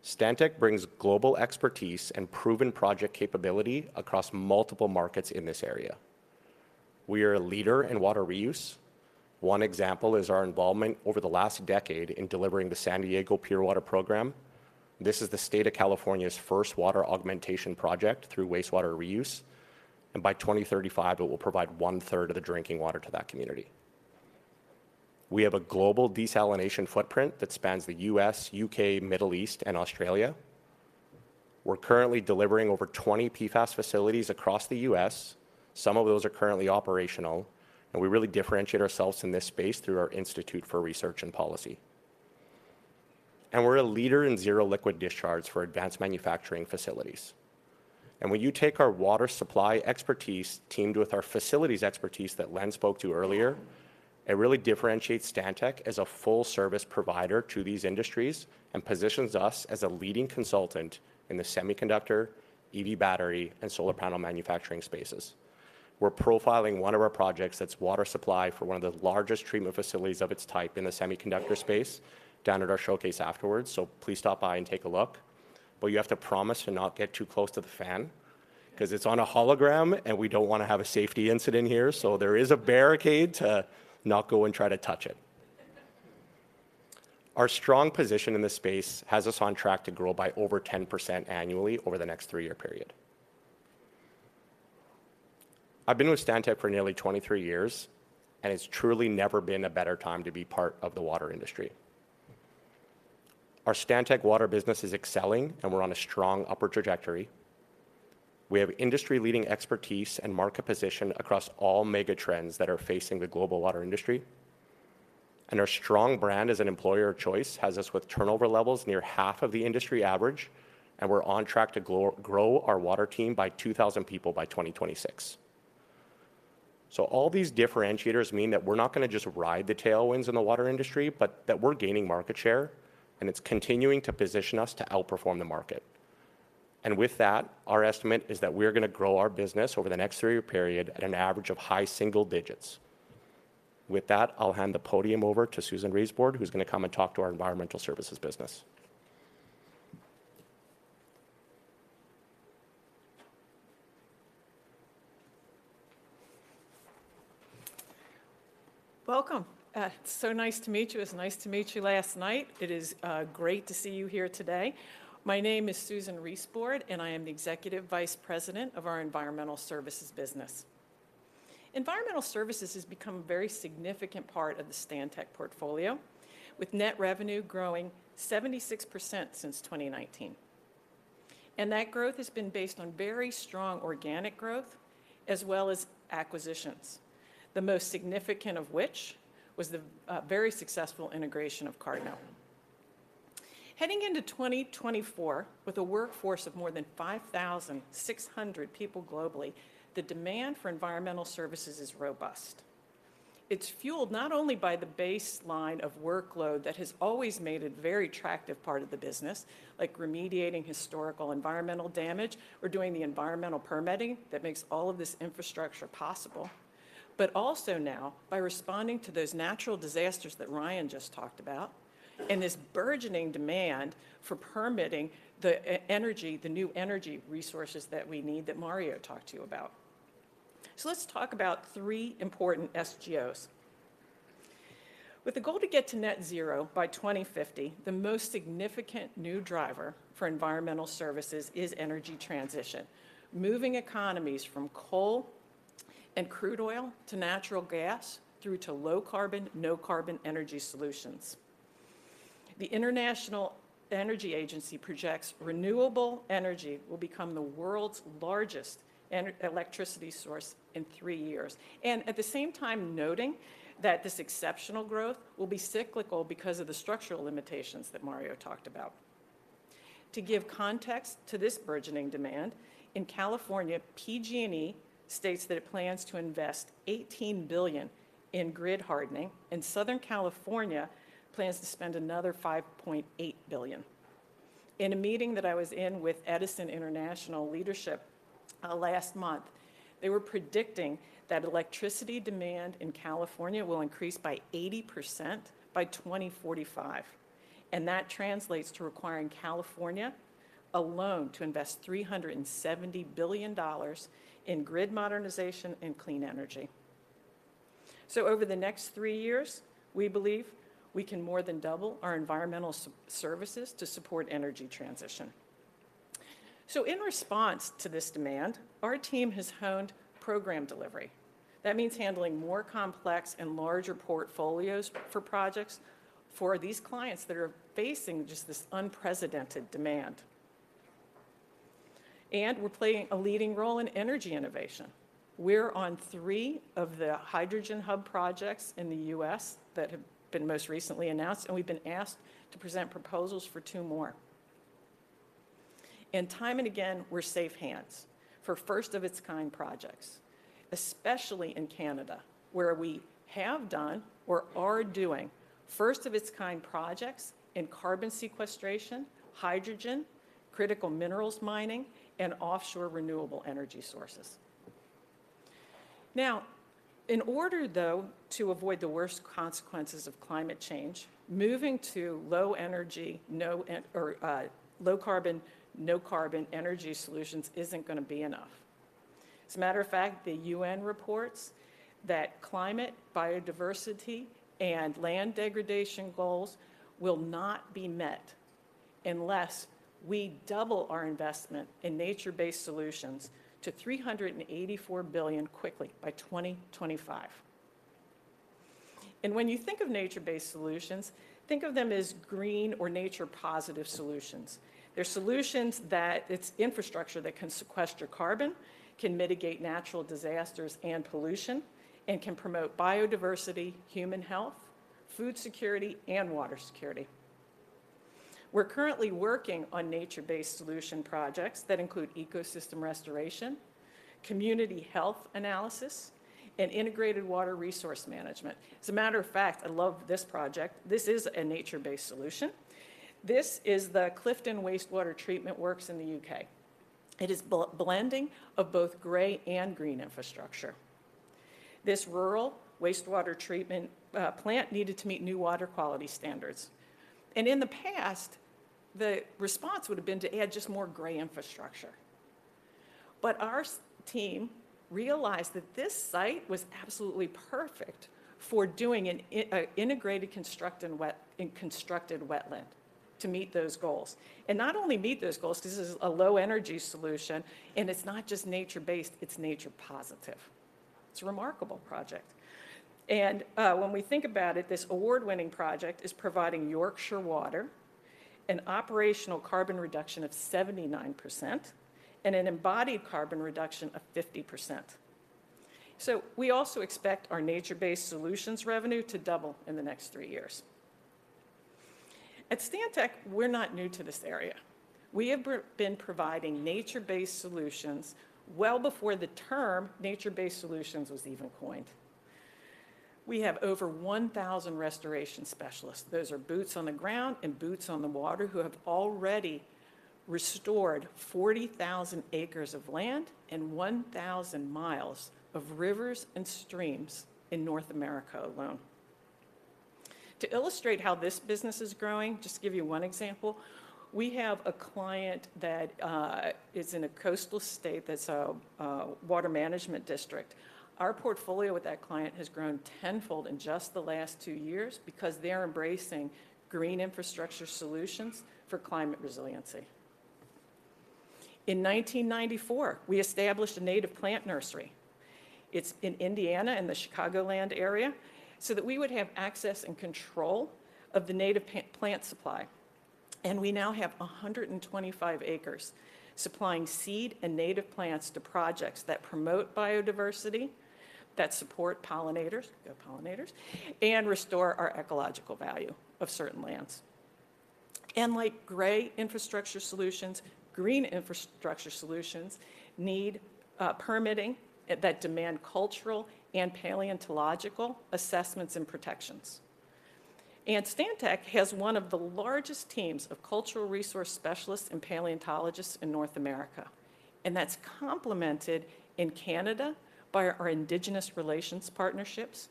Stantec brings global expertise and proven project capability across multiple markets in this area. We are a leader in water reuse. One example is our involvement over the last decade in delivering the San Diego Pure Water Program. This is the State of California’s first water augmentation project through wastewater reuse, and by 2035, it will provide one-third of the drinking water to that community. We have a global desalination footprint that spans the U.S., U.K., Middle East, and Australia. We’re currently delivering over 20 PFAS facilities across the U.S., some of those are currently operational, and we really differentiate ourselves in this space through our Institute for Research and Policy. We’re a leader in zero liquid discharge for advanced manufacturing facilities. When you take our water supply expertise, teamed with our facilities expertise that Len spoke to earlier, it really differentiates Stantec as a full-service provider to these industries and positions us as a leading consultant in the semiconductor, EV battery, and solar panel manufacturing spaces. We're profiling one of our projects that's water supply for one of the largest treatment facilities of its type in the semiconductor space down at our showcase afterwards, so please stop by and take a look. But you have to promise to not get too close to the fan, 'cause it's on a hologram, and we don't wanna have a safety incident here, so there is a barricade to not go and try to touch it. Our strong position in this space has us on track to grow by over 10% annually over the next three-year period. I've been with Stantec for nearly 2three years, and it's truly never been a better time to be part of the water industry. Our Stantec water business is excelling, and we're on a strong upward trajectory. We have industry-leading expertise and market position across all mega trends that are facing the global water industry. And our strong brand as an employer of choice has us with turnover levels near half of the industry average, and we're on track to grow our water team by 2,000 people by 2026. So all these differentiators mean that we're not gonna just ride the tailwinds in the water industry, but that we're gaining market share, and it's continuing to position us to outperform the market. And with that, our estimate is that we're gonna grow our business over the next three-year period at an average of high single digits. With that, I'll hand the podium over to Susan Reisbord, who's gonna come and talk to our environmental services business. Welcome. So nice to meet you. It was nice to meet you last night. It is great to see you here today. My name is Susan Reisbord, and I am the Executive Vice President of our Environmental Services business. Environmental services has become a very significant part of the Stantec portfolio, with net revenue growing 76% since 2019. That growth has been based on very strong organic growth, as well as acquisitions, the most significant of which was the very successful integration of Cardno. Heading into 2024, with a workforce of more than 5,600 people globally, the demand for environmental services is robust. It's fueled not only by the baseline of workload that has always made it a very attractive part of the business, like remediating historical environmental damage or doing the environmental permitting that makes all of this infrastructure possible, but also now by responding to those natural disasters that Ryan just talked about, and this burgeoning demand for permitting the e-energy, the new energy resources that we need, that Mario talked to you about. So let's talk about three important SGOs. With the goal to get to net zero by 2050, the most significant new driver for environmental services is energy transition, moving economies from coal and crude oil to natural gas, through to low-carbon, no-carbon energy solutions. The International Energy Agency projects renewable energy will become the world's largest electricity source in three years, and at the same time noting that this exceptional growth will be cyclical because of the structural limitations that Mario talked about. To give context to this burgeoning demand in California, PG&E states that it plans to invest $18 billion in grid hardening, and Southern California plans to spend another $5.8 billion. In a meeting that I was in with Edison International leadership last month, they were predicting that electricity demand in California will increase by 80% by 2045, and that translates to requiring California alone to invest $370 billion in grid modernization and clean energy. So over the next three years, we believe we can more than double our environmental services to support energy transition. So in response to this demand, our team has honed program delivery. That means handling more complex and larger portfolios for projects for these clients that are facing just this unprecedented demand. We're playing a leading role in energy innovation. We're on three of the hydrogen hub projects in the U.S. that have been most recently announced, and we've been asked to present proposals for two more. Time and again, we're safe hands for first-of-its-kind projects, especially in Canada, where we have done or are doing first-of-its-kind projects in carbon sequestration, hydrogen, critical minerals mining, and offshore renewable energy sources. Now, in order, though, to avoid the worst consequences of climate change, moving to low carbon, no carbon energy solutions isn't gonna be enough. As a matter of fact, the UN reports that climate, biodiversity, and land degradation goals will not be met unless we double our investment in nature-based solutions to $384 billion quickly, by 2025. And when you think of nature-based solutions, think of them as green or nature-positive solutions. They're solutions that it's infrastructure that can sequester carbon, can mitigate natural disasters and pollution, and can promote biodiversity, human health, food security, and water security. We're currently working on nature-based solution projects that include ecosystem restoration, community health analysis, and integrated water resource management. As a matter of fact, I love this project. This is a nature-based solution. This is the Clifton Wastewater Treatment Works in the U.K.. It is blending of both gray and green infrastructure. This rural wastewater treatment plant needed to meet new water quality standards, and in the past, the response would have been to add just more gray infrastructure. But our team realized that this site was absolutely perfect for doing an integrated constructed wetland to meet those goals. And not only meet those goals, this is a low-energy solution, and it's not just nature-based, it's nature positive. It's a remarkable project. And, when we think about it, this award-winning project is providing Yorkshire Water an operational carbon reduction of 79% and an embodied carbon reduction of 50%. So we also expect our nature-based solutions revenue to double in the next three years. At Stantec, we're not new to this area. We have been providing nature-based solutions well before the term nature-based solutions was even coined. We have over 1,000 restoration specialists. Those are boots on the ground and boots on the water who have already restored 40,000 acres of land and 1,000 miles of rivers and streams in North America alone. To illustrate how this business is growing, just to give you one example, we have a client that is in a coastal state that's a water management district. Our portfolio with that client has grown tenfold in just the last two years because they're embracing green infrastructure solutions for climate resiliency. In 1994, we established a native plant nursery. It's in Indiana, in the Chicagoland area, so that we would have access and control of the native plant supply. We now have 125 acres supplying seed and native plants to projects that promote biodiversity, that support pollinators, go pollinators, and restore our ecological value of certain lands. Like gray infrastructure solutions, green infrastructure solutions need permitting that demand cultural and paleontological assessments and protections. Stantec has one of the largest teams of cultural resource specialists and paleontologists in North America, and that's complemented in Canada by our Indigenous relations partnerships.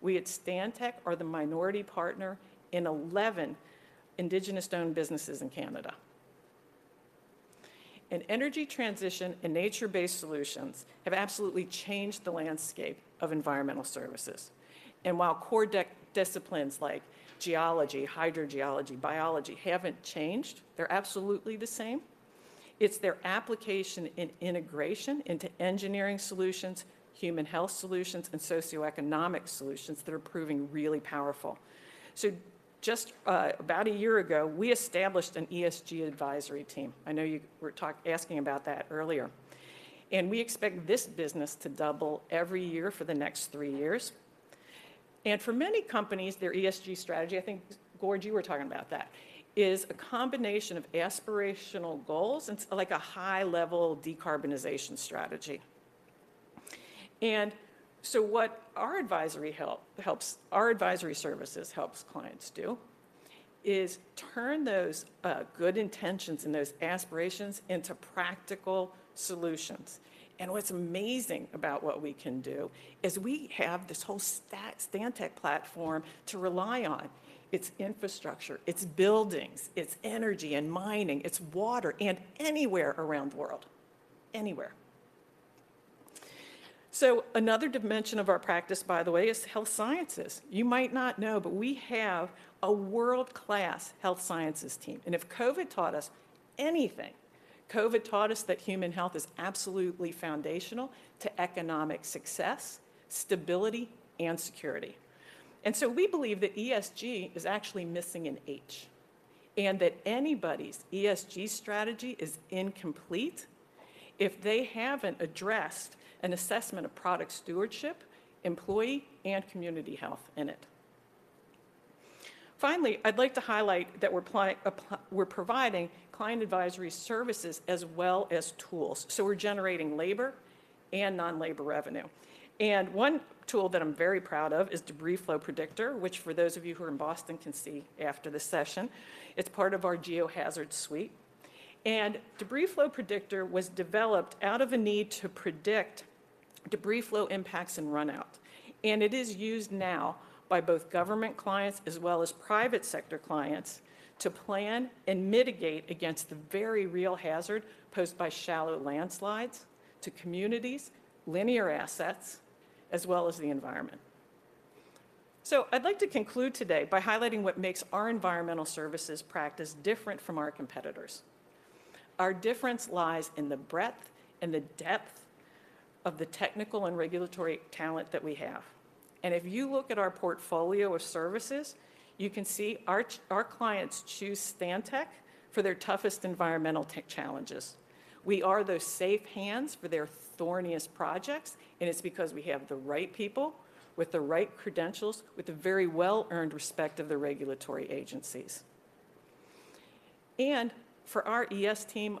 We at Stantec are the minority partner in 11 Indigenous-owned businesses in Canada. Energy transition and nature-based solutions have absolutely changed the landscape of environmental services, and while core disciplines like geology, hydrogeology, biology haven't changed, they're absolutely the same, it's their application in integration into engineering solutions, human health solutions, and socioeconomic solutions that are proving really powerful. So just about a year ago, we established an ESG advisory team. I know you were asking about that earlier. And we expect this business to double every year for the next three years. And for many companies, their ESG strategy, I think, Gord, you were talking about that, is a combination of aspirational goals and like a high-level decarbonization strategy. And so what our advisory help helps, our advisory services helps clients do is turn those good intentions and those aspirations into practical solutions. And what's amazing about what we can do is we have this whole Stantec platform to rely on. It's infrastructure, it's buildings, it's energy and mining, it's water, and anywhere around the world. Anywhere. So another dimension of our practice, by the way, is health sciences. You might not know, but we have a world-class health sciences team. And if COVID taught us anything, COVID taught us that human health is absolutely foundational to economic success, stability, and security. And so we believe that ESG is actually missing an H, and that anybody's ESG strategy is incomplete if they haven't addressed an assessment of product stewardship, employee, and community health in it. Finally, I'd like to highlight that we're providing client advisory services as well as tools, so we're generating labor and non-labor revenue. And one tool that I'm very proud of is DebrisFlow Predictor, which for those of you who are in Boston, can see after this session. It's part of our GeoHazards suite. DebrisFlow Predictor was developed out of a need to predict debris flow impacts and run-out, and it is used now by both government clients as well as private sector clients to plan and mitigate against the very real hazard posed by shallow landslides to communities, linear assets, as well as the environment. I'd like to conclude today by highlighting what makes our environmental services practice different from our competitors. Our difference lies in the breadth and the depth of the technical and regulatory talent that we have. If you look at our portfolio of services, you can see our clients choose Stantec for their toughest environmental tech challenges. We are the safe hands for their thorniest projects, and it's because we have the right people, with the right credentials, with the very well-earned respect of the regulatory agencies. For our ES team,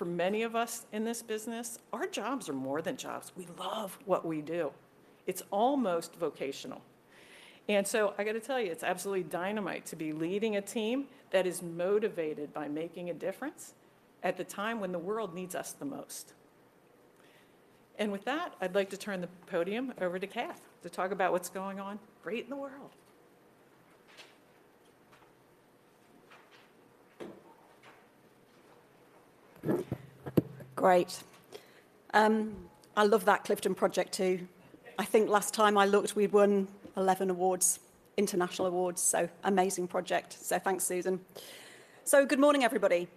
for many of us in this business, our jobs are more than jobs. We love what we do. It's almost vocational. So I gotta tell you, it's absolutely dynamite to be leading a team that is motivated by making a difference at the time when the world needs us the most. With that, I'd like to turn the podium over to Cath, to talk about what's going on great in the world. Great. I love that Clifton project, too. I think last time I looked, we'd won 11 awards, international awards, so amazing project. So thanks, Susan. So good morning, everybody.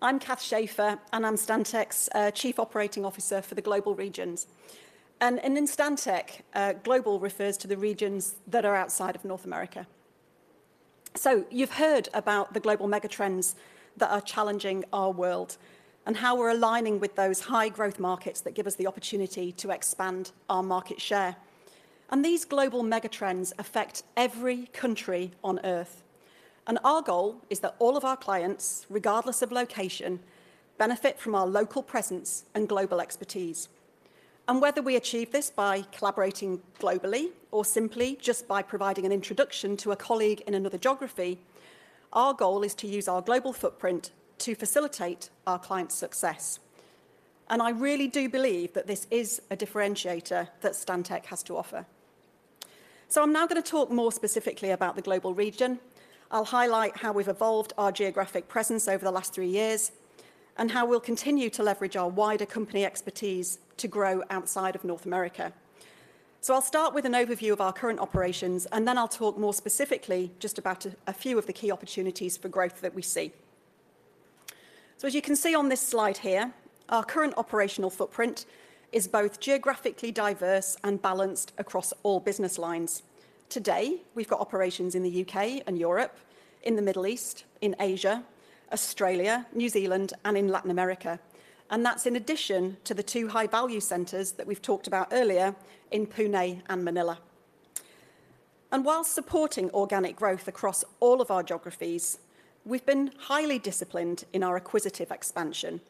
I'm Cath Schefer, and I'm Stantec's Chief Operating Officer for the Global Regions. And in Stantec, global refers to the regions that are outside of North America. So you've heard about the global mega trends that are challenging our world, and how we're aligning with those high-growth markets that give us the opportunity to expand our market share. And these global mega trends affect every country on Earth, and our goal is that all of our clients, regardless of location, benefit from our local presence and global expertise. Whether we achieve this by collaborating globally or simply just by providing an introduction to a colleague in another geography, our goal is to use our global footprint to facilitate our clients' success. I really do believe that this is a differentiator that Stantec has to offer. I'm now going to talk more specifically about the global region. I'll highlight how we've evolved our geographic presence over the last three years, and how we'll continue to leverage our wider company expertise to grow outside of North America. I'll start with an overview of our current operations, and then I'll talk more specifically just about a few of the key opportunities for growth that we see. As you can see on this slide here, our current operational footprint is both geographically diverse and balanced across all business lines. Today, we've got operations in the U.K. and Europe, in the Middle East, in Asia, Australia, New Zealand, and in Latin America, and that's in addition to the two high-value centers that we've talked about earlier in Pune and Manila. While supporting organic growth across all of our geographies, we've been highly disciplined in our acquisitive expansion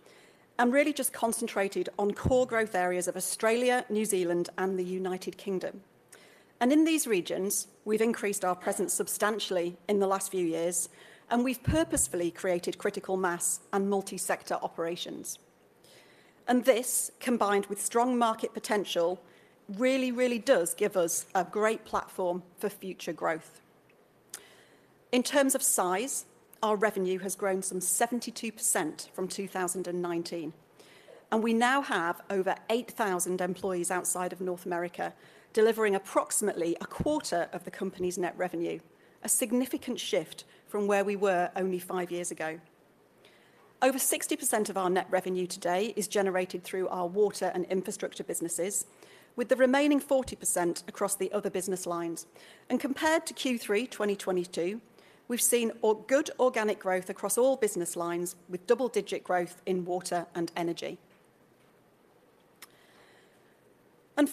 and really just concentrated on core growth areas of Australia, New Zealand, and the United Kingdom. In these regions, we've increased our presence substantially in the last few years, and we've purposefully created critical mass and multi-sector operations. This, combined with strong market potential, really, really does give us a great platform for future growth. In terms of size, our revenue has grown some 72% from 2019, and we now have over 8,000 employees outside of North America, delivering approximately 25% of the company's net revenue, a significant shift from where we were only five years ago. Over 60% of our net revenue today is generated through our water and infrastructure businesses, with the remaining 40% across the other business lines. Compared to Q3 2022, we've seen organic growth across all business lines, with double-digit growth in water and energy.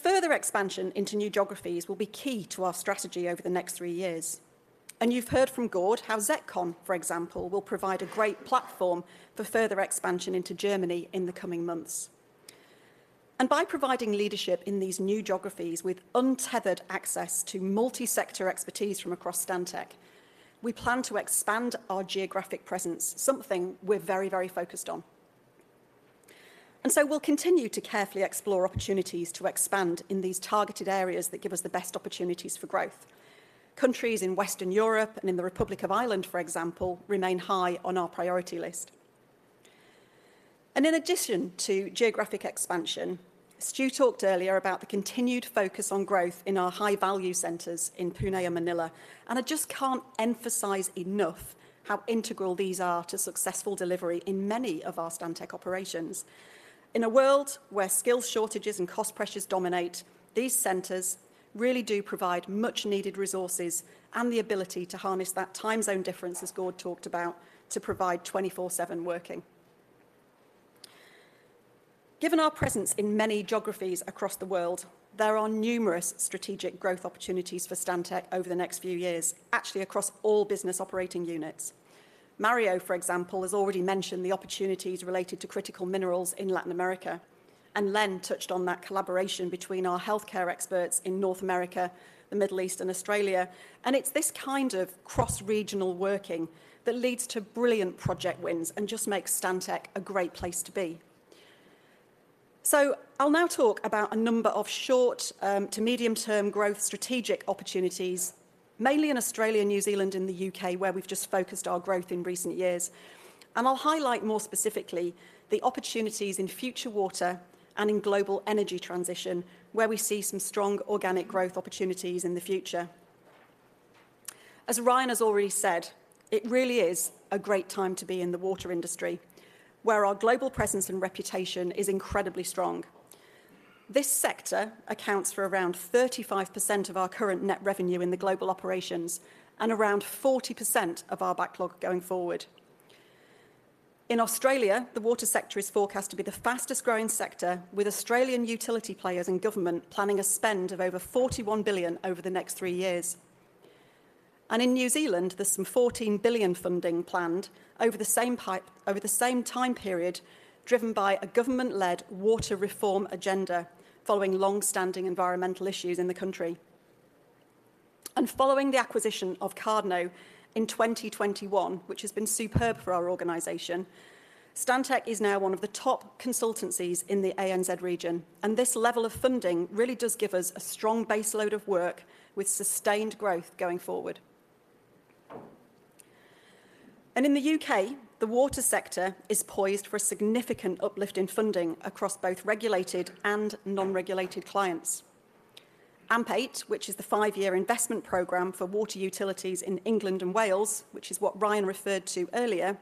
Further expansion into new geographies will be key to our strategy over the next three years. You've heard from Gord how ZETCON, for example, will provide a great platform for further expansion into Germany in the coming months. By providing leadership in these new geographies with untethered access to multi-sector expertise from across Stantec, we plan to expand our geographic presence, something we're very, very focused on. So we'll continue to carefully explore opportunities to expand in these targeted areas that give us the best opportunities for growth. Countries in Western Europe and in the Republic of Ireland, for example, remain high on our priority list. In addition to geographic expansion, Stu talked earlier about the continued focus on growth in our high-value centers in Pune and Manila, and I just can't emphasize enough how integral these are to successful delivery in many of our Stantec operations. In a world where skill shortages and cost pressures dominate, these centers really do provide much-needed resources and the ability to harness that time zone difference, as Gord talked about, to provide 24/7 working. Given our presence in many geographies across the world, there are numerous strategic growth opportunities for Stantec over the next few years, actually across all business operating units. Mario, for example, has already mentioned the opportunities related to critical minerals in Latin America, and Len touched on that collaboration between our healthcare experts in North America, the Middle East, and Australia. And it's this kind of cross-regional working that leads to brilliant project wins and just makes Stantec a great place to be. So I'll now talk about a number of short, to medium-term growth strategic opportunities, mainly in Australia, New Zealand, and the U.K., where we've just focused our growth in recent years. And I'll highlight more specifically the opportunities in future water and in global energy transition, where we see some strong organic growth opportunities in the future. As Ryan has already said, it really is a great time to be in the water industry, where our global presence and reputation is incredibly strong. This sector accounts for around 35% of our current net revenue in the global operations and around 40% of our backlog going forward. In Australia, the water sector is forecast to be the fastest-growing sector, with Australian utility players and government planning a spend of over 41 billion over the next three years. In New Zealand, there's some 14 billion funding planned over the same time period, driven by a government-led water reform agenda following long-standing environmental issues in the country. Following the acquisition of Cardno in 2021, which has been superb for our organization, Stantec is now one of the top consultancies in the ANZ region, and this level of funding really does give us a strong baseload of work with sustained growth going forward. In the U.K., the water sector is poised for a significant uplift in funding across both regulated and non-regulated clients. AMP8, which is the five-year investment program for water utilities in England and Wales, which is what Ryan referred to earlier,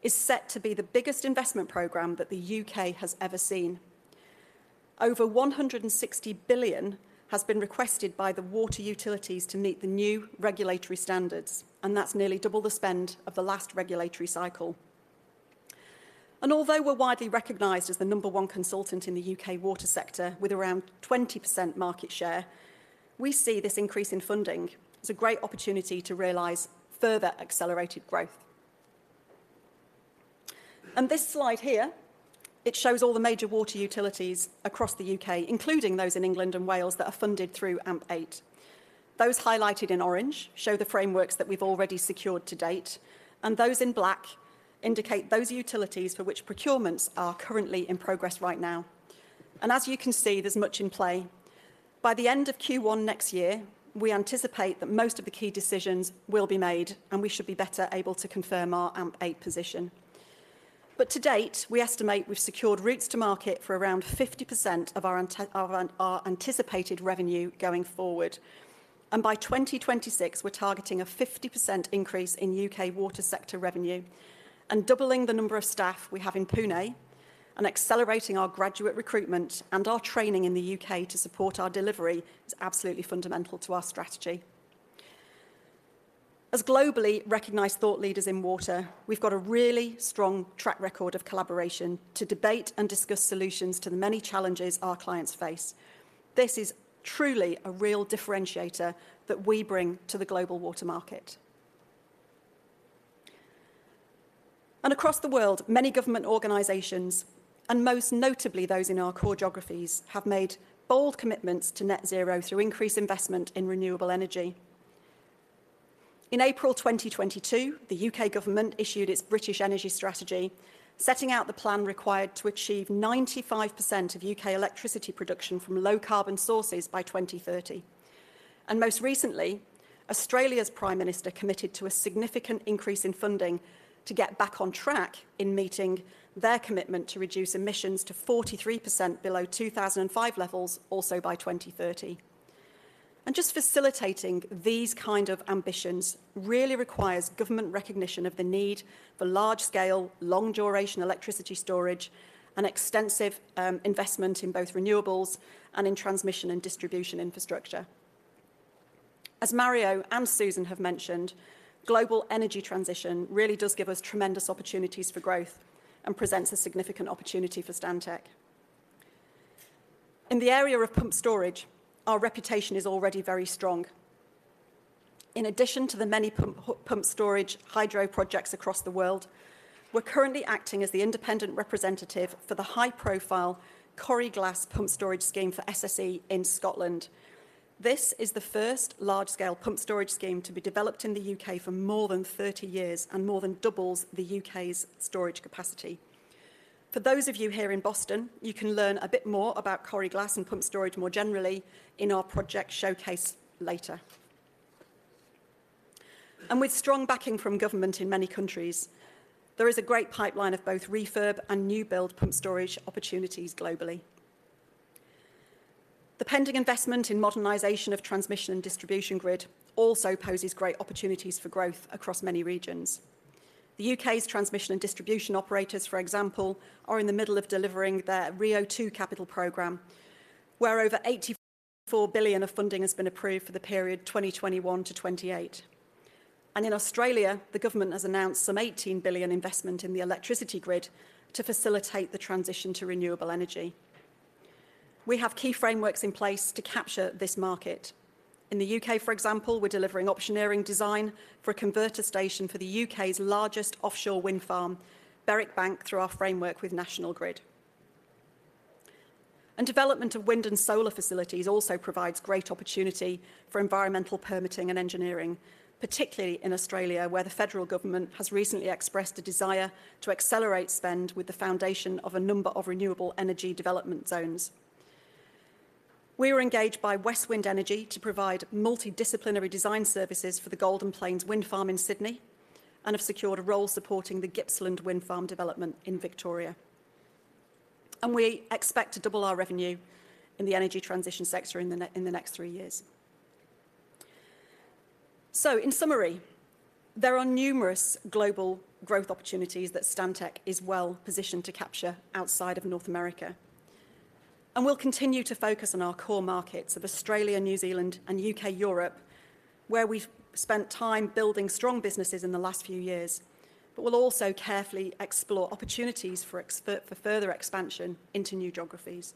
is set to be the biggest investment program that the U.K. has ever seen. Over 160 billion has been requested by the water utilities to meet the new regulatory standards, and that's nearly double the spend of the last regulatory cycle. Although we're widely recognized as the number one consultant in the U.K. water sector, with around 20% market share, we see this increase in funding as a great opportunity to realize further accelerated growth. This slide here, it shows all the major water utilities across the U.K., including those in England and Wales, that are funded through AMP8. Those highlighted in orange show the frameworks that we've already secured to date, and those in black indicate those utilities for which procurements are currently in progress right now. As you can see, there's much in play. By the end of Q1 next year, we anticipate that most of the key decisions will be made, and we should be better able to confirm our AMP8 position. But to date, we estimate we've secured routes to market for around 50% of our anticipated revenue going forward. And by 2026, we're targeting a 50% increase in U.K. water sector revenue, and doubling the number of staff we have in Pune, and accelerating our graduate recruitment and our training in the U.K. to support our delivery is absolutely fundamental to our strategy. As globally recognized thought leaders in water, we've got a really strong track record of collaboration to debate and discuss solutions to the many challenges our clients face. This is truly a real differentiator that we bring to the global water market. And across the world, many government organizations, and most notably those in our core geographies, have made bold commitments to net zero through increased investment in renewable energy. In April 2022, the U.K. government issued its British Energy Strategy, setting out the plan required to achieve 95% of U.K. electricity production from low-carbon sources by 2030. Most recently, Australia's Prime Minister committed to a significant increase in funding to get back on track in meeting their commitment to reduce emissions to 43% below 2005 levels, also by 2030. Just facilitating these kind of ambitions really requires government recognition of the need for large-scale, long-duration electricity storage and extensive investment in both renewables and in transmission and distribution infrastructure... As Mario and Susan have mentioned, global energy transition really does give us tremendous opportunities for growth and presents a significant opportunity for Stantec. In the area of pumped storage, our reputation is already very strong. In addition to the many pumped storage hydro projects across the world, we're currently acting as the independent representative for the high-profile Coire Glas pumped storage scheme for SSE in Scotland. This is the first large-scale pumped storage scheme to be developed in the U.K. for more than 30 years and more than doubles the U.K.'s storage capacity. For those of you here in Boston, you can learn a bit more about Coire Glas and pumped storage more generally in our project showcase later. With strong backing from government in many countries, there is a great pipeline of both refurb and new build pumped storage opportunities globally. The pending investment in modernization of transmission and distribution grid also poses great opportunities for growth across many regions. The U.K.'s transmission and distribution operators, for example, are in the middle of delivering their RIIO-2 capital program, where over 84 billion of funding has been approved for the period 2021 to 2028. In Australia, the government has announced some 18 billion investment in the electricity grid to facilitate the transition to renewable energy. We have key frameworks in place to capture this market. In the U.K., for example, we're delivering optioneering design for a converter station for the U.K.'s largest offshore wind farm, Berwick Bank, through our framework with National Grid. Development of wind and solar facilities also provides great opportunity for environmental permitting and engineering, particularly in Australia, where the federal government has recently expressed a desire to accelerate spend with the foundation of a number of renewable energy development zones. We were engaged by Westwind Energy to provide multidisciplinary design services for the Golden Plains wind farm in Sydney and have secured a role supporting the Gippsland wind farm development in Victoria. We expect to double our revenue in the energy transition sector in the next three years. In summary, there are numerous global growth opportunities that Stantec is well positioned to capture outside of North America, and we'll continue to focus on our core markets of Australia, New Zealand, and U.K./Europe, where we've spent time building strong businesses in the last few years. We'll also carefully explore opportunities for further expansion into new geographies.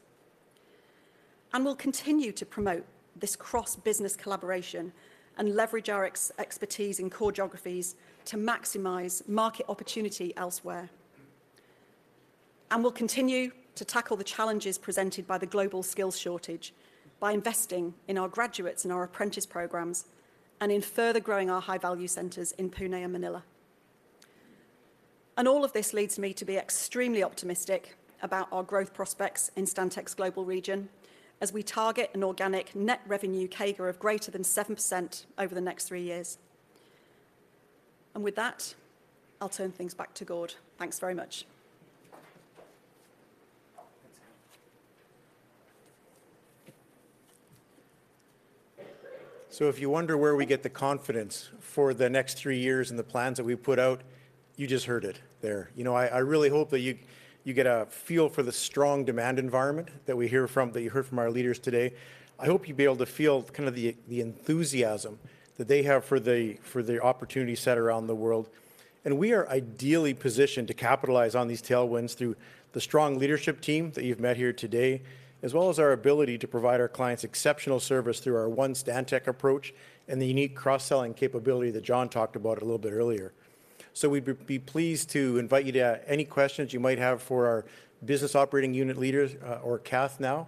We'll continue to promote this cross-business collaboration and leverage our expertise in core geographies to maximize market opportunity elsewhere. We'll continue to tackle the challenges presented by the global skills shortage by investing in our graduates and our apprentice programs and in further growing our high-value centers in Pune and Manila. All of this leads me to be extremely optimistic about our growth prospects in Stantec's global region as we target an organic net revenue CAGR of greater than 7% over the next three years. With that, I'll turn things back to Gord. Thanks very much. So if you wonder where we get the confidence for the next three years and the plans that we've put out, you just heard it there. You know, I, I really hope that you, you get a feel for the strong demand environment that we hear from—that you heard from our leaders today. I hope you'll be able to feel kind of the, the enthusiasm that they have for the, for the opportunities set around the world. And we are ideally positioned to capitalize on these tailwinds through the strong leadership team that you've met here today, as well as our ability to provide our clients exceptional service through our One Stantec approach and the unique cross-selling capability that John talked about a little bit earlier. So we'd be pleased to invite you to any questions you might have for our business operating unit leaders, or Cath now.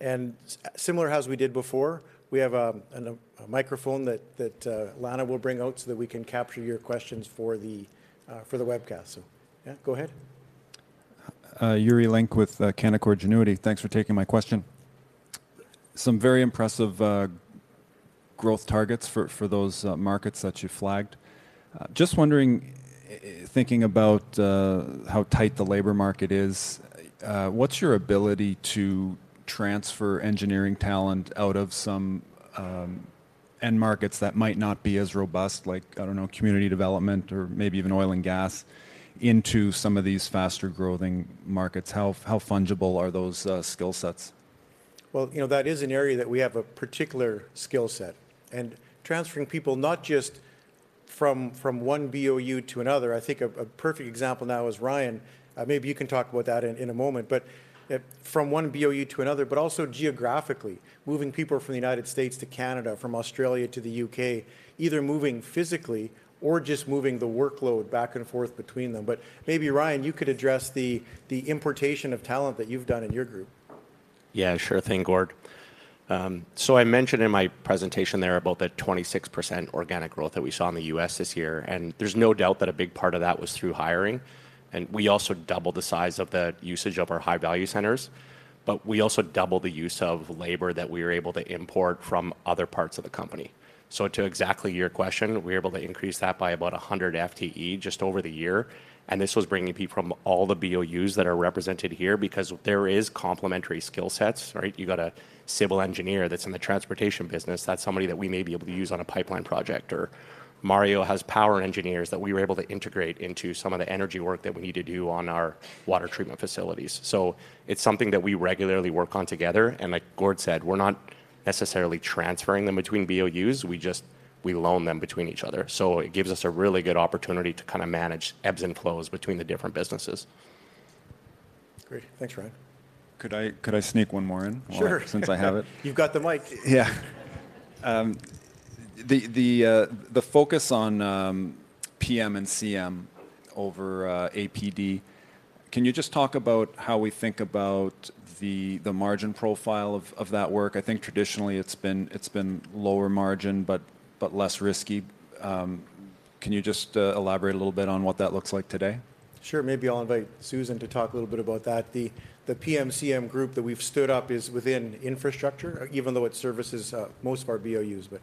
And similar as we did before, we have a microphone that Lana will bring out so that we can capture your questions for the webcast. So, yeah, go ahead. Yuri Lynk with Canaccord Genuity. Thanks for taking my question. Some very impressive growth targets for those markets that you flagged. Just wondering, thinking about how tight the labor market is, what's your ability to transfer engineering talent out of some end markets that might not be as robust, like, I don't know, community development or maybe even oil and gas, into some of these faster-growing markets? How fungible are those skill sets? Well, you know, that is an area that we have a particular skill set, and transferring people not just from one BOU to another. I think a perfect example now is Ryan. Maybe you can talk about that in a moment. But from one BOU to another, but also geographically, moving people from the United States to Canada, from Australia to the U.K., either moving physically or just moving the workload back and forth between them. But maybe, Ryan, you could address the importation of talent that you've done in your group. Yeah, sure thing, Gord. So I mentioned in my presentation there about the 26% organic growth that we saw in the U.S. this year, and there's no doubt that a big part of that was through hiring, and we also doubled the size of the usage of our high-value centers, but we also doubled the use of labor that we were able to import from other parts of the company. So to exactly your question, we were able to increase that by about 100 FTE just over the year, and this was bringing people from all the BOUs that are represented here because there is complementary skill sets, right? You got a civil engineer that's in the transportation business, that's somebody that we may be able to use on a pipeline project, or Mario has power engineers that we were able to integrate into some of the energy work that we need to do on our water treatment facilities. So it's something that we regularly work on together, and like Gord said, we're not necessarily transferring them between BOUs. We just-... we loan them between each other. So it gives us a really good opportunity to kind of manage ebbs and flows between the different businesses. Great. Thanks, Ryan. Could I sneak one more in- Sure... since I have it? You've got the mic. Yeah. The focus on PM and CM over APD, can you just talk about how we think about the margin profile of that work? I think traditionally it's been lower margin, but less risky. Can you just elaborate a little bit on what that looks like today? Sure. Maybe I'll invite Susan to talk a little bit about that. The PM/CM group that we've stood up is within infrastructure, even though it services most of our BOUs, but-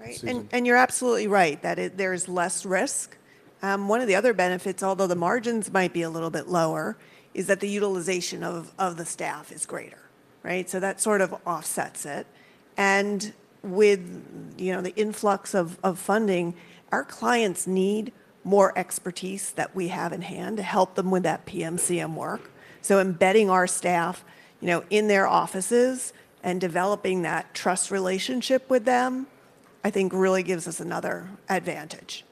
Right. Susan. And you're absolutely right, that there's less risk. One of the other benefits, although the margins might be a little bit lower, is that the utilization of the staff is greater, right? So that sort of offsets it. And with, you know, the influx of funding, our clients need more expertise that we have in hand to help them with that PM/CM work. So embedding our staff, you know, in their offices and developing that trust relationship with them, I think really gives us another advantage.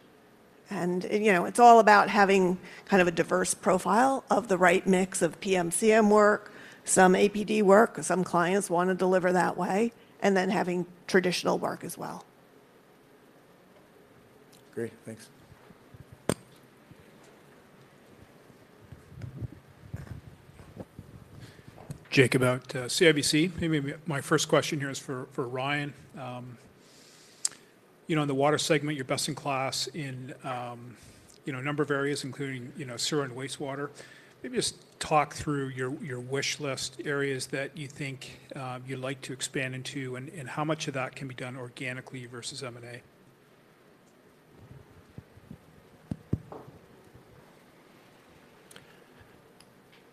And, you know, it's all about having kind of a diverse profile of the right mix of PM/CM work, some APD work, some clients want to deliver that way, and then having traditional work as well. Great, thanks. Jacob Bout CIBC. Maybe my first question here is for, for Ryan. You know, in the water segment, you're best in class in, you know, a number of areas, including, you know, sewer and wastewater. Maybe just talk through your, your wish list, areas that you think you'd like to expand into, and how much of that can be done organically versus M&A?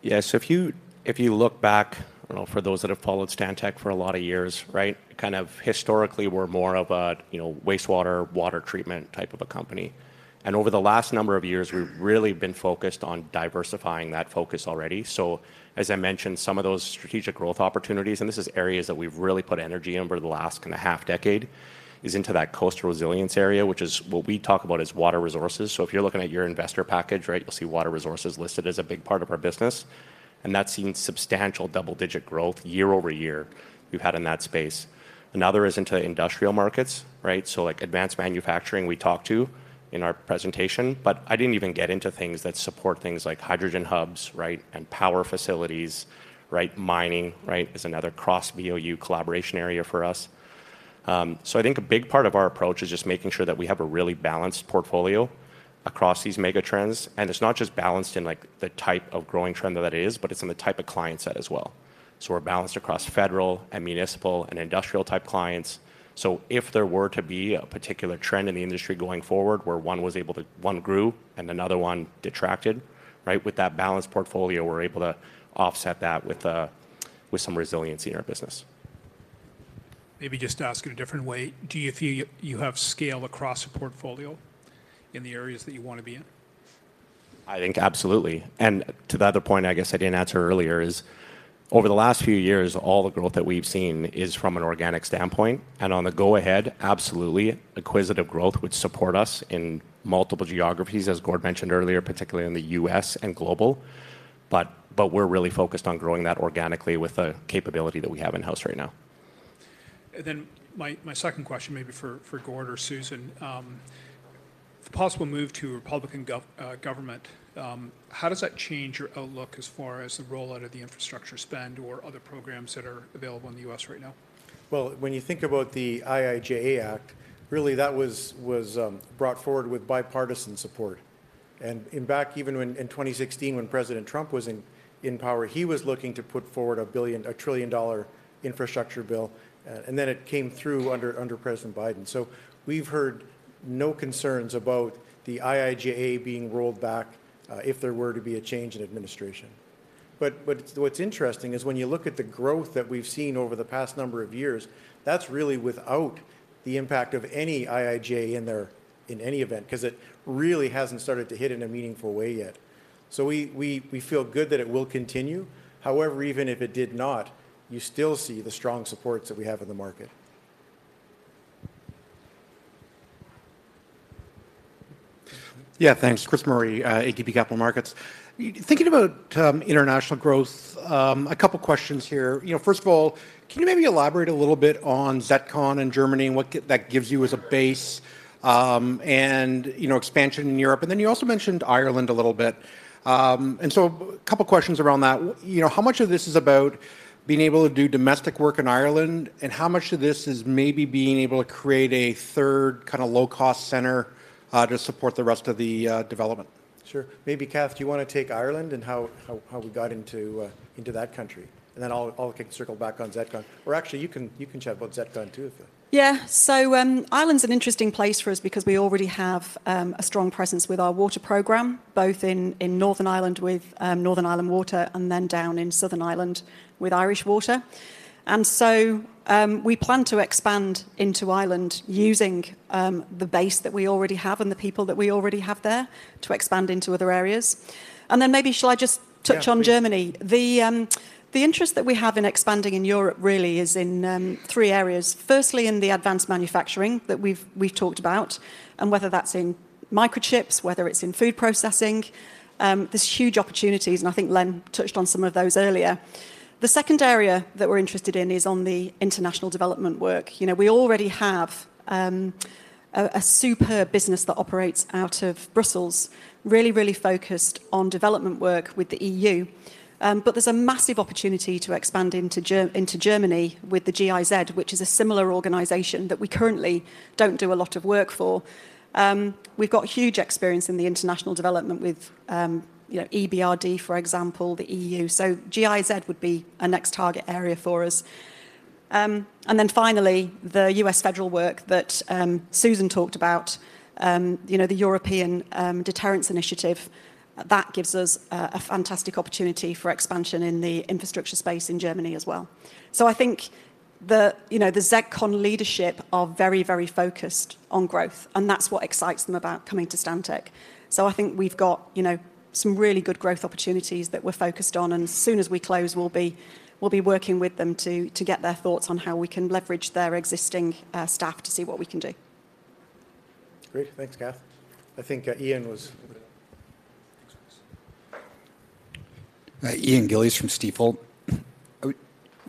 Yeah. So if you, if you look back, you know, for those that have followed Stantec for a lot of years, right? Kind of historically, we're more of a, you know, wastewater, water treatment type of a company. And over the last number of years, we've really been focused on diversifying that focus already. So as I mentioned, some of those strategic growth opportunities, and this is areas that we've really put energy in over the last and a half decade, is into that coastal resilience area, which is what we talk about as water resources. So if you're looking at your investor package, right, you'll see water resources listed as a big part of our business, and that's seen substantial double-digit growth year-over-year we've had in that space. Another is into industrial markets, right? So, like, advanced manufacturing, we talked to in our presentation, but I didn't even get into things that support things like hydrogen hubs, right, and power facilities, right? Mining, right, is another cross-BOU collaboration area for us. So I think a big part of our approach is just making sure that we have a really balanced portfolio across these mega trends, and it's not just balanced in, like, the type of growing trend that that is, but it's in the type of client set as well. So we're balanced across federal, and municipal, and industrial-type clients. So if there were to be a particular trend in the industry going forward, where one was able to... one grew and another one detracted, right, with that balanced portfolio, we're able to offset that with, with some resiliency in our business. Maybe just to ask in a different way, do you feel you, you have scale across the portfolio in the areas that you want to be in? I think absolutely. And to the other point, I guess I didn't answer earlier, is over the last few years, all the growth that we've seen is from an organic standpoint, and on the go-ahead, absolutely, acquisitive growth would support us in multiple geographies, as Gord mentioned earlier, particularly in the U.S. and global. But, but we're really focused on growing that organically with the capability that we have in-house right now. And then my second question, maybe for Gord or Susan. The possible move to Republican government, how does that change your outlook as far as the rollout of the infrastructure spend or other programs that are available in the U.S. right now? Well, when you think about the IIJA Act, really, that was brought forward with bipartisan support. And in fact, even when in 2016, when President Trump was in power, he was looking to put forward a $1 trillion infrastructure bill, and then it came through under President Biden. So we've heard no concerns about the IIJA being rolled back, if there were to be a change in administration. But what's interesting is when you look at the growth that we've seen over the past number of years, that's really without the impact of any IIJA in there, in any event, 'cause it really hasn't started to hit in a meaningful way yet. So we feel good that it will continue. However, even if it did not, you still see the strong supports that we have in the market. Yeah, thanks. Chris Murray, ATB Capital Markets. Thinking about international growth, a couple of questions here. You know, first of all, can you maybe elaborate a little bit on ZETCON and Germany, and what that gives you as a base, and, you know, expansion in Europe? And then you also mentioned Ireland a little bit. And so a couple of questions around that. You know, how much of this is about being able to do domestic work in Ireland, and how much of this is maybe being able to create a third kind of low-cost center, to support the rest of the development? Sure. Maybe, Cath, do you want to take Ireland and how we got into that country? And then I'll circle back on ZETCON. Or actually, you can chat about ZETCON, too, if- Yeah. So, Ireland's an interesting place for us because we already have a strong presence with our water program, both in Northern Ireland with Northern Ireland Water, and then down in Southern Ireland with Irish Water. And so, we plan to expand into Ireland using the base that we already have and the people that we already have there to expand into other areas. And then maybe shall I just touch on Germany? Yeah, please. The interest that we have in expanding in Europe really is in three areas: firstly, in the advanced manufacturing that we've talked about, and whether that's in microchips, whether it's in food processing, there's huge opportunities, and I think Len touched on some of those earlier. The second area that we're interested in is on the international development work. You know, we already have-... a superb business that operates out of Brussels, really, really focused on development work with the EU. But there's a massive opportunity to expand into Germany with the GIZ, which is a similar organization that we currently don't do a lot of work for. We've got huge experience in the international development with, you know, EBRD, for example, the EU. So GIZ would be a next target area for us. And then finally, the U.S. federal work that Susan talked about, you know, the European Deterrence Initiative, that gives us a fantastic opportunity for expansion in the infrastructure space in Germany as well. So I think the, you know, the ZETCON leadership are very, very focused on growth, and that's what excites them about coming to Stantec. I think we've got, you know, some really good growth opportunities that we're focused on, and as soon as we close, we'll be working with them to get their thoughts on how we can leverage their existing staff to see what we can do. Great. Thanks, Cath. I think, Ian was- Ian Gillies from Stifel.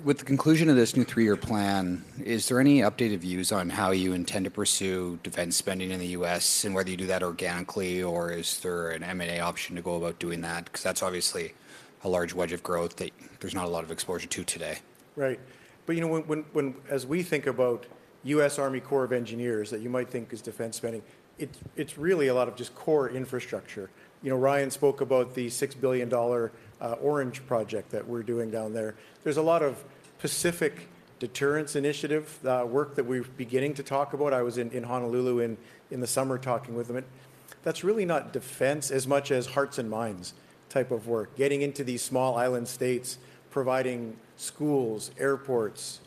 With the conclusion of this new three-year plan, is there any updated views on how you intend to pursue defense spending in the U.S., and whether you do that organically, or is there an M&A option to go about doing that? 'Cause that's obviously a large wedge of growth that there's not a lot of exposure to today. Right. But, you know, when as we think about U.S. Army Corps of Engineers, that you might think is defense spending, it's really a lot of just core infrastructure. You know, Ryan spoke about the $6 billion Project Orange that we're doing down there. There's a lot of Pacific Deterrence Initiative work that we're beginning to talk about. I was in Honolulu in the summer talking with them, and that's really not defense as much as hearts and minds type of work, getting into these small island states, providing schools, airports,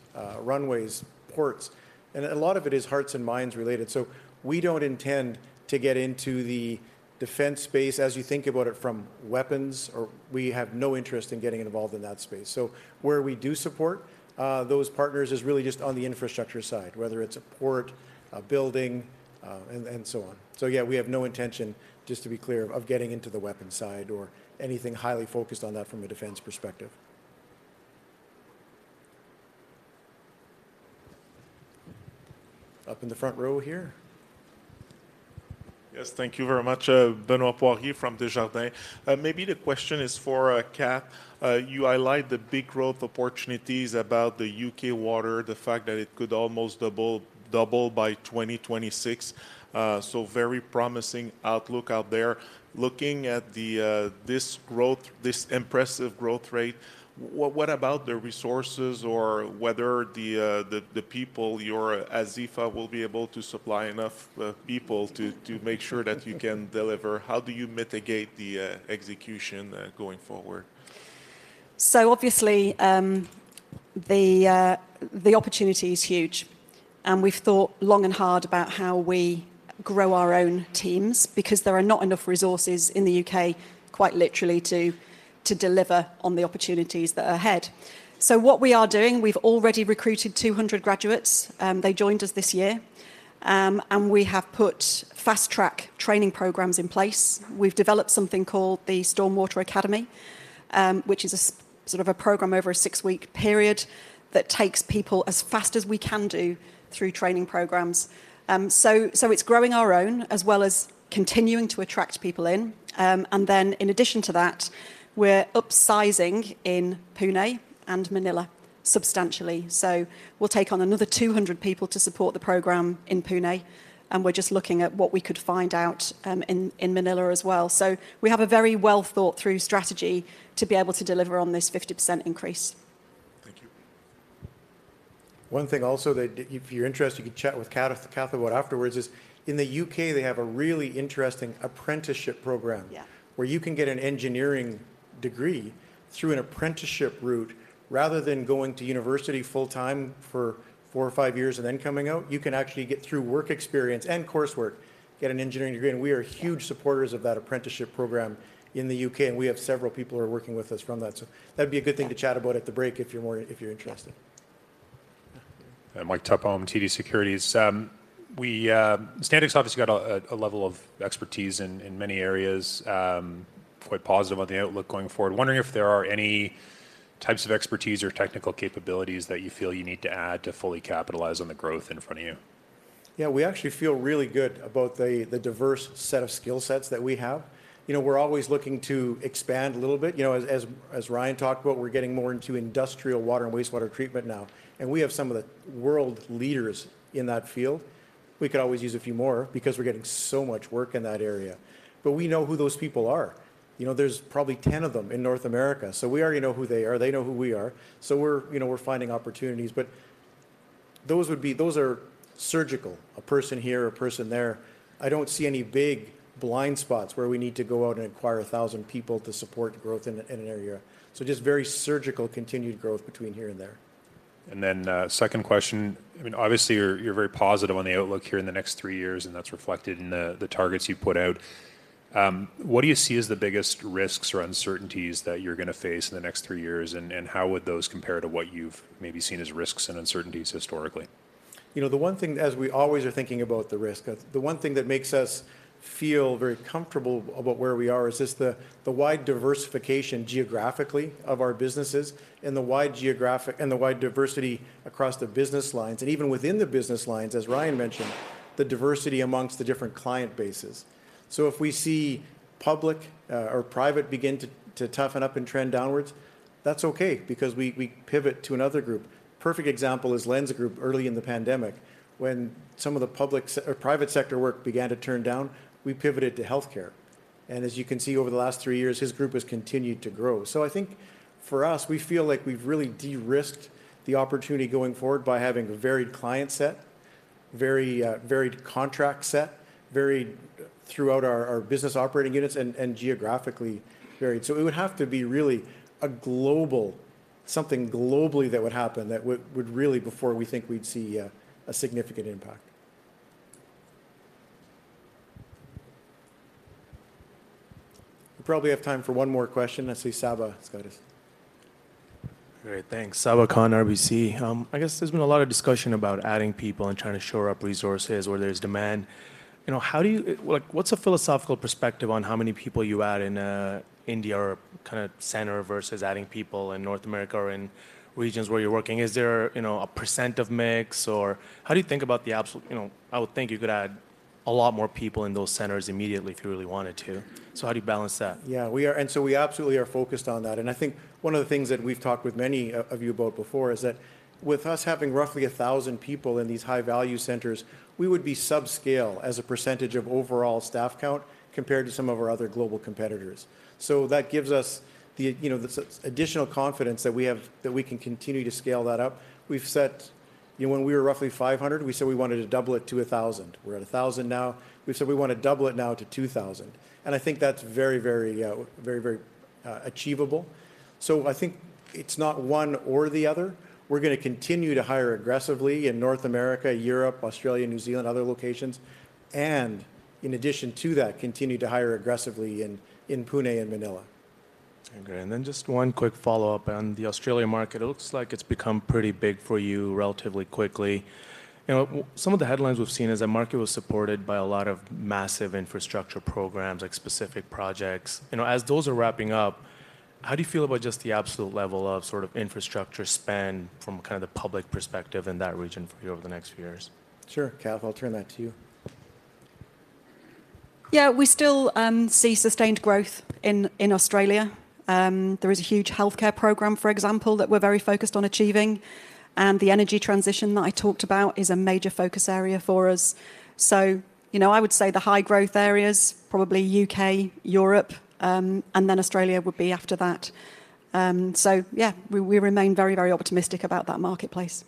runways, ports, and a lot of it is hearts and minds related. So we don't intend to get into the defense space as you think about it from weapons or... We have no interest in getting involved in that space. So where we do support those partners is really just on the infrastructure side, whether it's a port, a building, and so on. So yeah, we have no intention, just to be clear, of getting into the weapons side or anything highly focused on that from a defense perspective. Up in the front row here. Yes, thank you very much. Benoit Poirier from Desjardins. Maybe the question is for, Cath. You highlight the big growth opportunities about the U.K. water, the fact that it could almost double, double by 2026, so very promising outlook out there. Looking at the, this growth, this impressive growth rate, what, what about the resources or whether the, the people, your Asifa will be able to supply enough, people to make sure that you can deliver? How do you mitigate the, execution, going forward? So obviously, the opportunity is huge, and we've thought long and hard about how we grow our own teams because there are not enough resources in the U.K., quite literally, to deliver on the opportunities that are ahead. So what we are doing, we've already recruited 200 graduates. They joined us this year. And we have put fast-track training programs in place. We've developed something called the Stormwater Academy, which is a sort of a program over a six-week period that takes people as fast as we can do through training programs. So it's growing our own, as well as continuing to attract people in. And then, in addition to that, we're upsizing in Pune and Manila substantially. So we'll take on another 200 people to support the program in Pune, and we're just looking at what we could find out in Manila as well. So we have a very well-thought-through strategy to be able to deliver on this 50% increase. Thank you. One thing also that, if you're interested, you can chat with Cath about afterwards, is in the U.K., they have a really interesting apprenticeship program- Yeah -where you can get an engineering degree through an apprenticeship route. Rather than going to university full-time for four or five years and then coming out, you can actually get through work experience and coursework, get an engineering degree. And we are- Yeah Huge supporters of that apprenticeship program in the U.K., and we have several people who are working with us from that. So that'd be a good thing to chat about at the break if you're more... if you're interested. Mike Tupholme from TD Securities. We, Stantec's obviously got a level of expertise in many areas, quite positive on the outlook going forward. Wondering if there are any types of expertise or technical capabilities that you feel you need to add to fully capitalize on the growth in front of you? Yeah, we actually feel really good about the diverse set of skill sets that we have. You know, we're always looking to expand a little bit. You know, as Ryan talked about, we're getting more into industrial water and wastewater treatment now, and we have some of the world leaders in that field. We could always use a few more because we're getting so much work in that area. But we know who those people are. You know, there's probably 10 of them in North America. So we already know who they are. They know who we are. So we're, you know, we're finding opportunities. But those would be - those are surgical, a person here, a person there. I don't see any big blind spots where we need to go out and acquire 1,000 people to support growth in an area. Just very surgical, continued growth between here and there. And then, second question, I mean, obviously you're, you're very positive on the outlook here in the next three years, and that's reflected in the, the targets you've put out. What do you see as the biggest risks or uncertainties that you're going to face in the next three years, and, and how would those compare to what you've maybe seen as risks and uncertainties historically? You know, the one thing, as we always are thinking about the risk, the one thing that makes us feel very comfortable about where we are is just the wide diversification geographically of our businesses and the wide diversity across the business lines, and even within the business lines, as Ryan mentioned, the diversity amongst the different client bases. So if we see public or private begin to toughen up and trend downwards, that's okay because we pivot to another group. Perfect example is Len's group early in the pandemic. When some of the public or private sector work began to turn down, we pivoted to healthcare. And as you can see, over the last three years, his group has continued to grow. So I think for us, we feel like we've really de-risked the opportunity going forward by having a varied client set, very varied contract set, varied throughout our business operating units and geographically varied. So it would have to be really a global... something globally that would really before we think we'd see a significant impact. We probably have time for one more question. I see Saba's got his- Great, thanks. Saba Khan, RBC. I guess there's been a lot of discussion about adding people and trying to shore up resources where there's demand. You know, how do you—like, what's a philosophical perspective on how many people you add in India or kind of center versus adding people in North America or in regions where you're working? Is there, you know, a percent of mix, or how do you think about the absolute... You know, I would think you could add a lot more people in those centers immediately if you really wanted to. So how do you balance that? Yeah, we are, and so we absolutely are focused on that. I think one of the things that we've talked with many of, of you about before is that with us having roughly 1,000 people in these high-value centers, we would be subscale as a percentage of overall staff count compared to some of our other global competitors. That gives us the, you know, the additional confidence that we have, that we can continue to scale that up. We've, you know, when we were roughly 500, we said we wanted to double it to 1,000. We're at 1,000 now, we've said we want to double it now to 2,000, and I think that's very, very, very, very achievable. I think it's not one or the other. We're going to continue to hire aggressively in North America, Europe, Australia, New Zealand, other locations, and in addition to that, continue to hire aggressively in Pune and Manila. Okay, and then just one quick follow-up on the Australian market. It looks like it's become pretty big for you relatively quickly. You know, with some of the headlines we've seen is that market was supported by a lot of massive infrastructure programs, like specific projects. You know, as those are wrapping up, how do you feel about just the absolute level of sort of infrastructure spend from kind of the public perspective in that region for you over the next few years? Sure. Cath, I'll turn that to you. Yeah, we still see sustained growth in Australia. There is a huge healthcare program, for example, that we're very focused on achieving, and the energy transition that I talked about is a major focus area for us. So, you know, I would say the high-growth areas, probably U.K., Europe, and then Australia would be after that. So yeah, we remain very, very optimistic about that marketplace.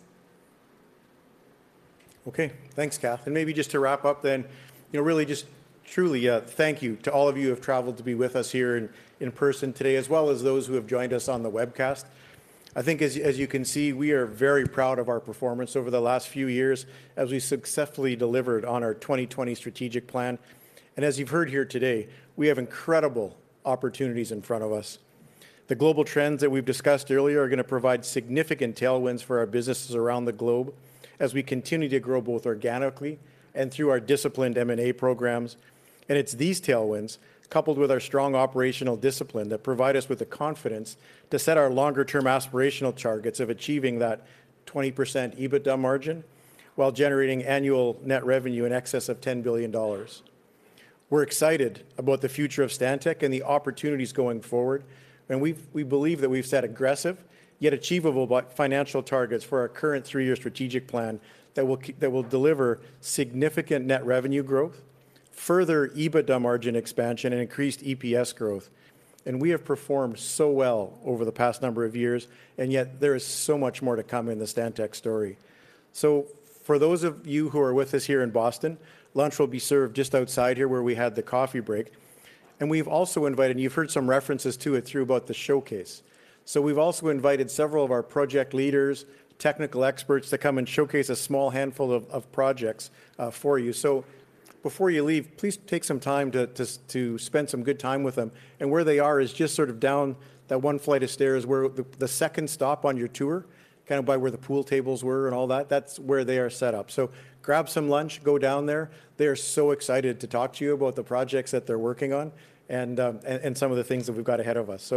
Okay. Thanks, Cath. Maybe just to wrap up then, you know, really just truly, thank you to all of you who have traveled to be with us here in person today, as well as those who have joined us on the webcast. I think as you can see, we are very proud of our performance over the last few years as we successfully delivered on our 2020 strategic plan. And as you've heard here today, we have incredible opportunities in front of us. The global trends that we've discussed earlier are going to provide significant tailwinds for our businesses around the globe as we continue to grow both organically and through our disciplined M&A programs. It's these tailwinds, coupled with our strong operational discipline, that provide us with the confidence to set our longer-term aspirational targets of achieving that 20% EBITDA margin while generating annual net revenue in excess of $10 billion. We're excited about the future of Stantec and the opportunities going forward, and we believe that we've set aggressive, yet achievable but financial targets for our current three-year strategic plan that will deliver significant net revenue growth, further EBITDA margin expansion, and increased EPS growth. And we have performed so well over the past number of years, and yet there is so much more to come in the Stantec story. So for those of you who are with us here in Boston, lunch will be served just outside here, where we had the coffee break. And we've also invited... You've heard some references to it through about the showcase. So we've also invited several of our project leaders, technical experts, to come and showcase a small handful of projects for you. So before you leave, please take some time to, just, to spend some good time with them. And where they are is just sort of down that one flight of stairs, where the second stop on your tour, kind of by where the pool tables were and all that, that's where they are set up. So grab some lunch, go down there. They are so excited to talk to you about the projects that they're working on and some of the things that we've got ahead of us.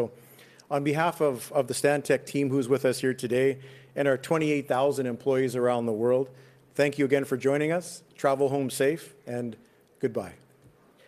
On behalf of the Stantec team who's with us here today and our 28,000 employees around the world, thank you again for joining us. Travel home safe, and goodbye.